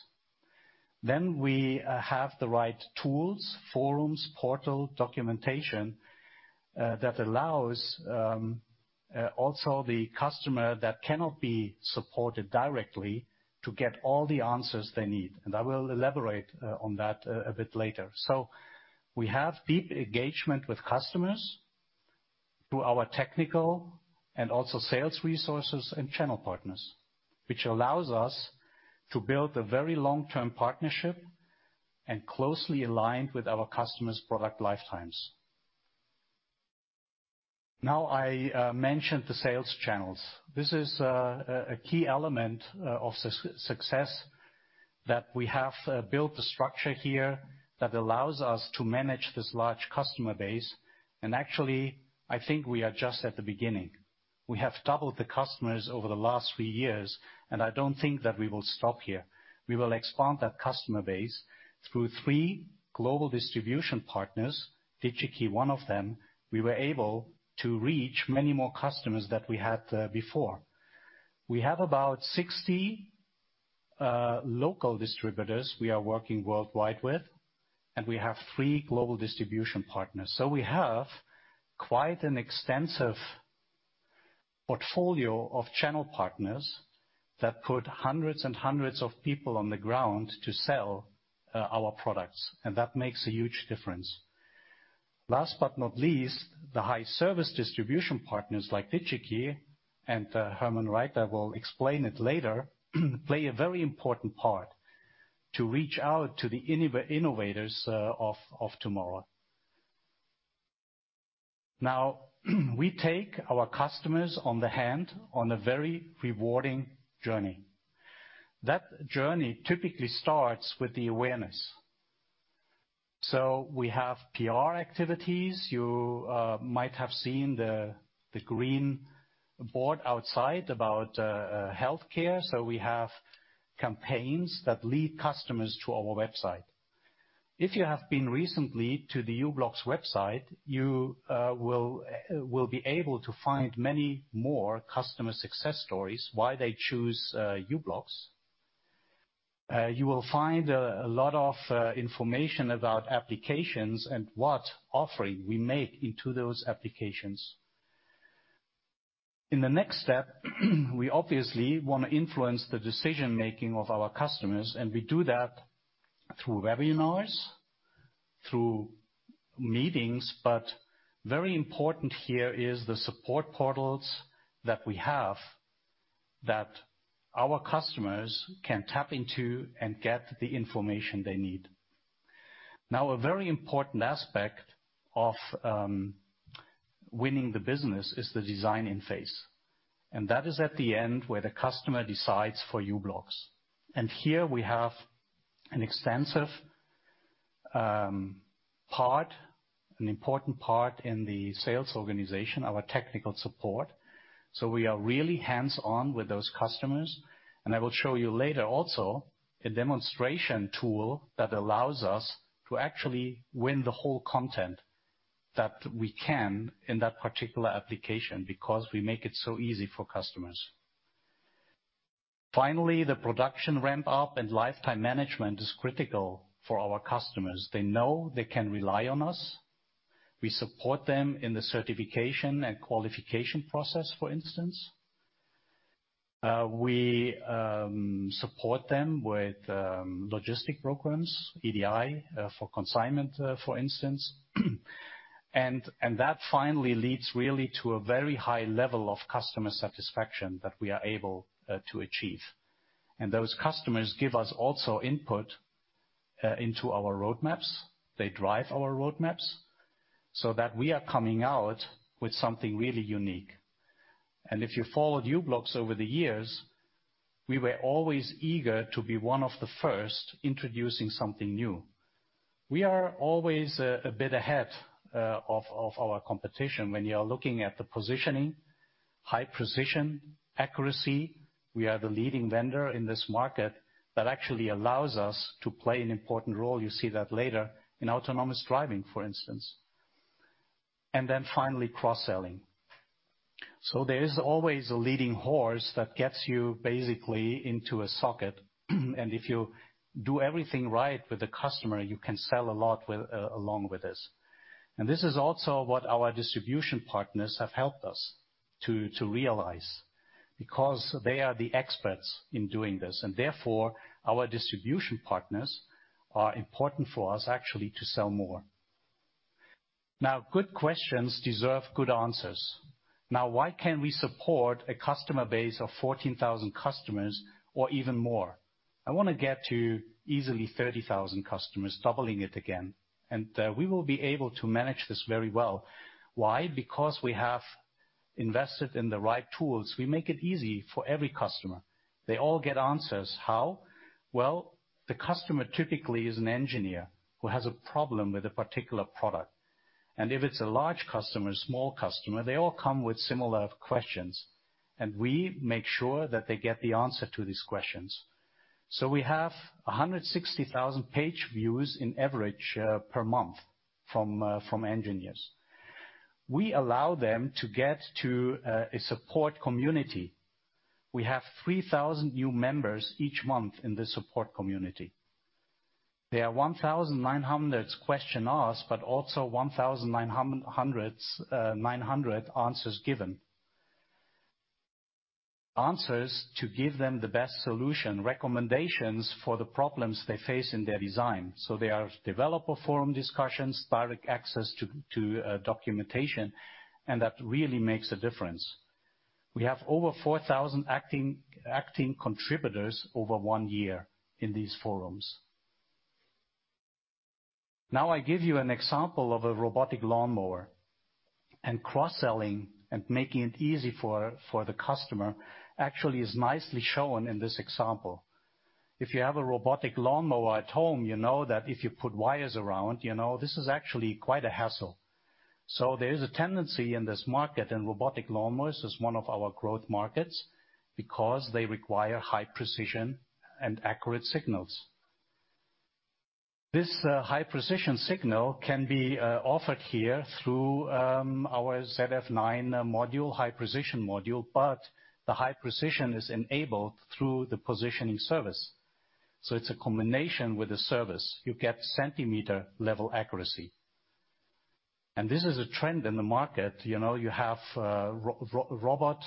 We have the right tools, forums, portal, documentation, that allows also the customer that cannot be supported directly to get all the answers they need. I will elaborate on that a bit later. We have deep engagement with customers. To our technical and also sales resources and channel partners, which allows us to build a very long-term partnership and closely aligned with our customers' product lifetimes. I mentioned the sales channels. This is a key element of success that we have built the structure here that allows us to manage this large customer base. Actually, I think we are just at the beginning. We have doubled the customers over the last three years, I don't think that we will stop here. We will expand that customer base through three global distribution partners, Digi-Key, one of them. We were able to reach many more customers that we had before. We have about 60 local distributors we are working worldwide with, we have three global distribution partners. We have quite an extensive portfolio of channel partners that put hundreds and hundreds of people on the ground to sell our products, and that makes a huge difference. Last but not least, the high service distribution partners like Digi-Key and Hermann Reiter will explain it later, play a very important part to reach out to the innovators of tomorrow. We take our customers on the hand on a very rewarding journey. That journey typically starts with the awareness. We have PR activities. You might have seen the green board outside about healthcare. We have campaigns that lead customers to our website. If you have been recently to the u-blox website, you will be able to find many more customer success stories, why they choose u-blox. You will find a lot of information about applications and what offering we make into those applications. In the next step, we obviously wanna influence the decision-making of our customers, and we do that through webinars, through meetings. Very important here is the support portals that we have that our customers can tap into and get the information they need. Now, a very important aspect of winning the business is the designing phase, and that is at the end where the customer decides for u-blox. Here we have an extensive part, an important part in the sales organization, our technical support. We are really hands-on with those customers. I will show you later also a demonstration tool that allows us to actually win the whole content that we can in that particular application because we make it so easy for customers. Finally, the production ramp up and lifetime management is critical for our customers. They know they can rely on us. We support them in the certification and qualification process, for instance. We support them with logistic programs, EDI, for consignment, for instance. That finally leads really to a very high level of customer satisfaction that we are able to achieve. Those customers give us also input into our roadmaps. They drive our roadmaps so that we are coming out with something really unique. If you followed u-blox over the years, we were always eager to be one of the first introducing something new. We are always a bit ahead of our competition when you are looking at the positioning, high precision, accuracy. We are the leading vendor in this market. That actually allows us to play an important role. You see that later in autonomous driving, for instance. Finally, cross-selling. There is always a leading horse that gets you basically into a socket. If you do everything right with the customer, you can sell a lot with along with this. This is also what our distribution partners have helped us to realize because they are the experts in doing this. Therefore, our distribution partners are important for us actually to sell more. Good questions deserve good answers. Why can we support a customer base of 14,000 customers or even more? I wanna get to easily 30,000 customers, doubling it again, and we will be able to manage this very well. Why? Because we have invested in the right tools. We make it easy for every customer. They all get answers. How? Well, the customer typically is an engineer who has a problem with a particular product. If it's a large customer, small customer, they all come with similar questions, and we make sure that they get the answer to these questions. We have 160,000 page views in average, per month from engineers. We allow them to get to a support community. We have 3,000 new members each month in the support community. There are 1,900 question asked, but also 1,900 answers given. Answers to give them the best solution, recommendations for the problems they face in their design. There are developer forum discussions, direct access to documentation, and that really makes a difference. We have over 4,000 acting contributors over one year in these forums. Now I give you an example of a robotic lawnmower, and cross-selling and making it easy for the customer actually is nicely shown in this example. If you have a robotic lawnmower at home, you know that if you put wires around, you know this is actually quite a hassle. There is a tendency in this market, and robotic lawnmowers is one of our growth markets because they require high precision and accurate signals. This high precision signal can be offered here through our ZF9 module, high precision module, but the high precision is enabled through the positioning service. It's a combination with the service. You get centimeter-level accuracy. This is a trend in the market. You know, you have robot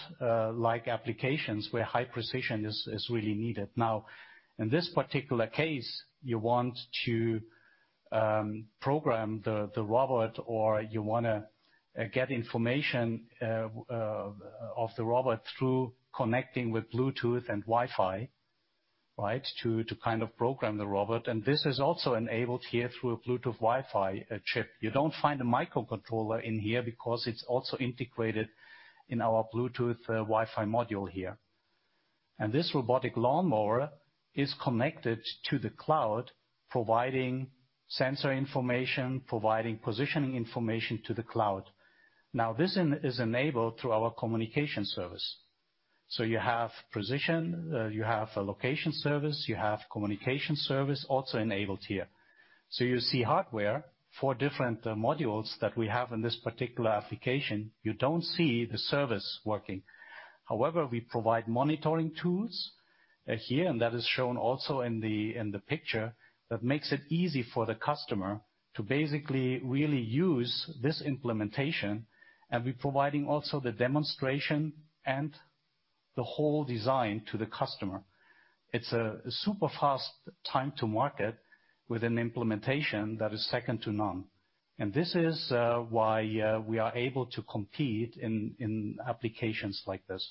like applications where high precision is really needed. In this particular case, you want to program the robot or you wanna get information of the robot through connecting with Bluetooth and Wi-Fi, right? To kind of program the robot. This is also enabled here through a Bluetooth Wi-Fi chip. You don't find a microcontroller in here because it's also integrated in our Bluetooth Wi-Fi module here. This robotic lawnmower is connected to the cloud, providing sensor information, providing positioning information to the cloud. This is enabled through our communication service. You have precision, you have a location service, you have communication service also enabled here. You see hardware, four different modules that we have in this particular application. You don't see the service working. However, we provide monitoring tools here, and that is shown also in the, in the picture, that makes it easy for the customer to basically really use this implementation. We're providing also the demonstration and the whole design to the customer. It's a super fast time to market with an implementation that is second to none. This is why we are able to compete in applications like this.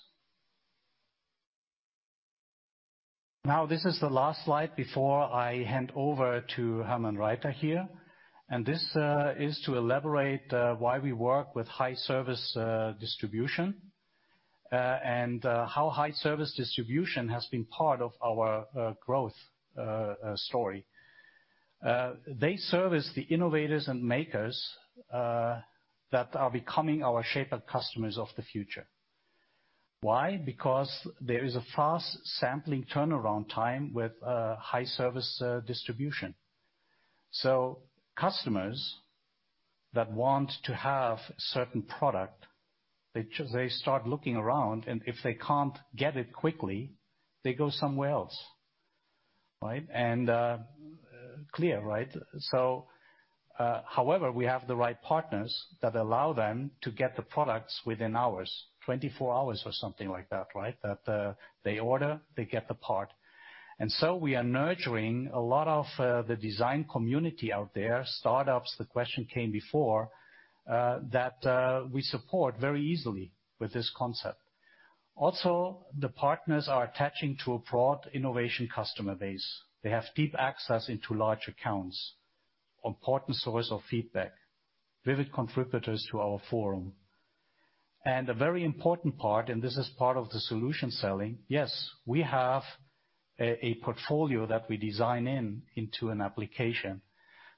Now, this is the last slide before I hand over to Hermann Reiter here. This is to elaborate why we work with high service distribution and how high service distribution has been part of our growth story. They service the innovators and makers that are becoming our Shaper customers of the future. Why? Because there is a fast sampling turnaround time with high service distribution. Customers that want to have certain product, they start looking around, and if they can't get it quickly, they go somewhere else, right? Clear, right? However, we have the right partners that allow them to get the products within hours, 24 hours or something like that, right? That they order, they get the part. We are nurturing a lot of the design community out there, startups, the question came before, that we support very easily with this concept. Also, the partners are attaching to a broad innovation customer base. They have deep access into large accounts, important source of feedback, vivid contributors to our forum. A very important part, and this is part of the solution selling, yes, we have a portfolio that we design in into an application,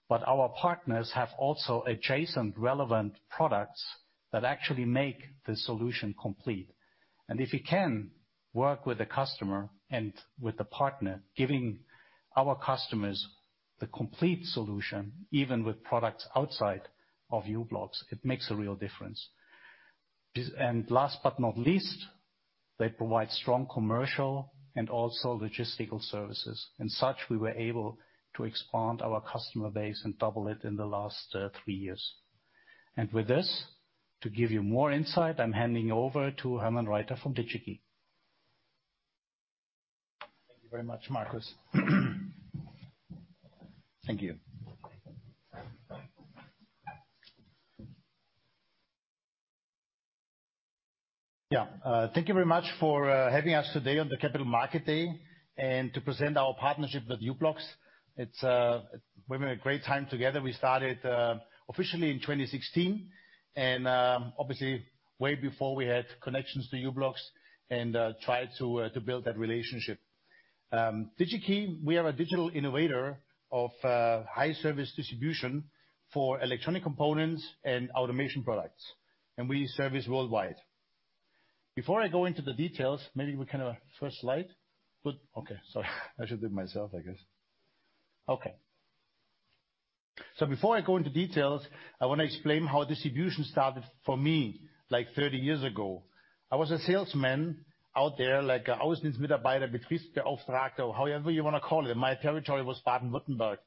but our partners have also adjacent relevant products that actually make the solution complete. If you can work with a customer and with a partner, giving our customers the complete solution, even with products outside of u-blox, it makes a real difference. Last but not least, they provide strong commercial and also logistical services. Such, we were able to expand our customer base and double it in the last three years. With this, to give you more insight, I'm handing over to Hermann Reiter from Digi-Key.
Thank you very much, Markus. Thank you. Thank you very much for having us today on the Capital Market Day and to present our partnership with u-blox. It's been a great time together. We started officially in 2016 and obviously way before we had connections to u-blox and tried to build that relationship. Digi-Key, we are a digital innovator of high service distribution for electronic components and automation products, we service worldwide. Before I go into the details, maybe we can first slide. Okay, sorry. I should do it myself, I guess. Okay. Before I go into details, I wanna explain how distribution started for me like 30 years ago. I was a salesman out there, like a however you wanna call it. My territory was Baden-Württemberg,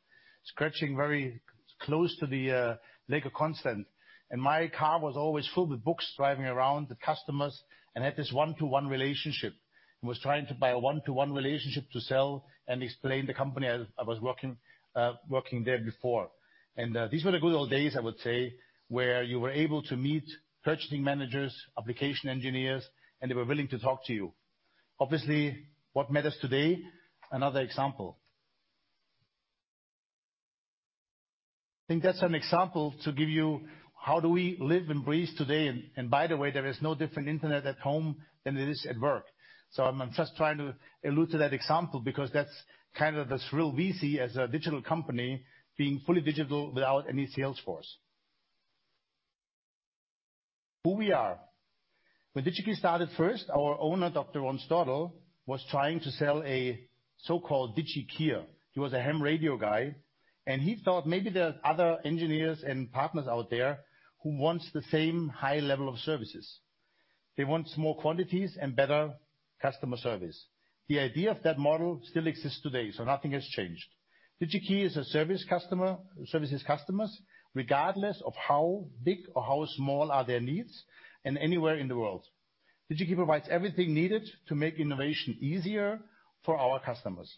scratching very-Close to the Lake Constance. My car was always filled with books, driving around the customers and had this one-to-one relationship. Was trying to buy a one-to-one relationship to sell and explain the company I was working there before. These were the good old days I would say, where you were able to meet purchasing managers, application engineers, and they were willing to talk to you. Obviously, what matters today, another example. I think that's an example to give you, how do we live and breathe today? By the way, there is no different internet at home than it is at work. I'm just trying to allude to that example because that's kind of the thrill we see as a digital company being fully digital without any sales force. Who we are. When Digi-Key started first, our owner, Dr. Ronald Stordahl was trying to sell a so-called Digi-Key. He was a ham radio guy, and he thought maybe there's other engineers and partners out there who wants the same high level of services. They want small quantities and better customer service. Nothing has changed. Digi-Key is a services customers regardless of how big or how small are their needs and anywhere in the world. Digi-Key provides everything needed to make innovation easier for our customers.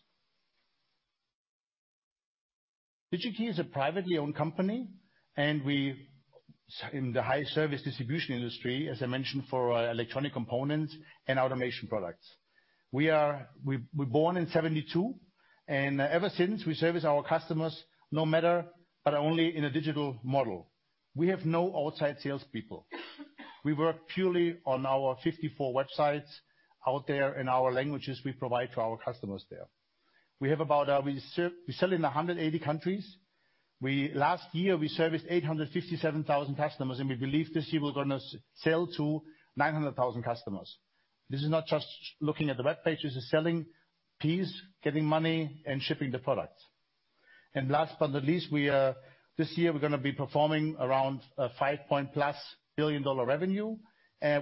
Digi-Key is a privately owned company, and we in the high service distribution industry, as I mentioned, for electronic components and automation products. We born in 1972, and ever since we service our customers, no matter, but only in a digital model. We have no outside salespeople. We work purely on our 54 websites out there in our languages we provide to our customers there. We have about. We sell in 180 countries. Last year, we serviced 857,000 customers, and we believe this year we're gonna sell to 900,000 customers. This is not just looking at the web pages. This is selling piece, getting money, and shipping the products. Last but not least, we. This year we're gonna be performing around a $5 billion plus revenue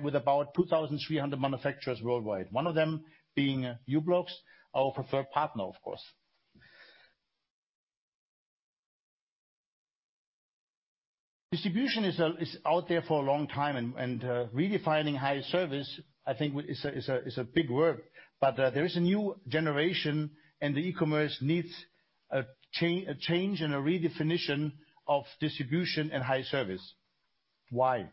with about 2,300 manufacturers worldwide, one of them being u-blox, our preferred partner of course. Distribution is out there for a long time and redefining high service, I think is a big word. There is a new generation and the e-commerce needs a change and a redefinition of distribution and high service. Why?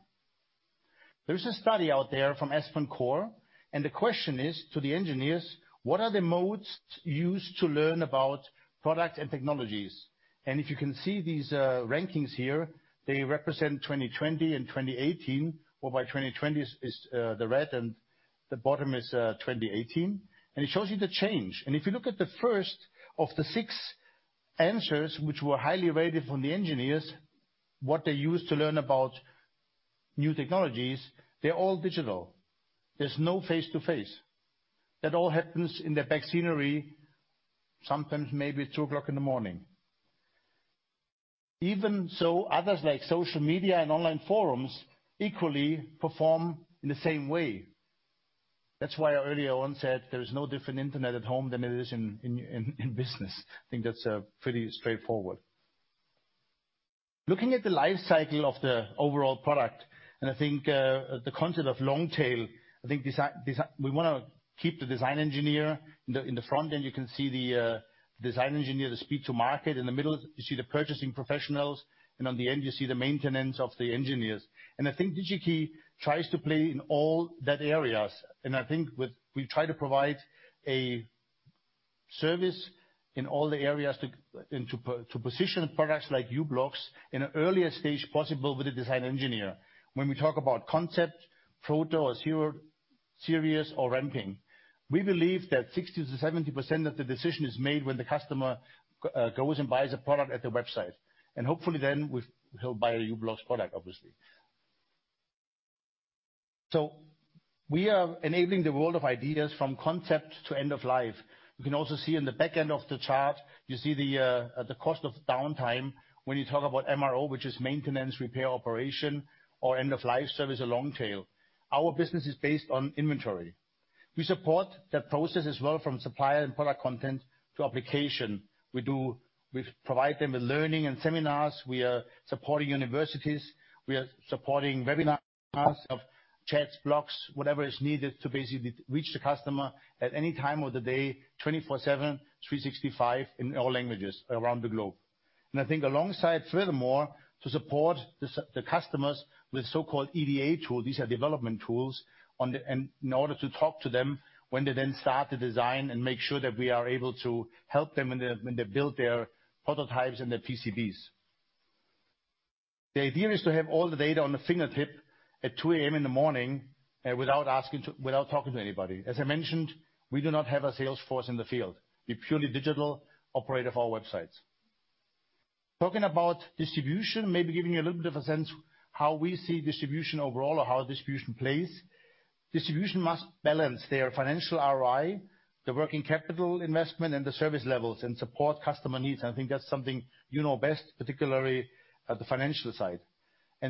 There is a study out there from AspenCore, the question is to the engineers, what are the modes used to learn about product and technologies? If you can see these rankings here, they represent 2020 and 2018, whereby 2020 is the red and the bottom is 2018. It shows you the change. If you look at the first of the six answers, which were highly rated from the engineers, what they use to learn about new technologies, they're all digital. There's no face-to-face. That all happens in the back scenery, sometimes, maybe 2:00AM. Others like social media and online forums equally perform in the same way. That's why earlier on said there is no different internet at home than it is in, in business. I think that's pretty straightforward. Looking at the life cycle of the overall product, I think the concept of long tail, I think We wanna keep the design engineer. In the front end, you can see the design engineer, the speed to market. In the middle, you see the purchasing professionals, and on the end, you see the maintenance of the engineers. I think Digi-Key tries to play in all that areas. I think we try to provide a service in all the areas to position products like u-blox in the earliest stage possible with the design engineer. When we talk about concept, proto, or series or ramping, we believe that 60% to 70% of the decision is made when the customer goes and buys a product at the website. Hopefully then he'll buy a u-blox product, obviously. We are enabling the world of ideas from concept to end of life. You can also see in the back end of the chart, you see the cost of downtime when you talk about MRO, which is maintenance, repair, operation, or end of life service or long tail. Our business is based on inventory. We support that process as well from supplier and product content to application. We provide them with learning and seminars. We are supporting universities. We are supporting webinars of chats, blogs, whatever is needed to basically reach the customer at any time of the day, 24/7, 365 in all languages around the globe. I think alongside furthermore; to support the customers with so-called EDA tool, these are development tools. In order to talk to them when they then start the design and make sure that we are able to help them when they build their prototypes and their PCBs. The idea is to have all the data on the fingertip at 2:00AM in the morning, without talking to anybody. As I mentioned, we do not have a sales force in the field. We're purely digital operator of our websites. Talking about distribution, maybe giving you a little bit of a sense how we see distribution overall or how distribution plays. Distribution must balance their financial ROI, the working capital investment and the service levels and support customer needs. I think that's something you know best, particularly at the financial side.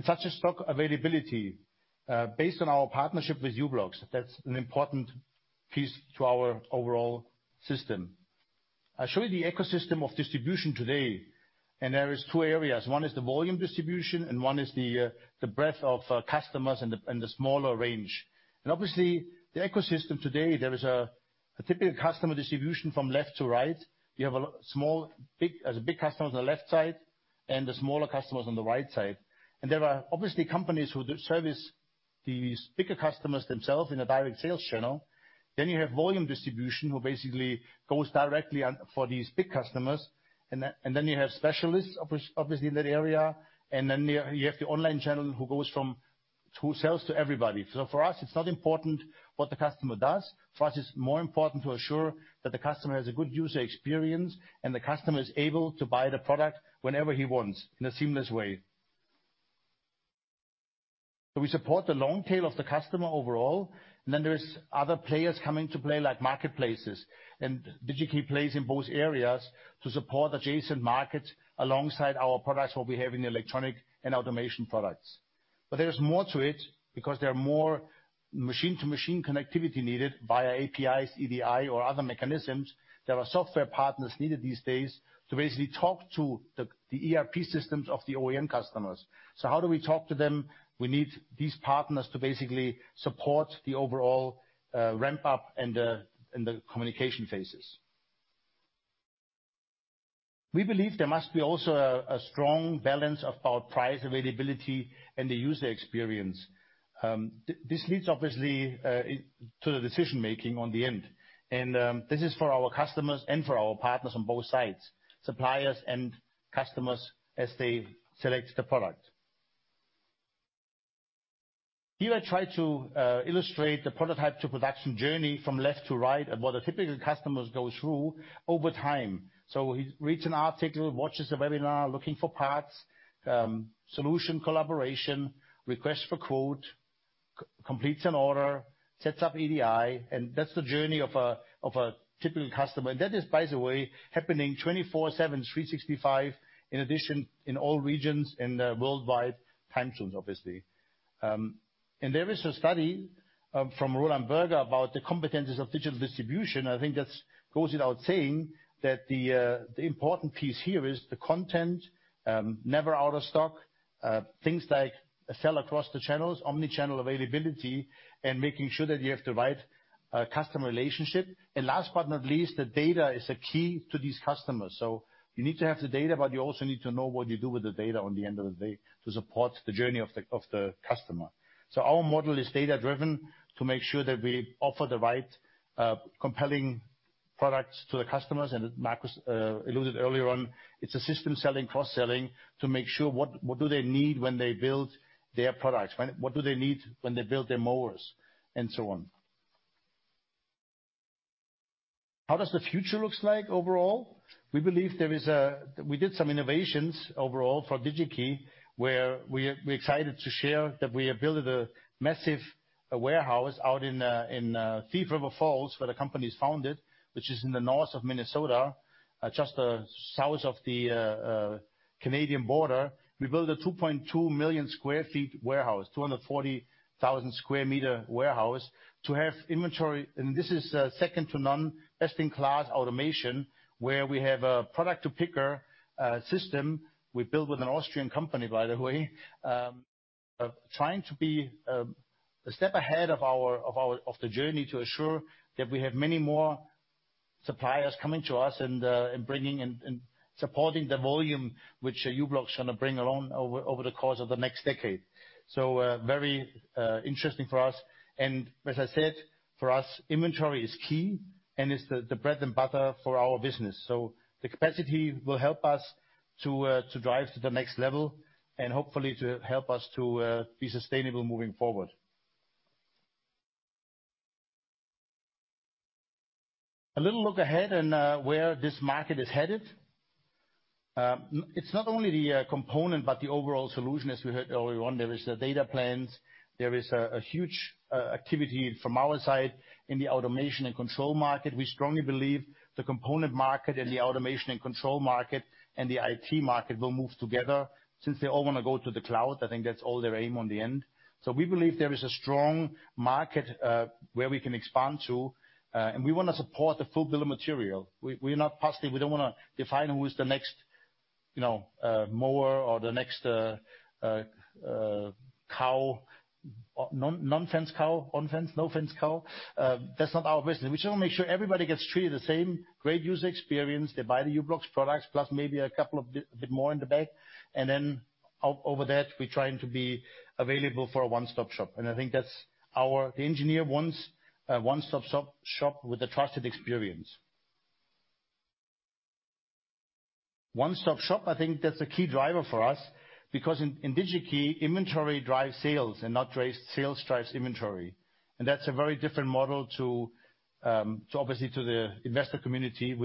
Such a stock availability, based on our partnership with u-blox, that's an important piece to our overall system. I show you the ecosystem of distribution today. There is two areas. One is the volume distribution and one is the breadth of customers and the smaller range. Obviously the ecosystem today, there is a typical customer distribution from left to right. You have a big customer on the left side and the smaller customers on the right side. There are obviously companies who do service these bigger customers themselves in a direct sales channel. You have volume distribution who basically goes directly on for these big customers, and you have specialists obviously in that area. Then you have the online channel who goes from, who sells to everybody. For us it's not important what the customer does. For us it's more important to assure that the customer has a good user experience and the customer is able to buy the product whenever he wants in a seamless way. We support the long tail of the customer overall. Then there is other players coming to play like marketplaces. Digi-Key plays in both areas to support adjacent markets alongside our products what we have in the electronic and automation products. There's more to it because there are more machine-to-machine connectivity needed via APIs, EDI, or other mechanisms. There are software partners needed these days to basically talk to the ERP systems of the OEM customers. How do we talk to them? We need these partners to basically support the overall ramp up and the communication phases. We believe there must be also a strong balance of our price availability and the user experience. This leads obviously to the decision making on the end. This is for our customers and for our partners on both sides, suppliers and customers as they select the product. Here I try to illustrate the prototype to production journey from left to right and what a typical customers go through over time. He reads an article, watches a webinar, looking for parts, solution collaboration, request for quote, completes an order, sets up EDI, and that's the journey of a, of a typical customer. That is by the way, happening 24/7, 365 in addition in all regions in the worldwide time zones obviously. There is a study, from Roland Berger about the competencies of digital distribution. I think that's goes without saying that the important piece here is the content, never out of stock, things like sell across the channels, omni-channel availability, and making sure that you have the right, customer relationship. Last but not least, the data is a key to these customers. You need to have the data, but you also need to know what you do with the data on the end of the day to support the journey of the customer. Our model is data-driven to make sure that we offer the right compelling products to the customers. Markus alluded earlier on, it's a system selling cross-selling to make sure what do they need when they build their products, what do they need when they build their mowers and so on. How does the future looks like overall? We believe there is. We did some innovations overall for Digi-Key where we excited to share that we have built a massive warehouse out in Thief River Falls, where the company is founded, which is in the north of Minnesota, just south of the Canadian border. We built a 2.2 million sq ft warehouse, 240,000 sq m warehouse to have inventory. This is second to none best-in-class automation, where we have a product to picker system we built with an Austrian company by the way. Trying to be a step ahead of our journey to assure that we have many more suppliers coming to us and bringing and supporting the volume which u-blox gonna bring along over the course of the next decade. Very interesting for us. And as I said, for us inventory is key and it's the bread and butter for our business. The capacity will help us to drive to the next level and hopefully to help us to be sustainable moving forward. A little look ahead in where this market is headed. It's not only the component but the overall solution, as we heard earlier on. There is the data plans. There is a huge activity from our side in the automation and control market. We strongly believe the component market and the automation and control market and the IT market will move together since they all wanna go to the cloud. I think that's all their aim on the end. We believe there is a strong market where we can expand to, and we wanna support the full bill of material. We are not passive. We don't wanna define who is the next, you know, mower or the next no-fence cow. That's not our business. We just wanna make sure everybody gets treated the same, great user experience. They buy the u-blox products plus maybe a couple of bit more in the back. Over that, we're trying to be available for a one-stop shop. I think that's our... The engineer wants a one-stop shop with a trusted experience. One-stop shop, I think that's a key driver for us because in Digi-Key, inventory drives sales not sales drives inventory. That's a very different model to obviously to the investor community,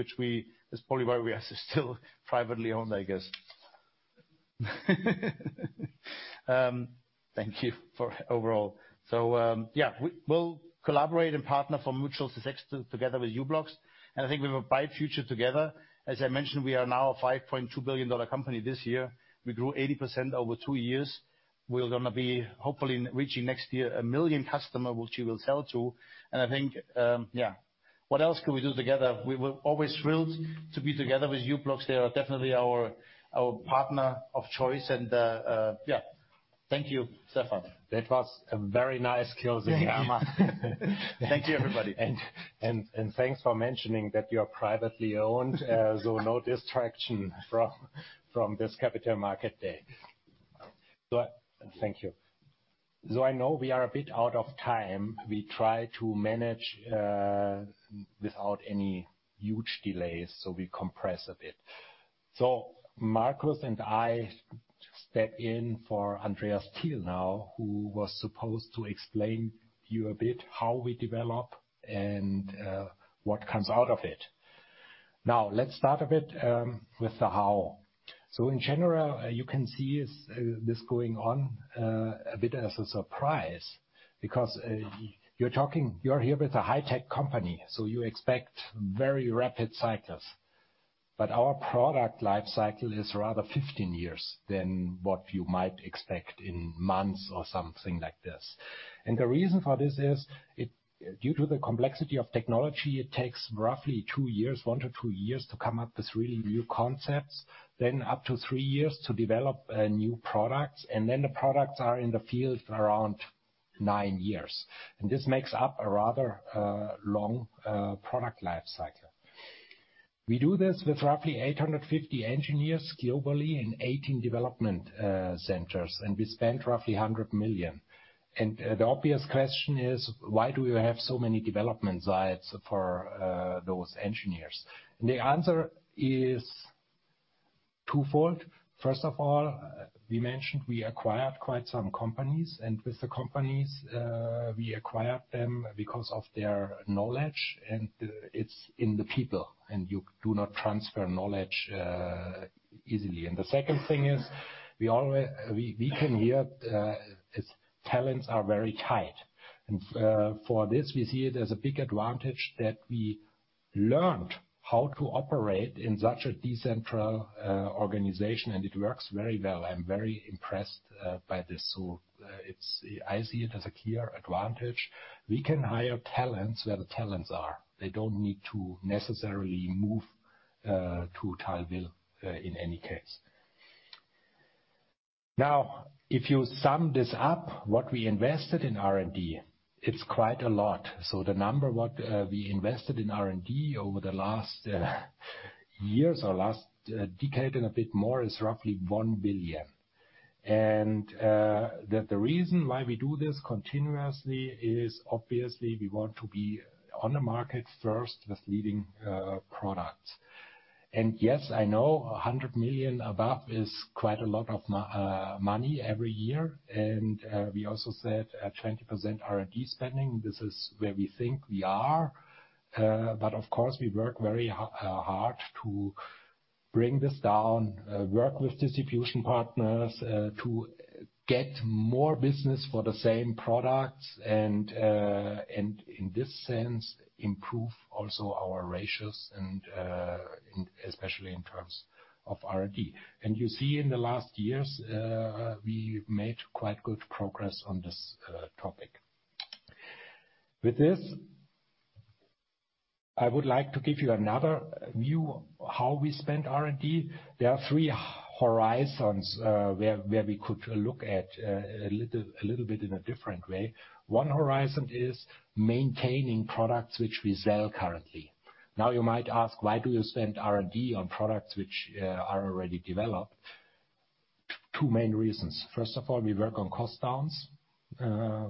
is probably why we are still privately owned, I guess. Thank you for overall. Yeah, we'll collaborate and partner for mutual success together with u-blox, and I think we will buy future together. As I mentioned, we are now a $5.2 billion company this year. We grew 80% over two years. We're gonna be hopefully reaching next year 1 million customer which we will sell to. I think, yeah. What else can we do together? We were always thrilled to be together with u-blox. They are definitely our partner of choice. Yeah, thank you, Stephan.
That was a very nice closing.
Thank you, everybody.
Thanks for mentioning that you are privately owned, so no distraction from this capital market day. Thank you. I know we are a bit out of time. We try to manage without any huge delays, so we compress a bit. Markus and I step in for Andreas Thiel now, who was supposed to explain to you a bit how we develop and what comes out of it. Let's start a bit with the how. In general, you can see this going on a bit as a surprise because you're here with a high-tech company, so you expect very rapid cycles. Our product life cycle is rather 15 years than what you might expect in months or something like this. The reason for this is due to the complexity of technology, it takes roughly one to two years to come up with really new concepts, then up to three years to develop new products, and then the products are in the field for around nine years. This makes up a rather long product life cycle. We do this with roughly 850 engineers globally in 18 development centers, and we spend roughly 100 million. The obvious question is, why do you have so many development sites for those engineers? The answer is twofold. First of all, we mentioned we acquired quite some companies, and with the companies we acquired them because of their knowledge, and it's in the people, and you do not transfer knowledge easily. The second thing is we can hear its talents are very tight. For this, we see it as a big advantage that we learned how to operate in such a decentral organization, and it works very well. I'm very impressed by this. I see it as a clear advantage. We can hire talents where the talents are. They don't need to necessarily move to Tailville in any case. If you sum this up, what we invested in R&D, it's quite a lot. The number what we invested in R&D over the last years or last decade and a bit more is roughly 1 billion. The reason why we do this continuously is obviously we want to be on the market first with leading products. Yes, I know 100 million above is quite a lot of money every year. We also said a 20% R&D spending. This is where we think we are. But of course, we work very hard to bring this down, work with distribution partners, to get more business for the same products, and in this sense, improve also our ratios and especially in terms of R&D. You see in the last years, we made quite good progress on this topic. With this, I would like to give you another view how we spend R&D. There are three horizons where we could look at a little bit in a different way. One horizon is maintaining products which we sell currently. You might ask, why do you spend R&D on products which are already developed? Two main reasons. First of all, we work on cost downs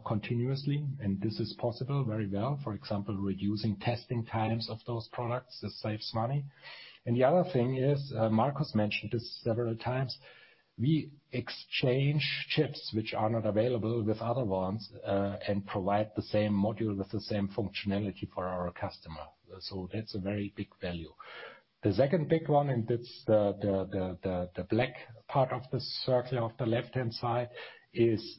continuously, this is possible very well. For example, reducing testing times of those products, this saves money. The other thing is, Markus mentioned this several times, we exchange chips which are not available with other ones and provide the same module with the same functionality for our customer. That's a very big value. The 2nd big one, it's the black part of the circle of the left-hand side, is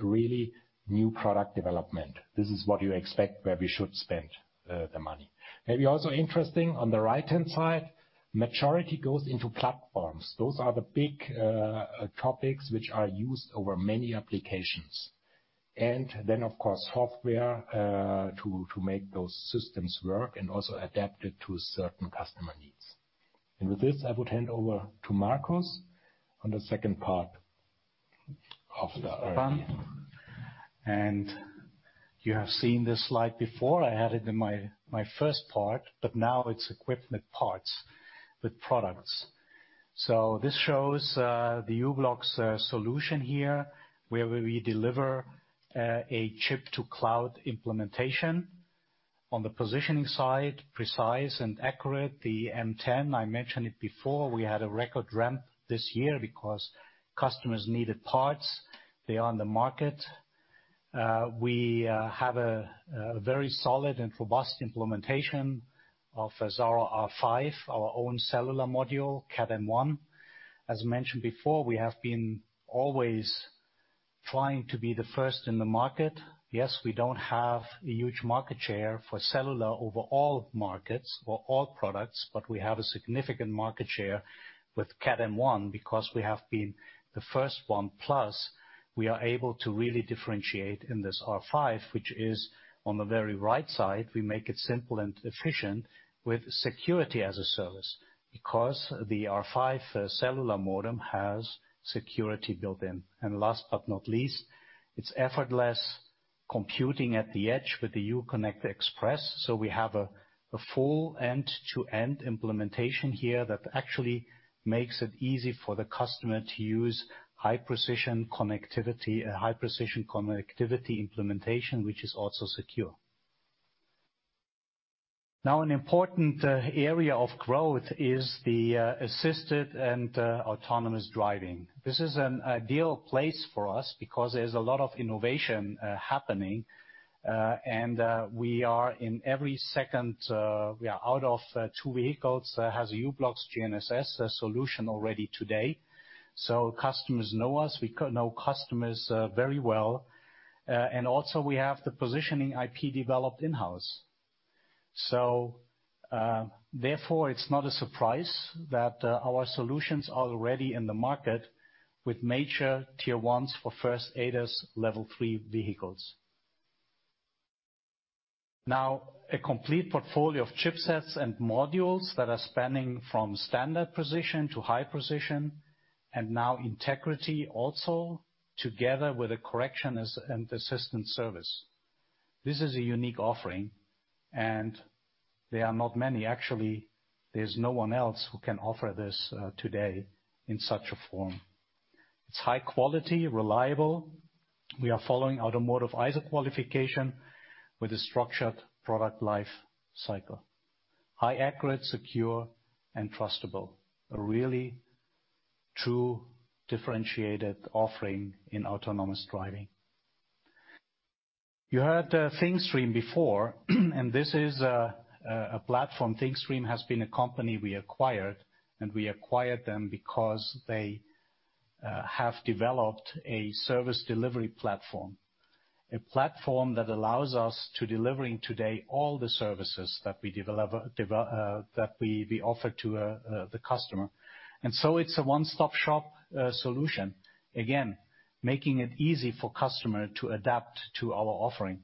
really new product development. This is what you expect, where we should spend the money. Maybe also interesting on the right-hand side, maturity goes into platforms. Those are the big topics which are used over many applications. Then of course, software, to make those systems work and also adapt it to certain customer needs. With this, I would hand over to Markus on the second part of the R&D.
Thanks, Stephan. You have seen this slide before. I had it in my first part, but now it's equipment parts with products. This shows the u-blox solution here, where we deliver a chip to cloud implementation. On the positioning side, precise and accurate, the M10, I mentioned it before, we had a record ramp this year because customers needed parts. They are on the market. We have a very solid and robust implementation of SARA-R5, our own cellular module, Cat M1. As mentioned before, we have been always trying to be the first in the market. Yes, we don't have a huge market share for cellular over all markets or all products, but we have a significant market share with Cat M1 because we have been the first one. We are able to really differentiate in this R5, which is on the very right side. We make it simple and efficient with security as a service because the R5 cellular modem has security built in. Last but not least, it's effortless computing at the edge with the u-connectXpress. We have a full end-to-end implementation here that actually makes it easy for the customer to use high precision connectivity, high precision connectivity implementation, which is also secure. An important area of growth is the assisted and autonomous driving. This is an ideal place for us because there's a lot of innovation happening. We are in every second, we are out of two vehicles, has u-blox GNSS solution already today. Customers know us. We know customers very well. Also, we have the positioning IP developed in-house. Therefore, it's not a surprise that our solutions are already in the market with major tier ones for first ADAS level three vehicles. Now a complete portfolio of chipsets and modules that are spanning from standard precision to high precision and now integrity also together with a correction and assistance service. This is a unique offering and there are not many. Actually, there's no one else who can offer this today in such a form. It's high quality, reliable. We are following automotive ISO qualification with a structured product life cycle. High accurate, secure and trustable. A really true differentiated offering in autonomous driving. You heard Thingstream before, this is a platform. Thingstream has been a company we acquired. We acquired them because they have developed a service delivery platform. A platform that allows us to delivering today all the services that we offer to the customer. It's a one-stop-shop solution. Again, making it easy for customer to adapt to our offering.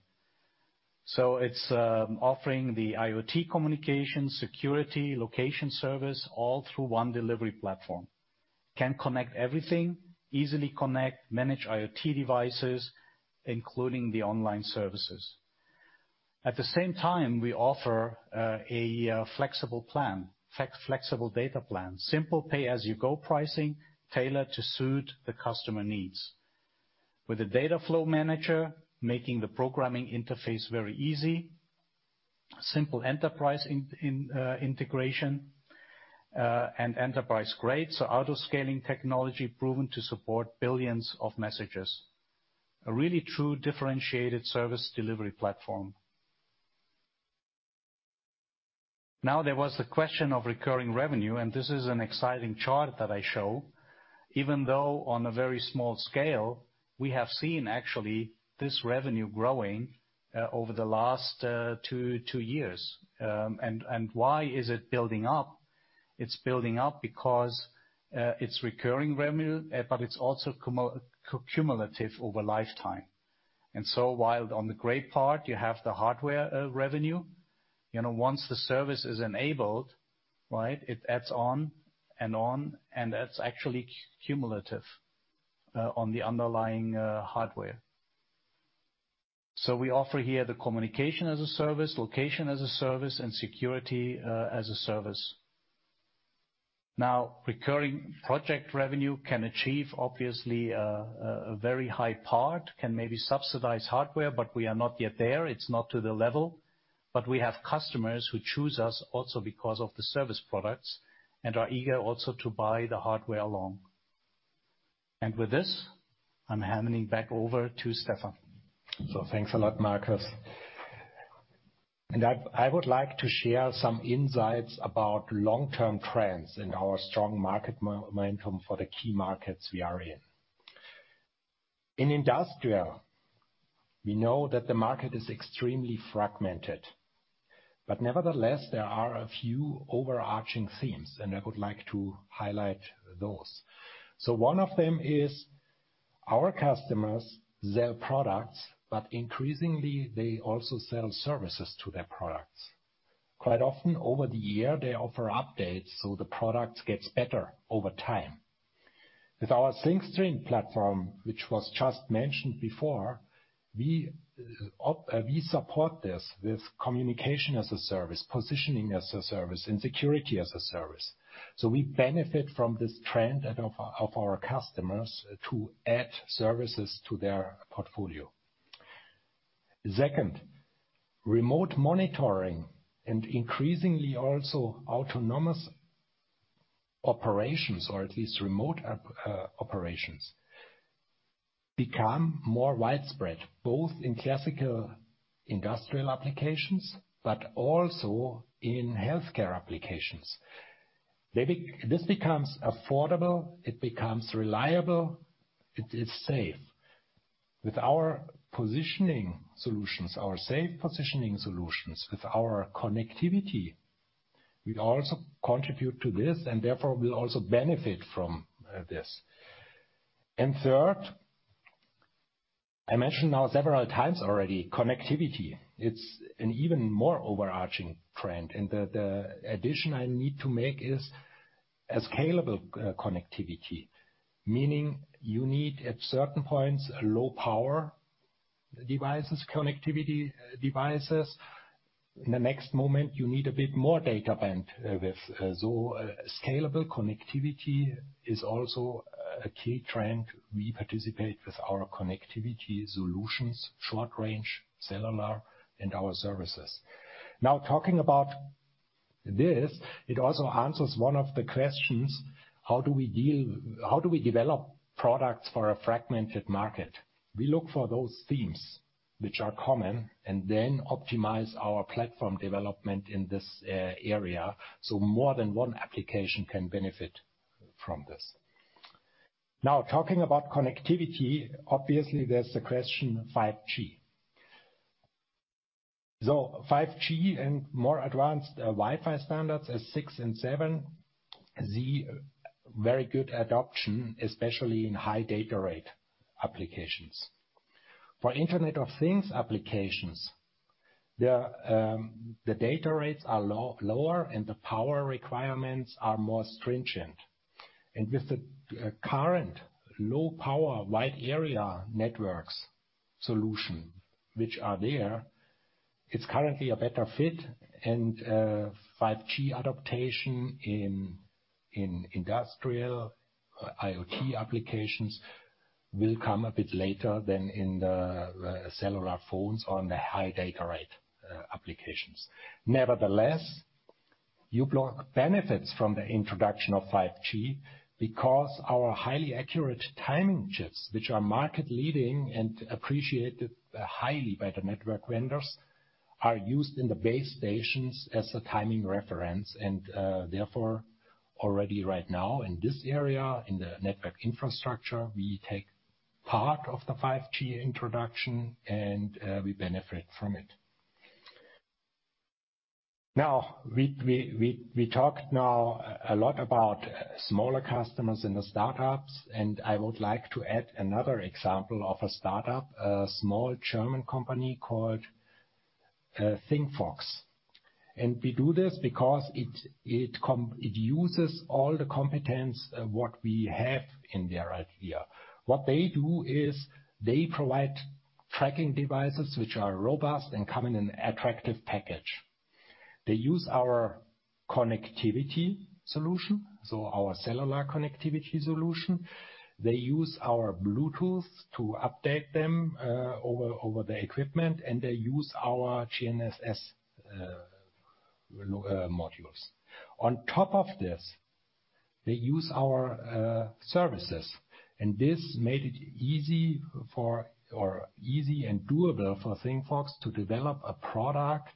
It's offering the IoT communication, security, location service, all through one delivery platform. Can connect everything, easily connect, manage IoT devices, including the online services. At the same time, we offer a flexible plan, flexible data plan. Simple pay-as-you-go pricing tailored to suit the customer needs. With a data flow manager making the programming interface very easy, simple enterprise integration, and enterprise-grade auto-scaling technology proven to support billions of messages. A really true differentiated service delivery platform. There was the question of recurring revenue, and this is an exciting chart that I show. Even though on a very small scale, we have seen actually this revenue growing over the last two years. Why is it building up? It's building up because it's recurring revenue, but it's also cumulative over lifetime. While on the gray part you have the hardware revenue, you know, once the service is enabled, right? It adds on and on, and that's actually cumulative on the underlying hardware. We offer here the communication-as-a-service, location-as-a-service, and security as a service. Recurring project revenue can achieve obviously a very high part, can maybe subsidize hardware, but we are not yet there. It's not to the level. We have customers who choose us also because of the service products and are eager also to buy the hardware along. With this, I'm handing back over to Stephan.
Thanks a lot, Markus. I would like to share some insights about long-term trends in our strong market momentum for the key markets we are in. In industrial, we know that the market is extremely fragmented. Nevertheless, there are a few overarching themes, and I would like to highlight those. One of them is our customers sell products, but increasingly they also sell services to their products. Quite often over the year, they offer updates, so the product gets better over time. With our Thingstream platform, which was just mentioned before, we support this with communication as a service, positioning as a service, and security as a service. We benefit from this trend and of our customers to add services to their portfolio. Second, remote monitoring and increasingly also autonomous operations or at least remote operations become more widespread, both in classical industrial applications but also in healthcare applications. This becomes affordable, it becomes reliable, it is safe. With our positioning solutions, our safe positioning solutions, with our connectivity, we also contribute to this and therefore will also benefit from this. Third, I mentioned now several times already, connectivity. It's an even more overarching trend, and the addition I need to make is a scalable connectivity. Meaning you need at certain points low power devices, connectivity devices. In the next moment, you need a bit more data bandwidth. Scalable connectivity is also a key trend we participate with our connectivity solutions, short range, cellular, and our services. Now talking about this, it also answers one of the questions, how do we develop products for a fragmented market? We look for those themes which are common, and then optimize our platform development in this area, so more than one application can benefit from this. Now talking about connectivity, obviously, there's the question of 5G. 5G and more advanced Wi-Fi standards as six and seven see very good adoption, especially in high data rate applications. For Internet of Things applications, the data rates are lower, and the power requirements are more stringent. With the current low power wide area networks solution which are there, it's currently a better fit. 5G adaptation in industrial IoT applications will come a bit later than in the cellular phones on the high data rate applications. Nevertheless, u-blox benefits from the introduction of 5G because our highly accurate timing chips, which are market leading and appreciated highly by the network vendors, are used in the base stations as a timing reference, therefore, already right now in this area, in the network infrastructure, we take part of the 5G introduction and we benefit from it. We talked now a lot about smaller customers in the startups, and I would like to add another example of a startup, a small German company called Thingfox. We do this because it uses all the competence what we have in their idea. What they do is they provide tracking devices which are robust and come in an attractive package. They use our connectivity solution, so our cellular connectivity solution. They use our Bluetooth to update them over the equipment, and they use our GNSS modules. On top of this, they use our services, and this made it easy and doable for Thingfox to develop a product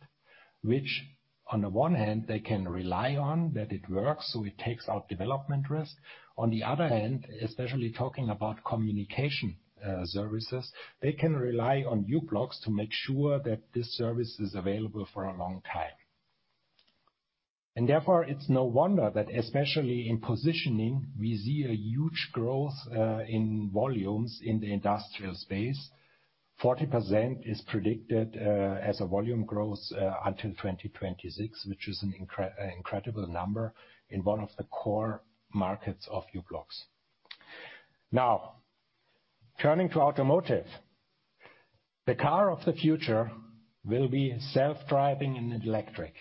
which on the one hand they can rely on that it works, so it takes out development risk. On the other hand, especially talking about communication services, they can rely on u-blox to make sure that this service is available for a long time. Therefore it's no wonder that especially in positioning, we see a huge growth in volumes in the industrial space. 40% is predicted as a volume growth until 2026, which is an incredible number in one of the core markets of u-blox. Turning to automotive. The car of the future will be self-driving and electric.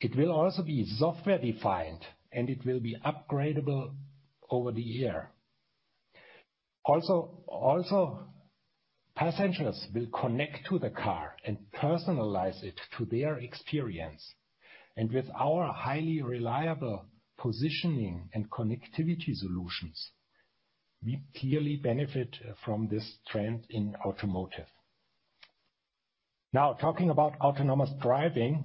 It will also be software-defined, and it will be upgradable over the year. Also, passengers will connect to the car and personalize it to their experience. With our highly reliable positioning and connectivity solutions, we clearly benefit from this trend in automotive. Talking about autonomous driving,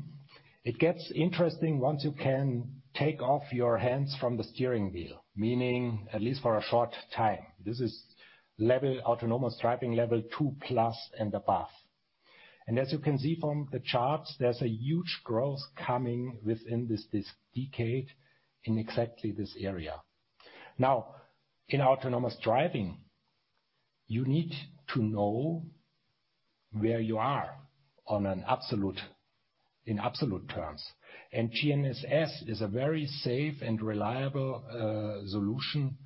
it gets interesting once you can take off your hands from the steering wheel, meaning at least for a short time. This is autonomous driving level two plus and above. As you can see from the charts, there's a huge growth coming within this decade in exactly this area. In autonomous driving, you need to know where you are in absolute terms. GNSS is a very safe and reliable solution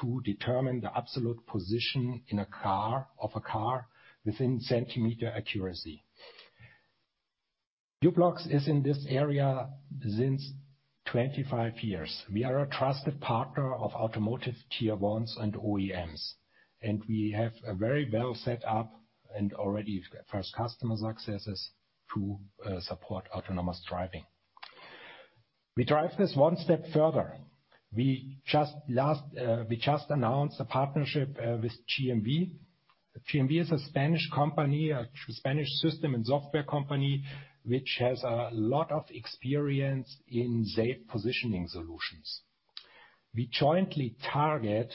to determine the absolute position of a car within centimeter accuracy. u-blox is in this area since 25 years. We are a trusted partner of automotive tier ones and OEMs. We have a very well set up and already first customer successes to support autonomous driving. We drive this one step further. We just announced a partnership with GMV. GMV is a Spanish company, a Spanish system and software company, which has a lot of experience in safe positioning solutions. We jointly target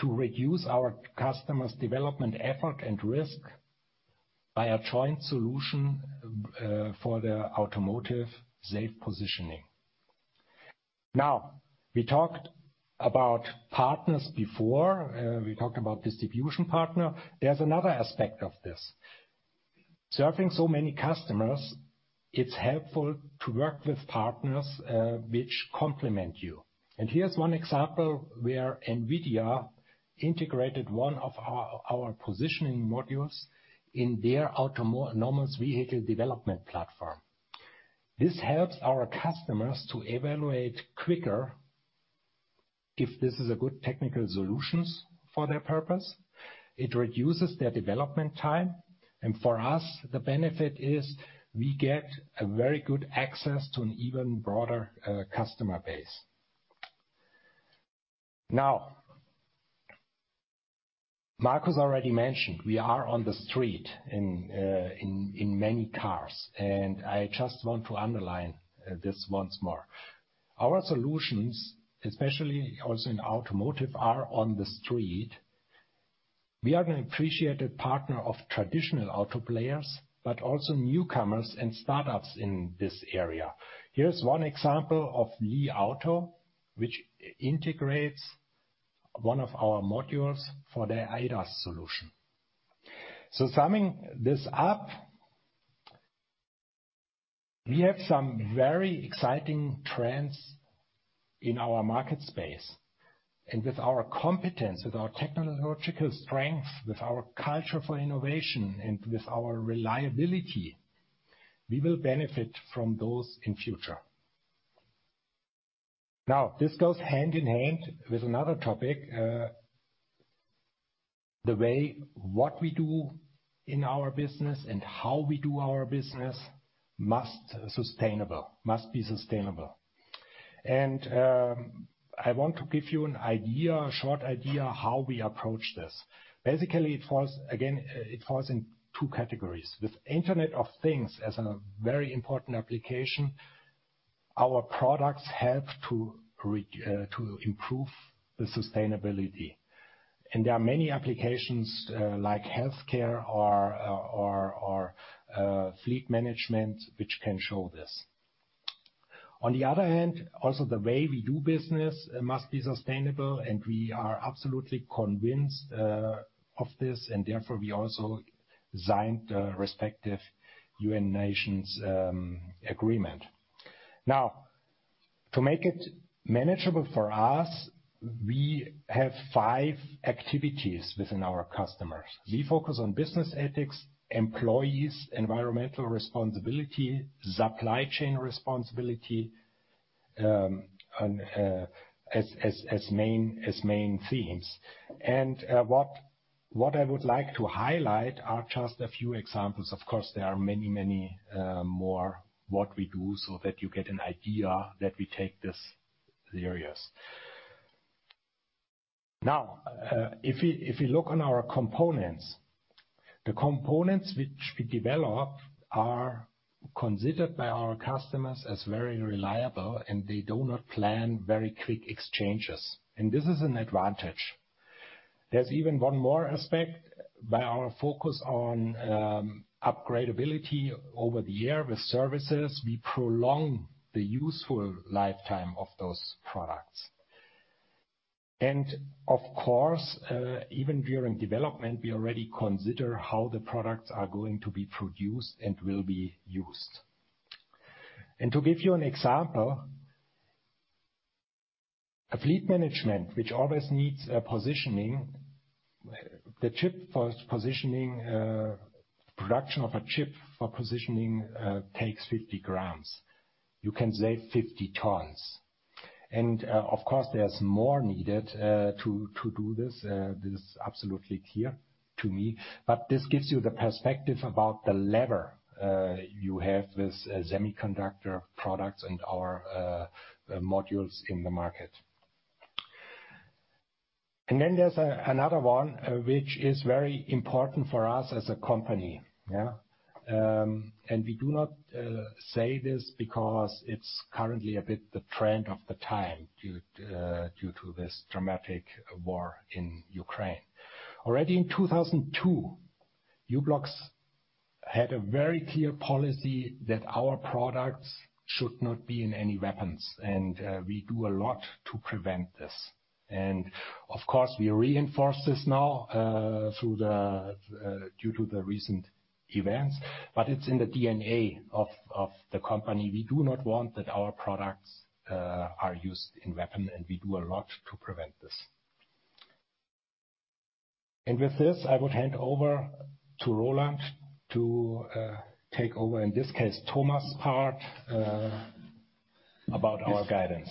to reduce our customers' development effort and risk by a joint solution for their automotive safe positioning. We talked about partners before. We talked about distribution partner. There's another aspect of this. Serving so many customers, it's helpful to work with partners, which complement you. Here's one example where Nvidia integrated one of our positioning modules in their autonomous vehicle development platform. This helps our customers to evaluate quicker if this is a good technical solutions for their purpose. It reduces their development time. For us, the benefit is we get a very good access to an even broader customer base. Now, Marcus already mentioned we are on the street in many cars, and I just want to underline this once more. Our solutions, especially also in automotive, are on the street. We are an appreciated partner of traditional auto players, but also newcomers and startups in this area. Here's one example of Li Auto, which integrates one of our modules for their ADAS solution. Summing this up, we have some very exciting trends in our market space, and with our competence, with our technological strength, with our culture for innovation, and with our reliability, we will benefit from those in future. Now this goes hand in hand with another topic. The way what we do in our business and how we do our business must sustainable. Must be sustainable. I want to give you an idea, a short idea how we approach this. Basically, it falls in two categories. With Internet of Things as a very important application, our products help to improve the sustainability. And there are many applications, like healthcare or fleet management, which can show this. On the other hand, also, the way we do business must be sustainable, and we are absolutely convinced of this, and therefore, we also signed the respective United Nations agreement. To make it manageable for us, we have five activities within our customers. We focus on business ethics, employees, environmental responsibility, supply chain responsibility, as main themes. What I would like to highlight are just a few examples. Of course, there are many, many more what we do, so that you get an idea that we take this serious. If you look on our components, the components which we develop are considered by our customers as very reliable, and they do not plan very quick exchanges. This is an advantage. There's even one more aspect. By our focus on upgradeability over the air with services, we prolong the useful lifetime of those products. Of course, even during development, we already consider how the products are going to be produced and will be used. To give you an example, a fleet management which always needs positioning. The chip for positioning, production of a chip for positioning, takes 50 grams. You can save 50 tons. Of course, there's more needed to do this. This is absolutely clear to me. This gives you the perspective about the lever you have with semiconductor products and our modules in the market. Then there's another one which is very important for us as a company. Yeah. We do not say this because it's currently a bit the trend of the time due to this dramatic war in Ukraine. Already in 2002, u-blox had a very clear policy that our products should not be in any weapons, and we do a lot to prevent this. Of course, we reinforce this now through the due to the recent events, but it's in the DNA of the company. We do not want that our products are used in weapon, and we do a lot to prevent this. With this, I would hand over to Roland to take over, in this case, Thomas' part about our guidance.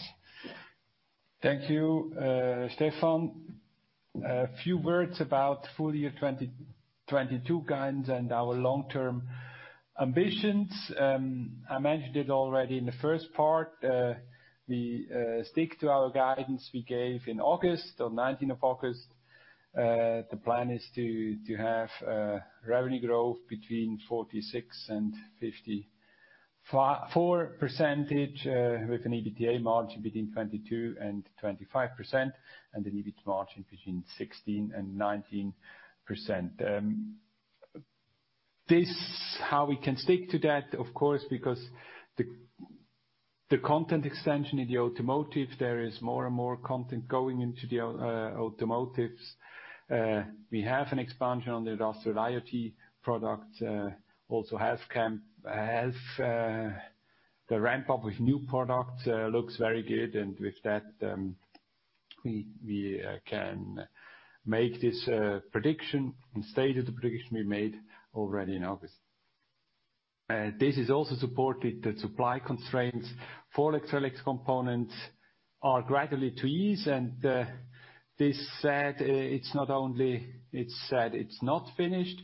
Thank you, Stephan. A few words about full year 2022 guidance and our long-term ambitions, I mentioned it already in the first part. We stick to our guidance we gave in August, on 19 August 2022. The plan is to have revenue growth between 46% and 54%, with an EBITDA margin between 22% and 25%, and an EBIT margin between 16% and 19%. This how we can stick to that, of course, because the content extension in the automotive, there is more and more content going into the automotives. We have an expansion on the industrial IoT product, also has the ramp up with new products, looks very good. With that, we can make this prediction and state the prediction we made already in August. This is also supported that supply constraints for electronics components are gradually to ease. This said, it's not only said, it's not finished.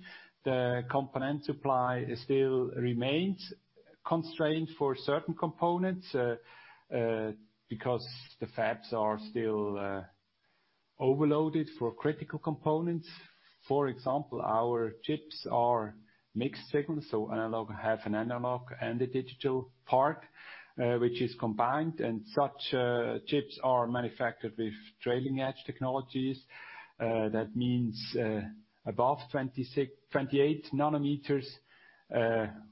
The component supply still remains constrained for certain components because the fabs are still overloaded for critical components. For example, our chips are mixed signals, so analog have an analog and a digital part, which is combined, and such chips are manufactured with trailing edge technologies. That means above 26, 28 nanometers.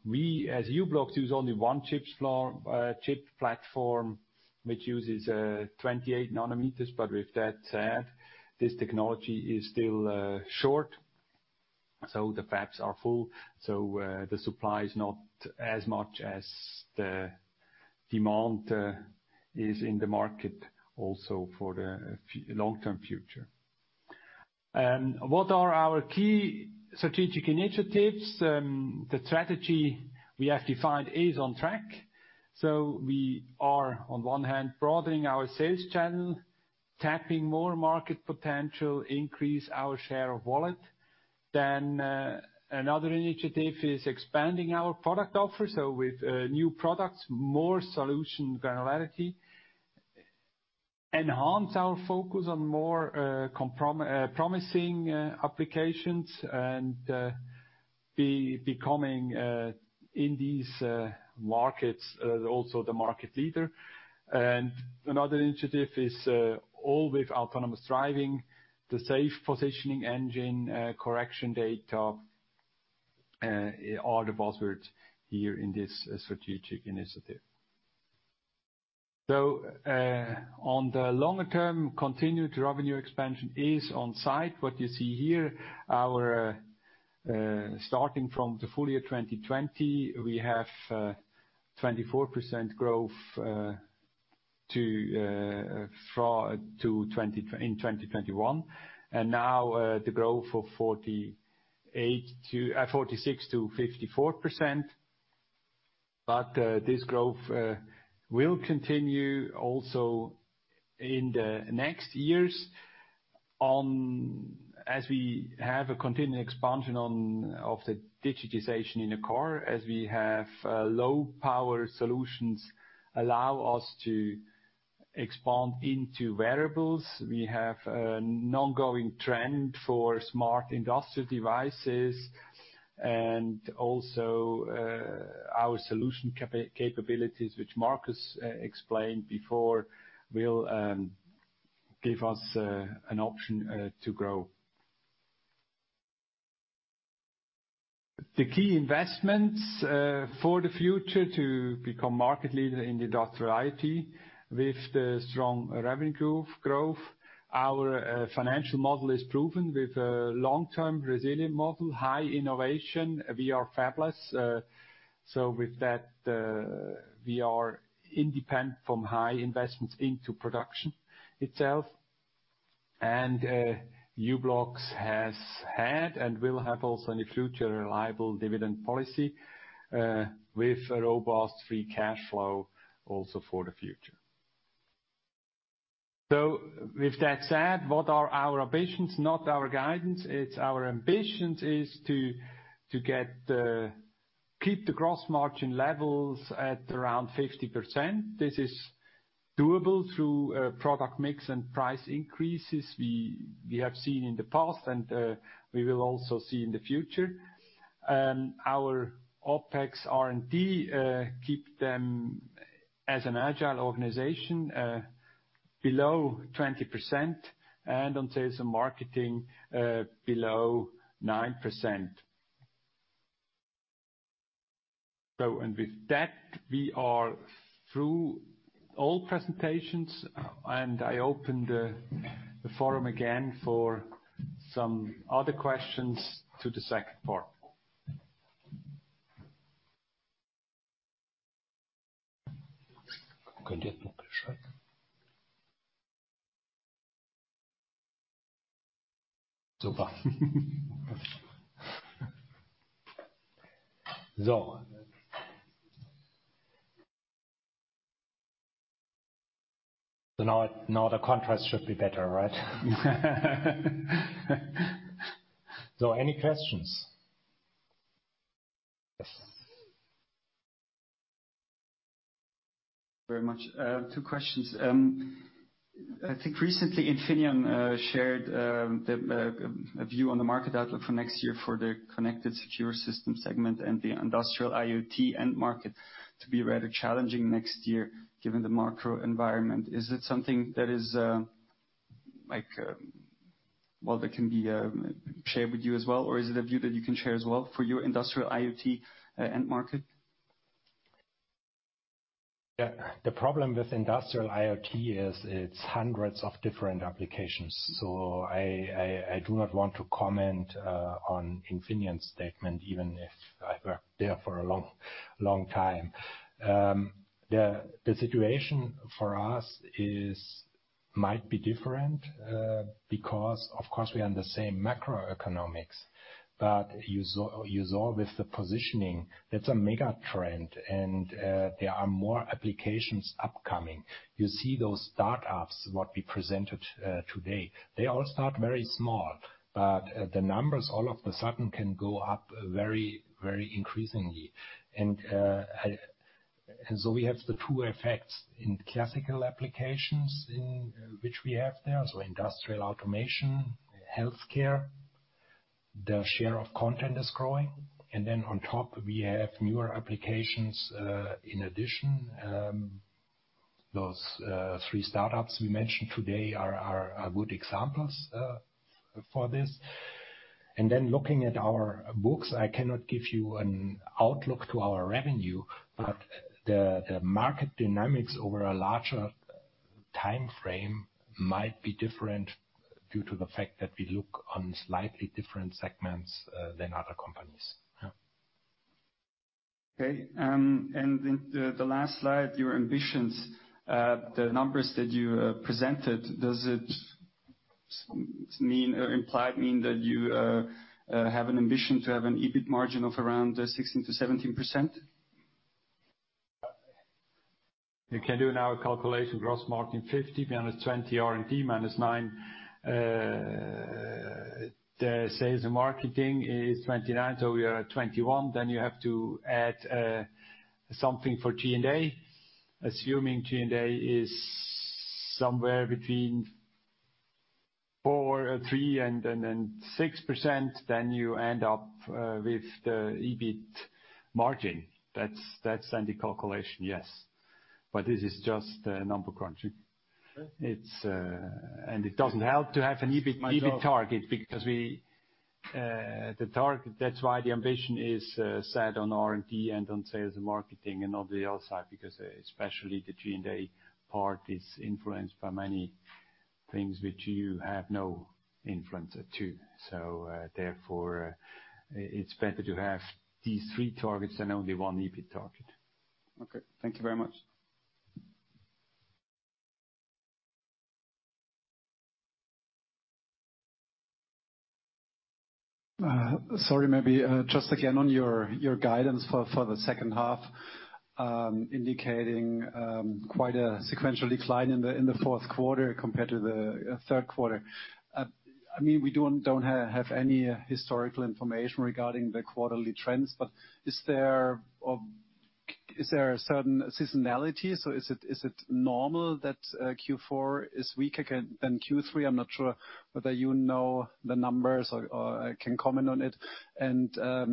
We as u-blox use only one chips floor, chip platform, which uses 28 nanometers. With that said, this technology is still short, so the fabs are full. The supply is not as much as the demand is in the market also for the long-term future. What are our key strategic initiatives? The strategy we have defined is on track. We are on one hand broadening our sales channel, tapping more market potential, increase our share of wallet. Another initiative is expanding our product offer, so with new products, more solution granularity. Enhance our focus on more promising applications and becoming in these markets also the market leader. Another initiative is all with autonomous driving, the safe positioning engine, correction data are the buzzwords here in this strategic initiative. On the longer term, continued revenue expansion is on site. What you see here, our, starting from the full year 2020, we have 24% growth to 2021. Now, the growth of 46% to 54%. This growth will continue also in the next years as we have a continued expansion of the digitization in the core, as we have low power solutions allow us to expand into wearables. We have an ongoing trend for smart industrial devices and also our solution capabilities, which Markus explained before, will give us an option to grow. The key investments for the future to become market leader in the industrial IoT with the strong revenue growth, our financial model is proven with a long-term resilient model, high innovation. We are fabless, with that, we are independent from high investments into production itself. u-blox has had and will have also in the future, a reliable dividend policy, with a robust free cash flow also for the future. With that said, what are our ambitions? Not our guidance, it's our ambitions is to keep the gross margin levels at around 50%. This is doable through product mix and price increases we have seen in the past and we will also see in the future. Our OpEx R&D, keep them as an agile organization, below 20% and on sales and marketing, below 9%. With that, we are through all presentations and I open the forum again for some other questions to the second part. Now the contrast should be better, right? Any questions?
Yes. Thank you, very much. Two questions. I think recently Infineon shared a view on the market outlook for next year for their connected secure system segment and the industrial IoT end market to be rather challenging next year, given the macro environment. Is it something that is, like, well, that can be shared with you as well? Or is it a view that you can share as well for your industrial IoT end market?
The problem with industrial IoT is it's hundreds of different applications. I do not want to comment on Infineon's statement, even if I worked there for a long, long time. The situation for us is might be different because of course we are in the same macroeconomics, but you saw with the positioning, that's a mega trend, there are more applications upcoming. You see those start-ups, what we presented today. They all start very small, the numbers all of a sudden can go up very, very increasingly. We have the two effects in classical applications in which we have now, so industrial automation, healthcare. The share of content is growing. On top we have newer applications in addition. Those three start-ups we mentioned today are good examples for this. Looking at our books, I cannot give you an outlook to our revenue, but the market dynamics over a larger timeframe might be different due to the fact that we look on slightly different segments than other companies.
Okay. In the last slide, your ambitions, the numbers that you presented, does it mean or implied mean that you have an ambition to have an EBIT margin of around 16% to 17%?
You can do now a calculation. Gross margin 50%, minus 20% R&D, minus 9%, the sales and marketing is 29%, so we are at 21%. You have to add something for G&A. Assuming G&A is somewhere between 4%, 3% and 6%, then you end up with the EBIT margin. That's then the calculation, yes. This is just number crunching.
Okay.
it doesn't help to have an EBIT...
My job.
Target because we, that's why the ambition is set on R&D and on sales and marketing and not the other side, because especially the G&A part is influenced by many things which you have no influence or too. Therefore, it's better to have these three targets than only one EBIT target.
Okay. Thank you very much.
Sorry, maybe, just again on your guidance for the second half, indicating quite a sequential decline in the fourth quarter compared to the third quarter. I mean, we don't have any historical information regarding the quarterly trends, but is there a certain seasonality? So is it normal that third quarter is weaker than third quarter? I'm not sure whether you know the numbers or can comment on it. I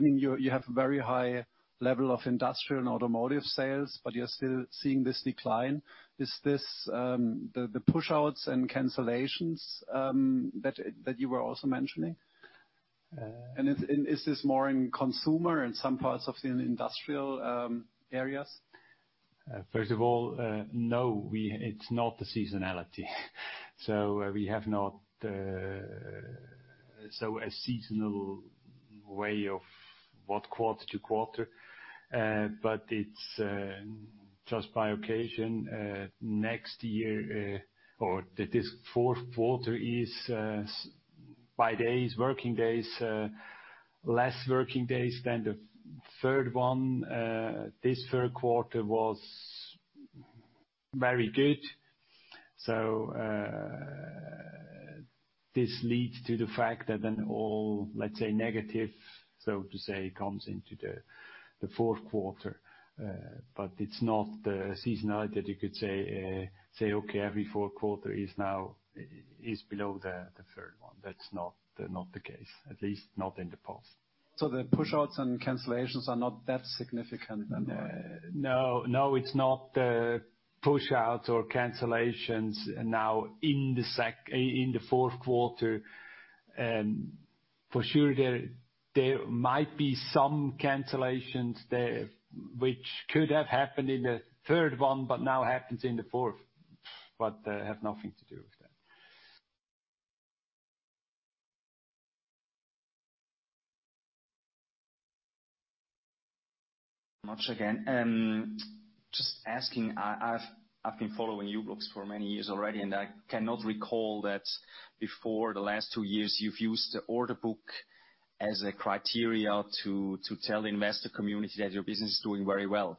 mean, you have very high level of industrial and automotive sales, but you're still seeing this decline. Is this the push-outs and cancellations that you were also mentioning?
Uh.
Is this more in consumer and some parts of the industrial areas?
First of all, no, it's not the seasonality. We have not a seasonal way of what quarter to quarter. It's just by occasion, next year, or this fourth quarter is by days, working days, less working days than the third one. This third quarter was very good. This leads to the fact that then all, let's say, negative, so to say, comes into the fourth quarter. It's not seasonal that you could say, "Okay, every fourth quarter is now below the third one." That's not the case. At least not in the past.
The push-outs and cancellations are not that significant, right?
No. No, it's not push-outs or cancellations now in the fourth quarter. For sure, there might be some cancellations there which could have happened in the third one, but now happens in the fourth. Have nothing to do with that.
Much again. just asking. I've been following u-blox for many years already. I cannot recall that before the last two years you've used the order book as a criteria to tell the investor community that your business is doing very well.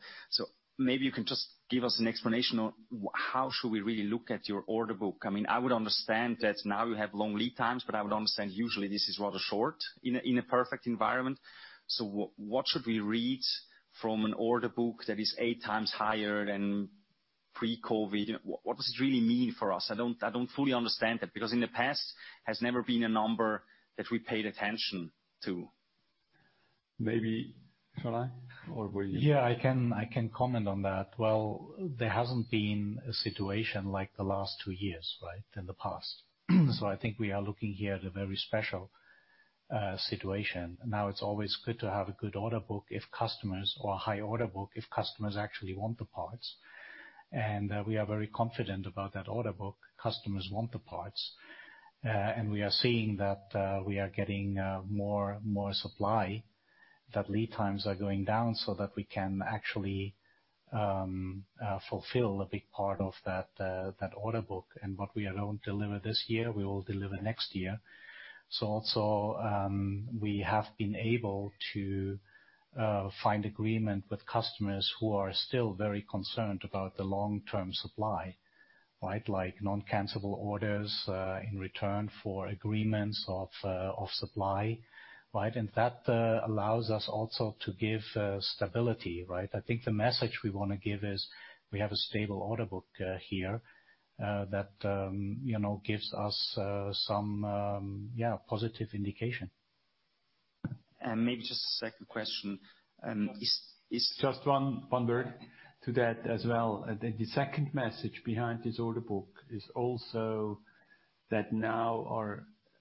Maybe you can just give us an explanation on how should we really look at your order book. I mean, I would understand that now you have long lead times, but I would understand usually this is rather short in a, in a perfect environment. What should we read from an order book that is eight times higher than pre-COVID? You know, what does it really mean for us? I don't fully understand it, because in the past, has never been a number that we paid attention to.
Maybe shall I? Or will you...
Yeah, I can comment on that. Well, there hasn't been a situation like the last two years, right, in the past. I think we are looking here at a very special situation. Now it's always good to have a good order book if customers or a high order book if customers actually want the parts. We are very confident about that order book. Customers want the parts. We are seeing that we are getting more supply, that lead times are going down so that we can actually fulfill a big part of that order book. What we don't deliver this year, we will deliver next year. Also, we have been able to find agreement with customers who are still very concerned about the long-term supply, right? Like non-cancelable orders, in return for agreements of supply, right? That allows us also to give stability, right? I think the message we wanna give is we have a stable order book here that, you know, gives us some, yeah, positive indication.
Maybe just a second question.
Just one word to that as well. I think the second message behind this order book is also that now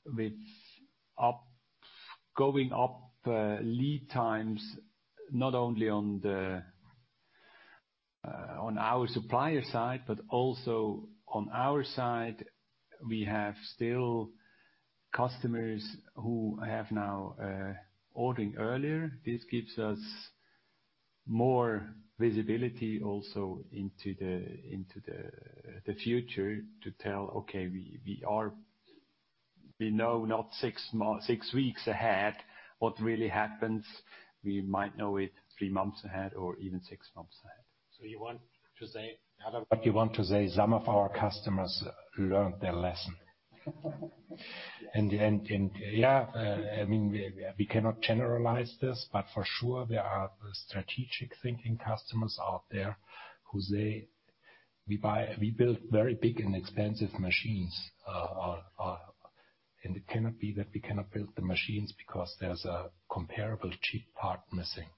with going up lead times, not only on our supplier side, but also on our side, we have still customers who have now ordering earlier. This gives us more visibility also into the future to tell, "Okay, we are we know not six weeks ahead what really happens. We might know it three months ahead or even six months ahead.
You want to say the other way.
What you want to say, some of our customers learned their lesson. In the end, I mean, we cannot generalize this, but for sure, there are strategic thinking customers out there who say, "We build very big and expensive machines. and it cannot be that we cannot build the machines because there's a comparable cheap part missing."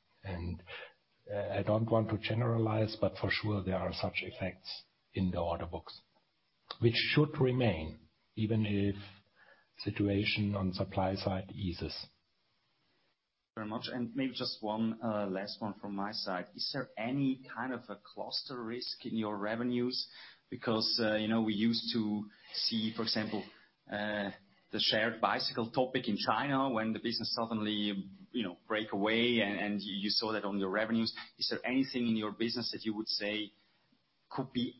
I don't want to generalize, but for sure, there are such effects in the order books, which should remain even if situation on supply side eases.
Very much. Maybe just one, last one from my side. Is there any kind of a cluster risk in your revenues? Because, you know, we used to see, for example, the shared bicycle topic in China when the business suddenly, you know, break away and you saw that on the revenues. Is there anything in your business that you would say could be,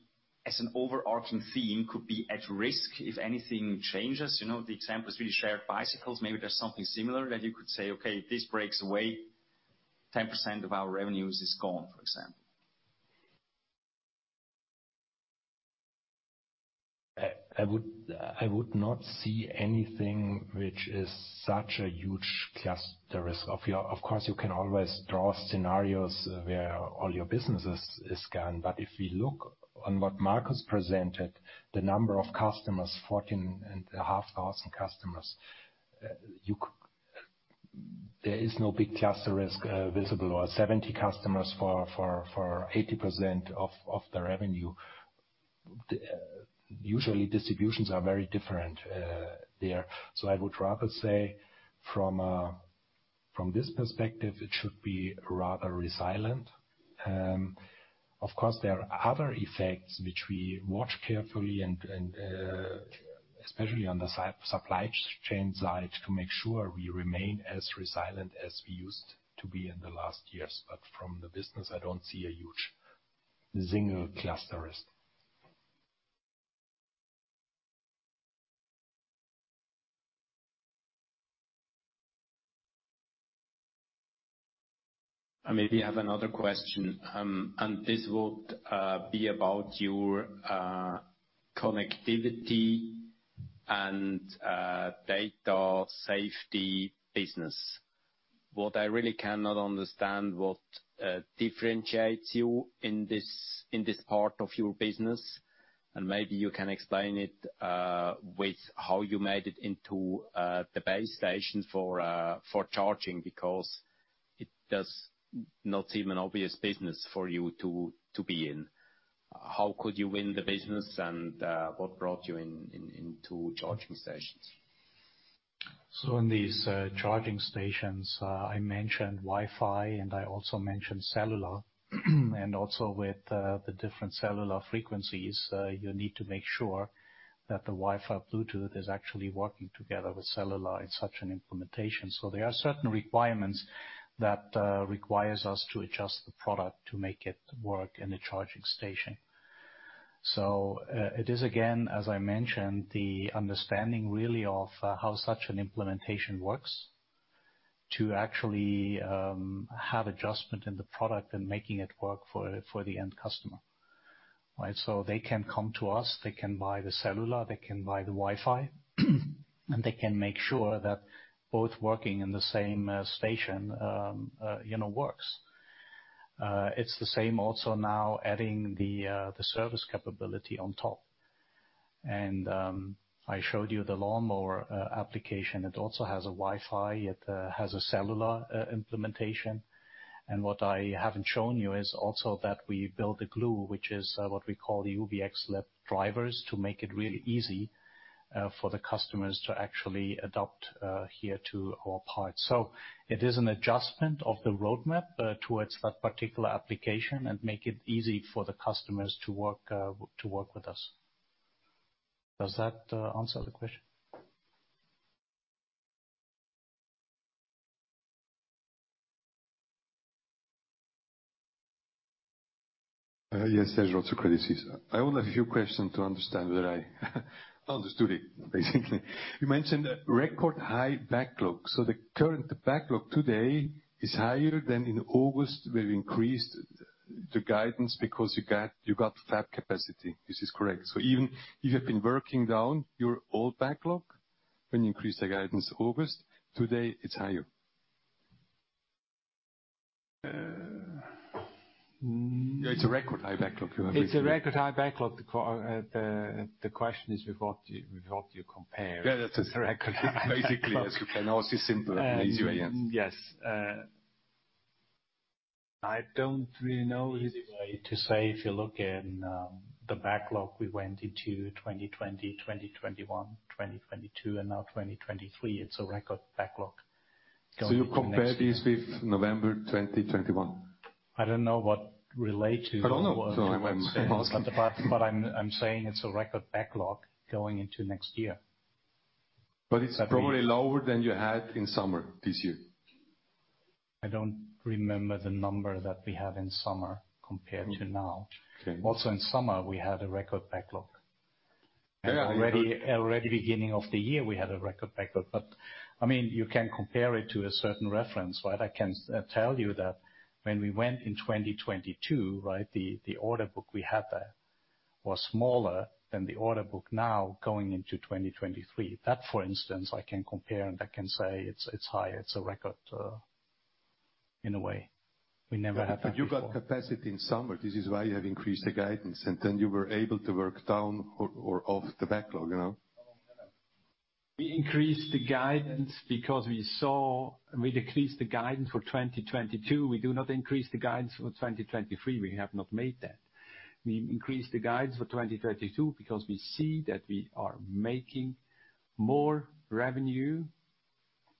as an overarching theme, could be at risk if anything changes? You know, the example is really shared bicycles. Maybe there's something similar that you could say, "Okay, this breaks away, 10% of our revenues is gone," for example.
I would not see anything which is such a huge cluster risk. Of course, you can always draw scenarios where all your businesses is gone. If you look on what Markus presented, the number of customers, 14,500 customers, there is no big cluster risk visible. 70 customers for 80% of the revenue. Usually, distributions are very different there. I would rather say from this perspective, it should be rather resilient. Of course, there are other effects which we watch carefully and especially on the supply chain side to make sure we remain as resilient as we used to be in the last years. From the business, I don't see a huge single cluster risk.
I maybe have another question. This would be about your connectivity and data safety business. What I really cannot understand what differentiates you in this, in this part of your business, and maybe you can explain it with how you made it into the base station for charging, because it does not seem an obvious business for you to be in. How could you win the business, and what brought you into charging stations?
In these, charging stations, I mentioned Wi-Fi, and I also mentioned cellular. Also with, the different cellular frequencies, you need to make sure that the Wi-Fi, Bluetooth is actually working together with cellular in such an implementation. There are certain requirements that, requires us to adjust the product to make it work in a charging station. It is again, as I mentioned, the understanding really of how such an implementation works to actually have adjustment in the product and making it work for the end customer. They can come to us, they can buy the cellular, they can buy the Wi-Fi, and they can make sure that both working in the same station, you know, works. It's the same also now adding the service capability on top. I showed you the lawnmower application. It also has a Wi-Fi. It has a cellular implementation. What I haven't shown you is also that we built the glue, which is what we call the u-blox drivers, to make it really easy for the customers to actually adopt here to our part. It is an adjustment of the roadmap towards that particular application and make it easy for the customers to work to work with us. Does that answer the question?
Yes. Serge Rotzer. I only have a few questions to understand whether I understood it, basically. You mentioned record high backlog. The current backlog today is higher than in August. We've increased the guidance because you got fab capacity. This is correct? Even you have been working down your old backlog when you increased the guidance August. Today it's higher. It's a record high backlog.
It's a record high backlog. The question is with what you compare?
Yeah, that's it...
The record high...
Basically, as you can always see, simpler and easier way in.
Yes. I don't really know an easy way to say. If you look in the backlog, we went into 2020, 2021, 2022 and now 2023. It's a record backlog going into next year...
You compare this with November 2021?
I don't know what relate to what I'm saying...
I don't know. I'm asking...
I'm saying it's a record backlog going into next year...
It's probably lower than you had in summer this year.
I don't remember the number that we had in summer compared to now.
Okay...
In summer, we had A record backlog.
Yeah.
Already, already beginning of the year, we had a record backlog. I mean, you can compare it to a certain reference, right? I can tell you that when we went in 2022, right, the order book we had there was smaller than the order book now going into 2023. For instance, I can compare and I can say it's high. It's a record in a way. We never had that before.
You got capacity in summer. This is why you have increased the guidance, and then you were able to work down or off the backlog, you know.
We decreased the guidance for 2022. We do not increase the guidance for 2023. We have not made that. We increased the guidance for 2022 because we see that we are making more revenue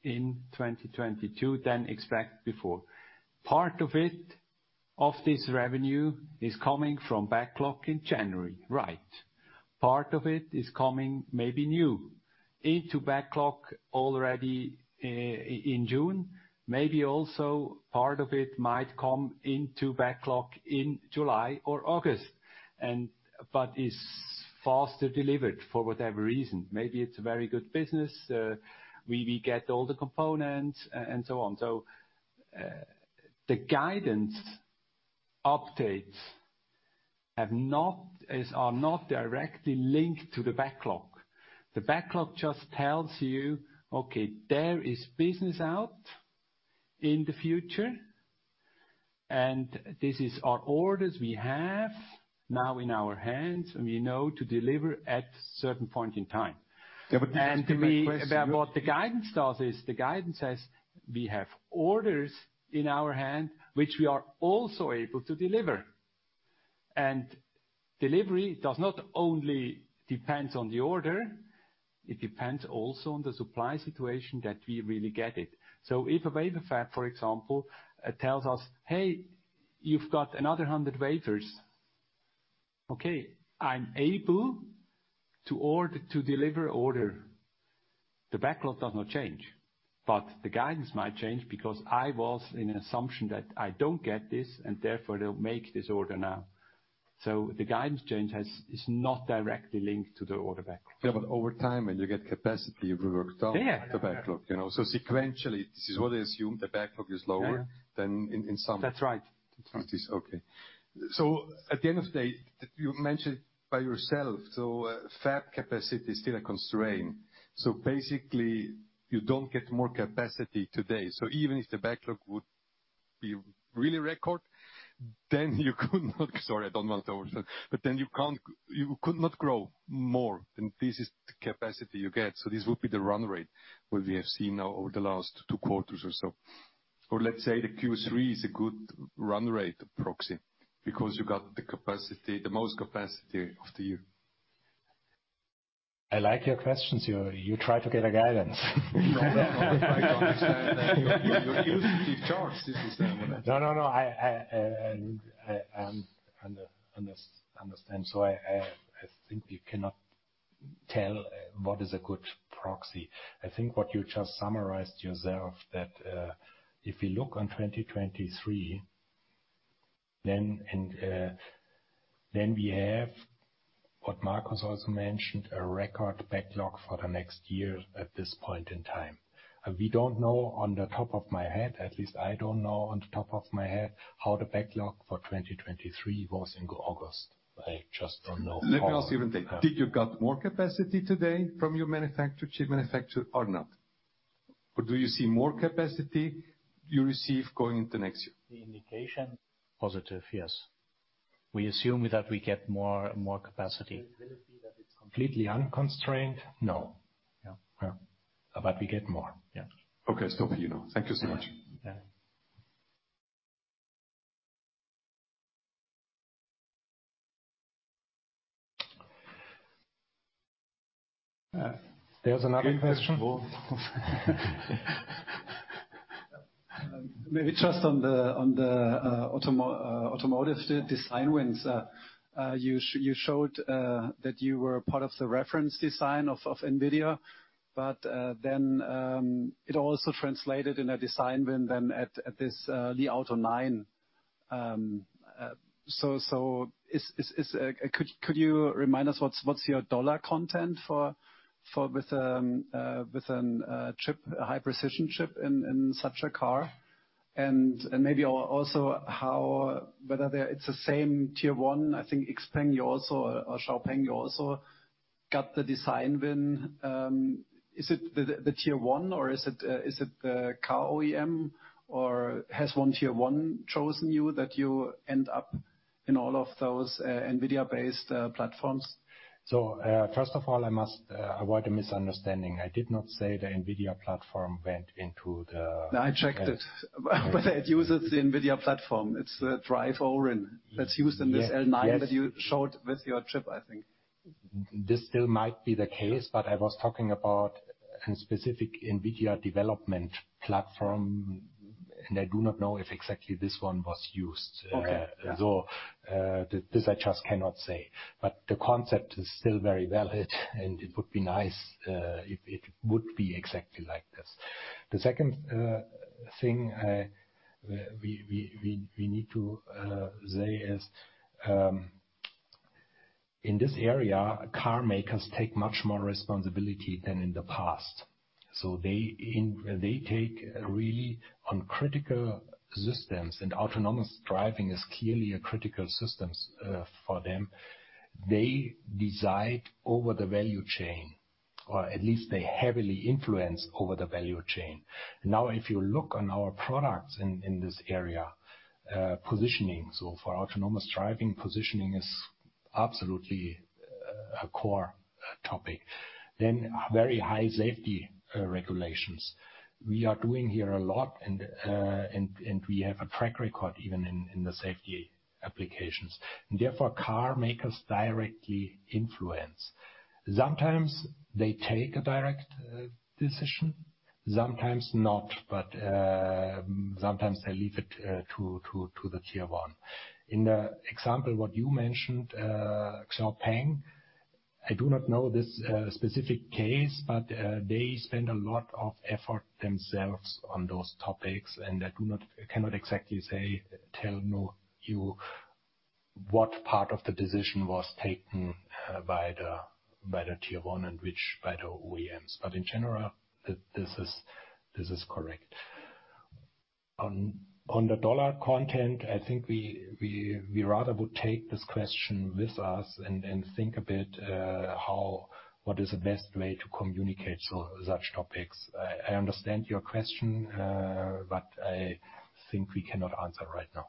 in 2022 than expect before. Part of it, of this revenue is coming from backlog in January, right. Part of it is coming maybe new into backlog already in June. Maybe also part of it might come into backlog in July or August and, but is faster delivered for whatever reason. Maybe it's a very good business, we get all the components and so on. The guidance updates are not directly linked to the backlog. The backlog just tells you, okay, there is business out in the future, and this is our orders we have now in our hands and we know to deliver at certain point in time...
Yeah, this is kind of my question...
What the guidance does is the guidance says we have orders in our hand which we are also able to deliver. Delivery does not only depends on the order, it depends also on the supply situation that we really get it. If a wafer fab, for example, tells us, "Hey, you've got another 100 wafers." Okay, I'm able to deliver order. The backlog does not change, but the guidance might change because I was in an assumption that I don't get this and therefore they'll make this order now. The guidance change is not directly linked to the order backlog.
Yeah, over time, when you get capacity, you work down...
Yeah.
The backlog, you know. Sequentially, this is what I assume the backlog is...
Yeah.
Than in...
That's right.
It is. Okay. At the end of the day, you mentioned by yourself, fab capacity is still a constraint. Basically, you don't get more capacity today. Even if the backlog would be really record, then you could not. Sorry, I don't want to over. Then you can't, you could not grow more than this is the capacity you get. This would be the run rate, what we have seen now over the last two quarters or so. Let's say the third quarter is a good run rate proxy because you got the capacity, the most capacity of the year.
I like your questions. You try to get a guidance.
No, no. I understand that you're used to give charts.
No, no. I understand. I think you cannot
Tell what is a good proxy. I think what you just summarized yourself, that, if you look on 2023, we have what Markus Schaefer also mentioned, a record backlog for the next year at this point in time. We don't know on the top of my head, at least I don't know on the top of my head, how the backlog for 2023 was in August. I just don't know...
Let me ask you one thing. Did you got more capacity today from your manufacturer, chip manufacturer or not? Do you see more capacity you receive going into next year?
The indication positive, yes. We assume that we get more capacity.
Will it be that it's completely...
Completely unconstrained? No. Yeah, yeah. We get more. Yeah.
Okay. Stop you now. Thank you so much.
Yeah.
There's another question.
Maybe just on the automotive design wins. You showed that you were part of the reference design of Nvidia. It also translated in a design win at this the DRIVE Orin. Could you remind us what's your dollar content for with a chip, a high precision chip in such a car? Maybe also how whether there it's the same tier one. I think XPeng also got the design win. Is it the tier one or is it the car OEM or has one tier one chosen you that you end up in all of those Nvidia based platforms?
First of all, I must avoid a misunderstanding. I did not say the Nvidia platform went into.
No, I checked it. Whether it uses the Nvidia platform. It's the DRIVE Orin that's used in this L nine that you showed with your chip, I think.
This still might be the case, but I was talking about a specific Nvidia development platform. I do not know if exactly this one was used.
Okay. Yeah.
This I just cannot say. The concept is still very valid, and it would be nice if it would be exactly like this. The second thing we need to say is, in this area, car makers take much more responsibility than in the past. They take really on critical systems, and autonomous driving is clearly a critical systems for them. They decide over the value chain, or at least they heavily influence over the value chain. If you look on our products in this area, positioning. For autonomous driving, positioning is absolutely a core topic. Very high safety regulations. We are doing here a lot. We have a track record even in the safety applications. Therefore, car makers directly influence. Sometimes they take a direct decision, sometimes not, but sometimes they leave it to the tier one. In the example what you mentioned, XPeng, I cannot exactly say, tell no you what part of the decision was taken by the tier one and which by the OEMs. In general, this is correct. On the dollar content, I think we rather would take this question with us and think a bit, how what is the best way to communicate so-such topics. I understand your question, but I think we cannot answer right now.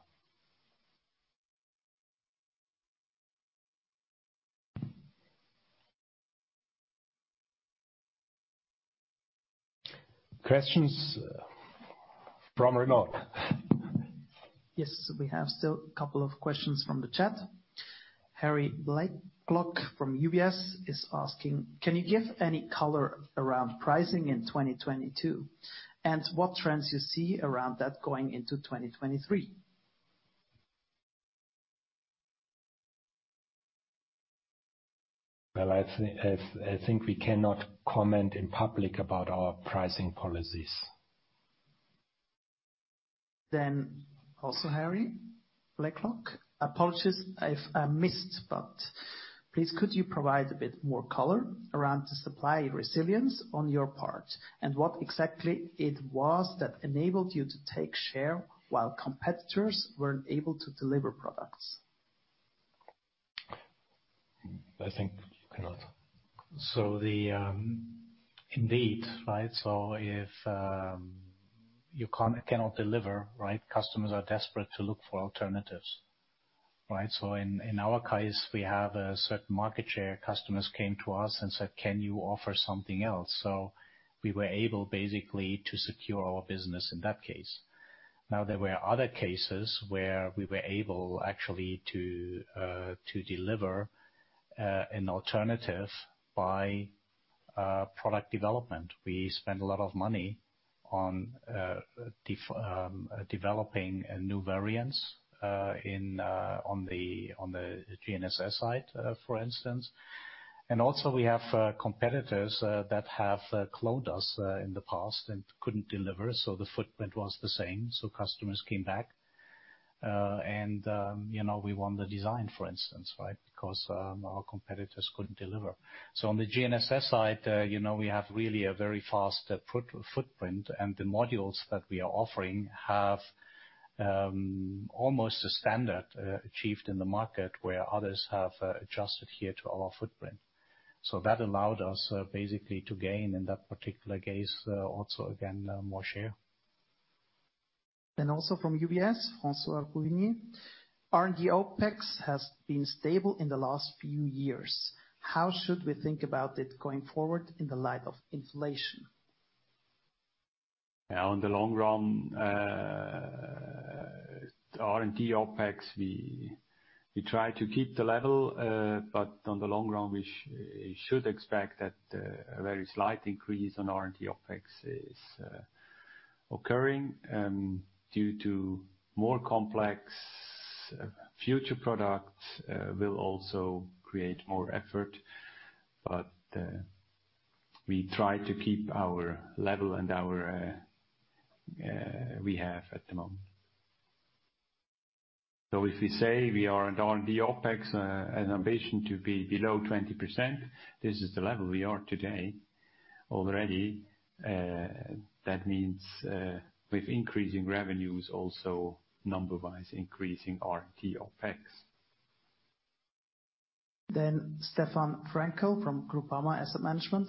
Questions from Renault.
We have still a couple of questions from the chat. Harry Blakelock from UBS is asking, "Can you give any color around pricing in 2022, and what trends you see around that going into 2023?
Well, I think we cannot comment in public about our pricing policies.
Also Harry Blakelock. Apologies if I missed, but please could you provide a bit more color around the supply resilience on your part and what exactly it was that enabled you to take share while competitors weren't able to deliver products?
I think you cannot.
Indeed, right? If you cannot deliver, right, customers are desperate to look for alternatives, right? In our case, we have a certain market share. Customers came to us and said, "Can you offer something else?" We were able basically to secure our business in that case. Now, there were other cases where we were able actually to deliver an alternative by product development. We spend a lot of money on developing new variants in on the GNSS side for instance. Also, we have competitors that have cloned us in the past and couldn't deliver, so the footprint was the same, so customers came back. You know, we won the design, for instance, right? 'Cause our competitors couldn't deliver. On the GNSS side, you know, we have really a very fast footprint, and the modules that we are offering have almost a standard achieved in the market where others have just adhered to our footprint. That allowed us basically to gain in that particular case also again, more share.
Also from UBS, François-Xavier Bouvignies. R&D OpEx has been stable in the last few years. How should we think about it going forward in the light of inflation?
On the long run, R&D OpEx, we try to keep the level, but on the long run, we should expect that a very slight increase on R&D OpEx is occurring due to more complex future products will also create more effort. We try to keep our level and our we have at the moment. If we say we are on R&D OpEx an ambition to be below 20%, this is the level we are today already. That means with increasing revenues also number-wise increasing R&D OpEx.
Stéphane Frouin from Groupama Asset Management.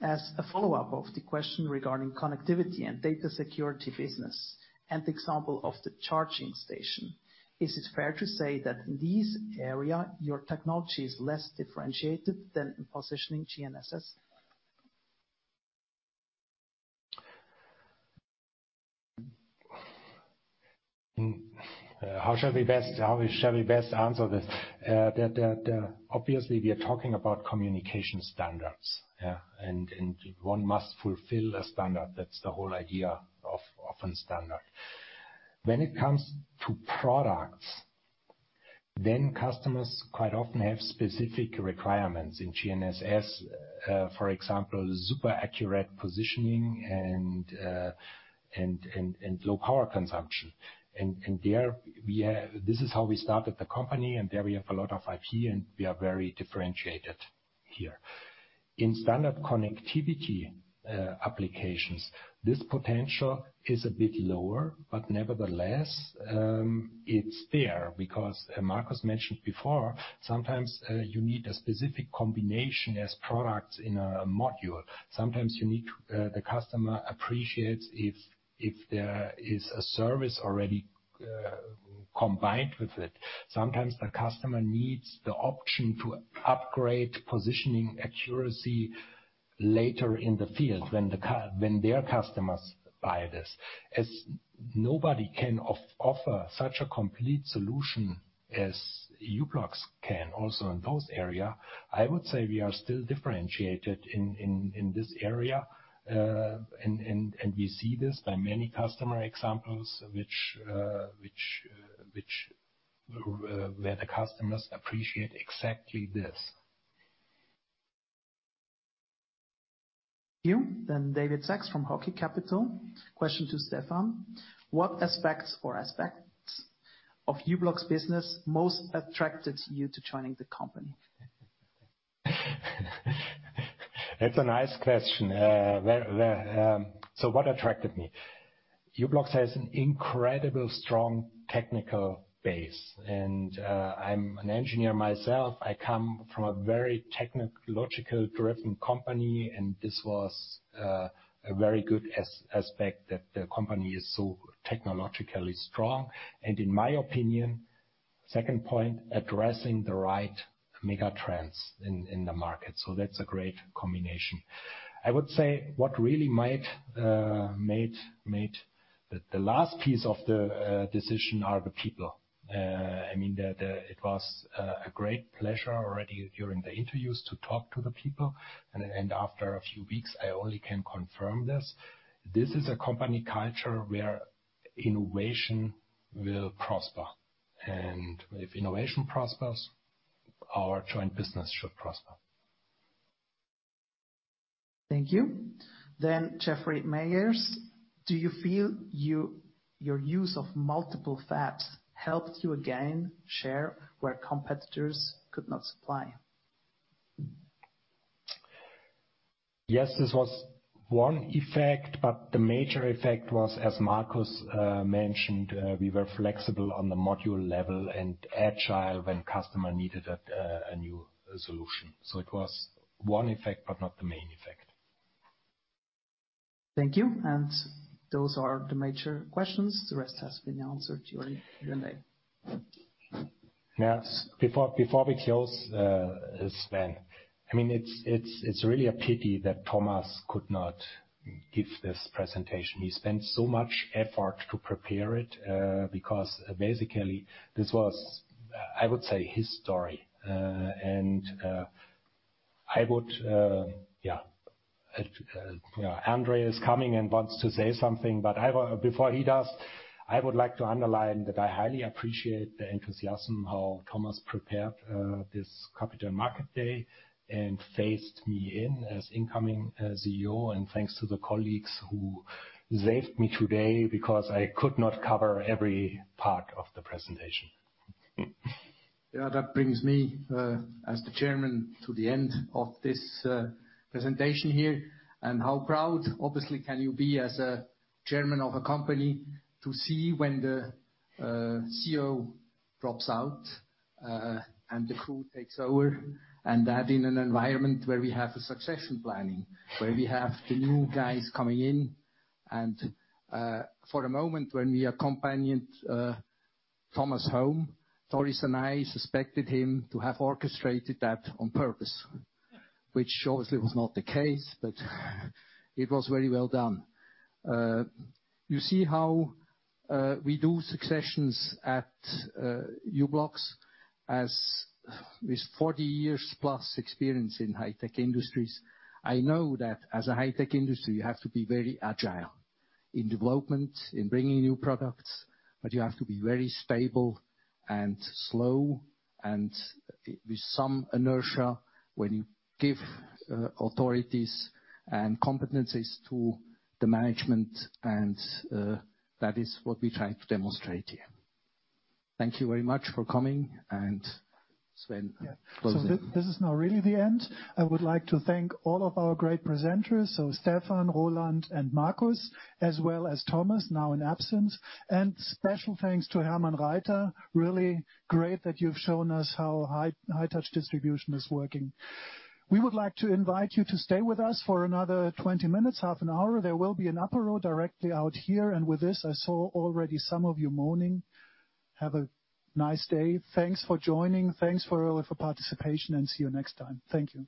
As a follow-up of the question regarding connectivity and data security business, and the example of the charging station, is it fair to say that in this area, your technology is less differentiated than in positioning GNSS?
How shall we best answer this? Obviously, we are talking about communication standards, yeah. One must fulfill a standard. That's the whole idea of a standard. When it comes to products, then customers quite often have specific requirements. In GNSS, for example, super accurate positioning and low power consumption. This is how we started the company, and there we have a lot of IP, and we are very differentiated here. In standard connectivity, applications, this potential is a bit lower, but nevertheless, it's there because, as Markus mentioned before, sometimes, you need a specific combination as products in a module. Sometimes you need, the customer appreciates if there is a service already, combined with it. Sometimes the customer needs the option to upgrade positioning accuracy later in the field when their customers buy this. As nobody can offer such a complete solution as u-blox can also in those area, I would say we are still differentiated in this area. And we see this by many customer examples which where the customers appreciate exactly this.
David Sachs from Hauck & Aufhäuser. Question to Stephan. What aspects of u-blox's business most attracted you to joining the company?
That's a nice question. where... What attracted me? u-blox has an incredible strong technical base, and I'm an engineer myself. I come from a very technological-driven company, and this was a very good aspect that the company is so technologically strong. In my opinion, second point, addressing the right mega trends in the market. That's a great combination. I would say what really made the last piece of the decision are the people. I mean, it was a great pleasure already during the interviews to talk to the people. After a few weeks, I only can confirm this. This is a company culture where innovation will prosper. If innovation prospers, our joint business should prosper.
Thank you. Jeffrey Meyers. Do you feel your use of multiple fabs helped you again share where competitors could not supply?
This was one effect, but the major effect was, as Markus mentioned, we were flexible on the module level and agile when customer needed a new solution. It was one effect but not the main effect.
Thank you. Those are the major questions. The rest has been answered during the day.
Yes. Before, before we close, Sven, I mean, it's, it's really a pity that Thomas could not give this presentation. He spent so much effort to prepare it, because basically this was, I would say his story. And I would, yeah, Andre is coming and wants to say something, but before he does, I would like to underline that I highly appreciate the enthusiasm how Thomas prepared this Capital Market Day and phased me in as incoming CEO. Thanks to the colleagues who saved me today because I could not cover every part of the presentation.
That brings me as the chairman to the end of this presentation here, and how proud obviously can you be as a chairman of a company to see when the CEO drops out and the crew takes over. That in an environment where we have a succession planning, where we have the new guys coming in. For a moment when we accompanied Thomas home, Thoris and I suspected him to have orchestrated that on purpose, which obviously was not the case, but it was very well done. You see how we do successions at u-blox. As with 40 years plus experience in high-tech industries, I know that as a high-tech industry, you have to be very agile in development, in bringing new products, but you have to be very stable and slow and with some inertia when you give authorities and competencies to the management. That is what we try to demonstrate here. Thank you very much for coming. Sven closing.
This is now really the end. I would like to thank all of our great presenters, so Stephan, Roland and Markus, as well as Thomas, now in absence. Special thanks to Hermann Reiter. Really great that you've shown us how high, high touch distribution is working. We would like to invite you to stay with us for another 20 minutes, half an hour. There will be an apéro directly out here. With this, I saw already some of you moaning. Have a nice day. Thanks for joining. Thanks for all of your participation and see you next time. Thank you.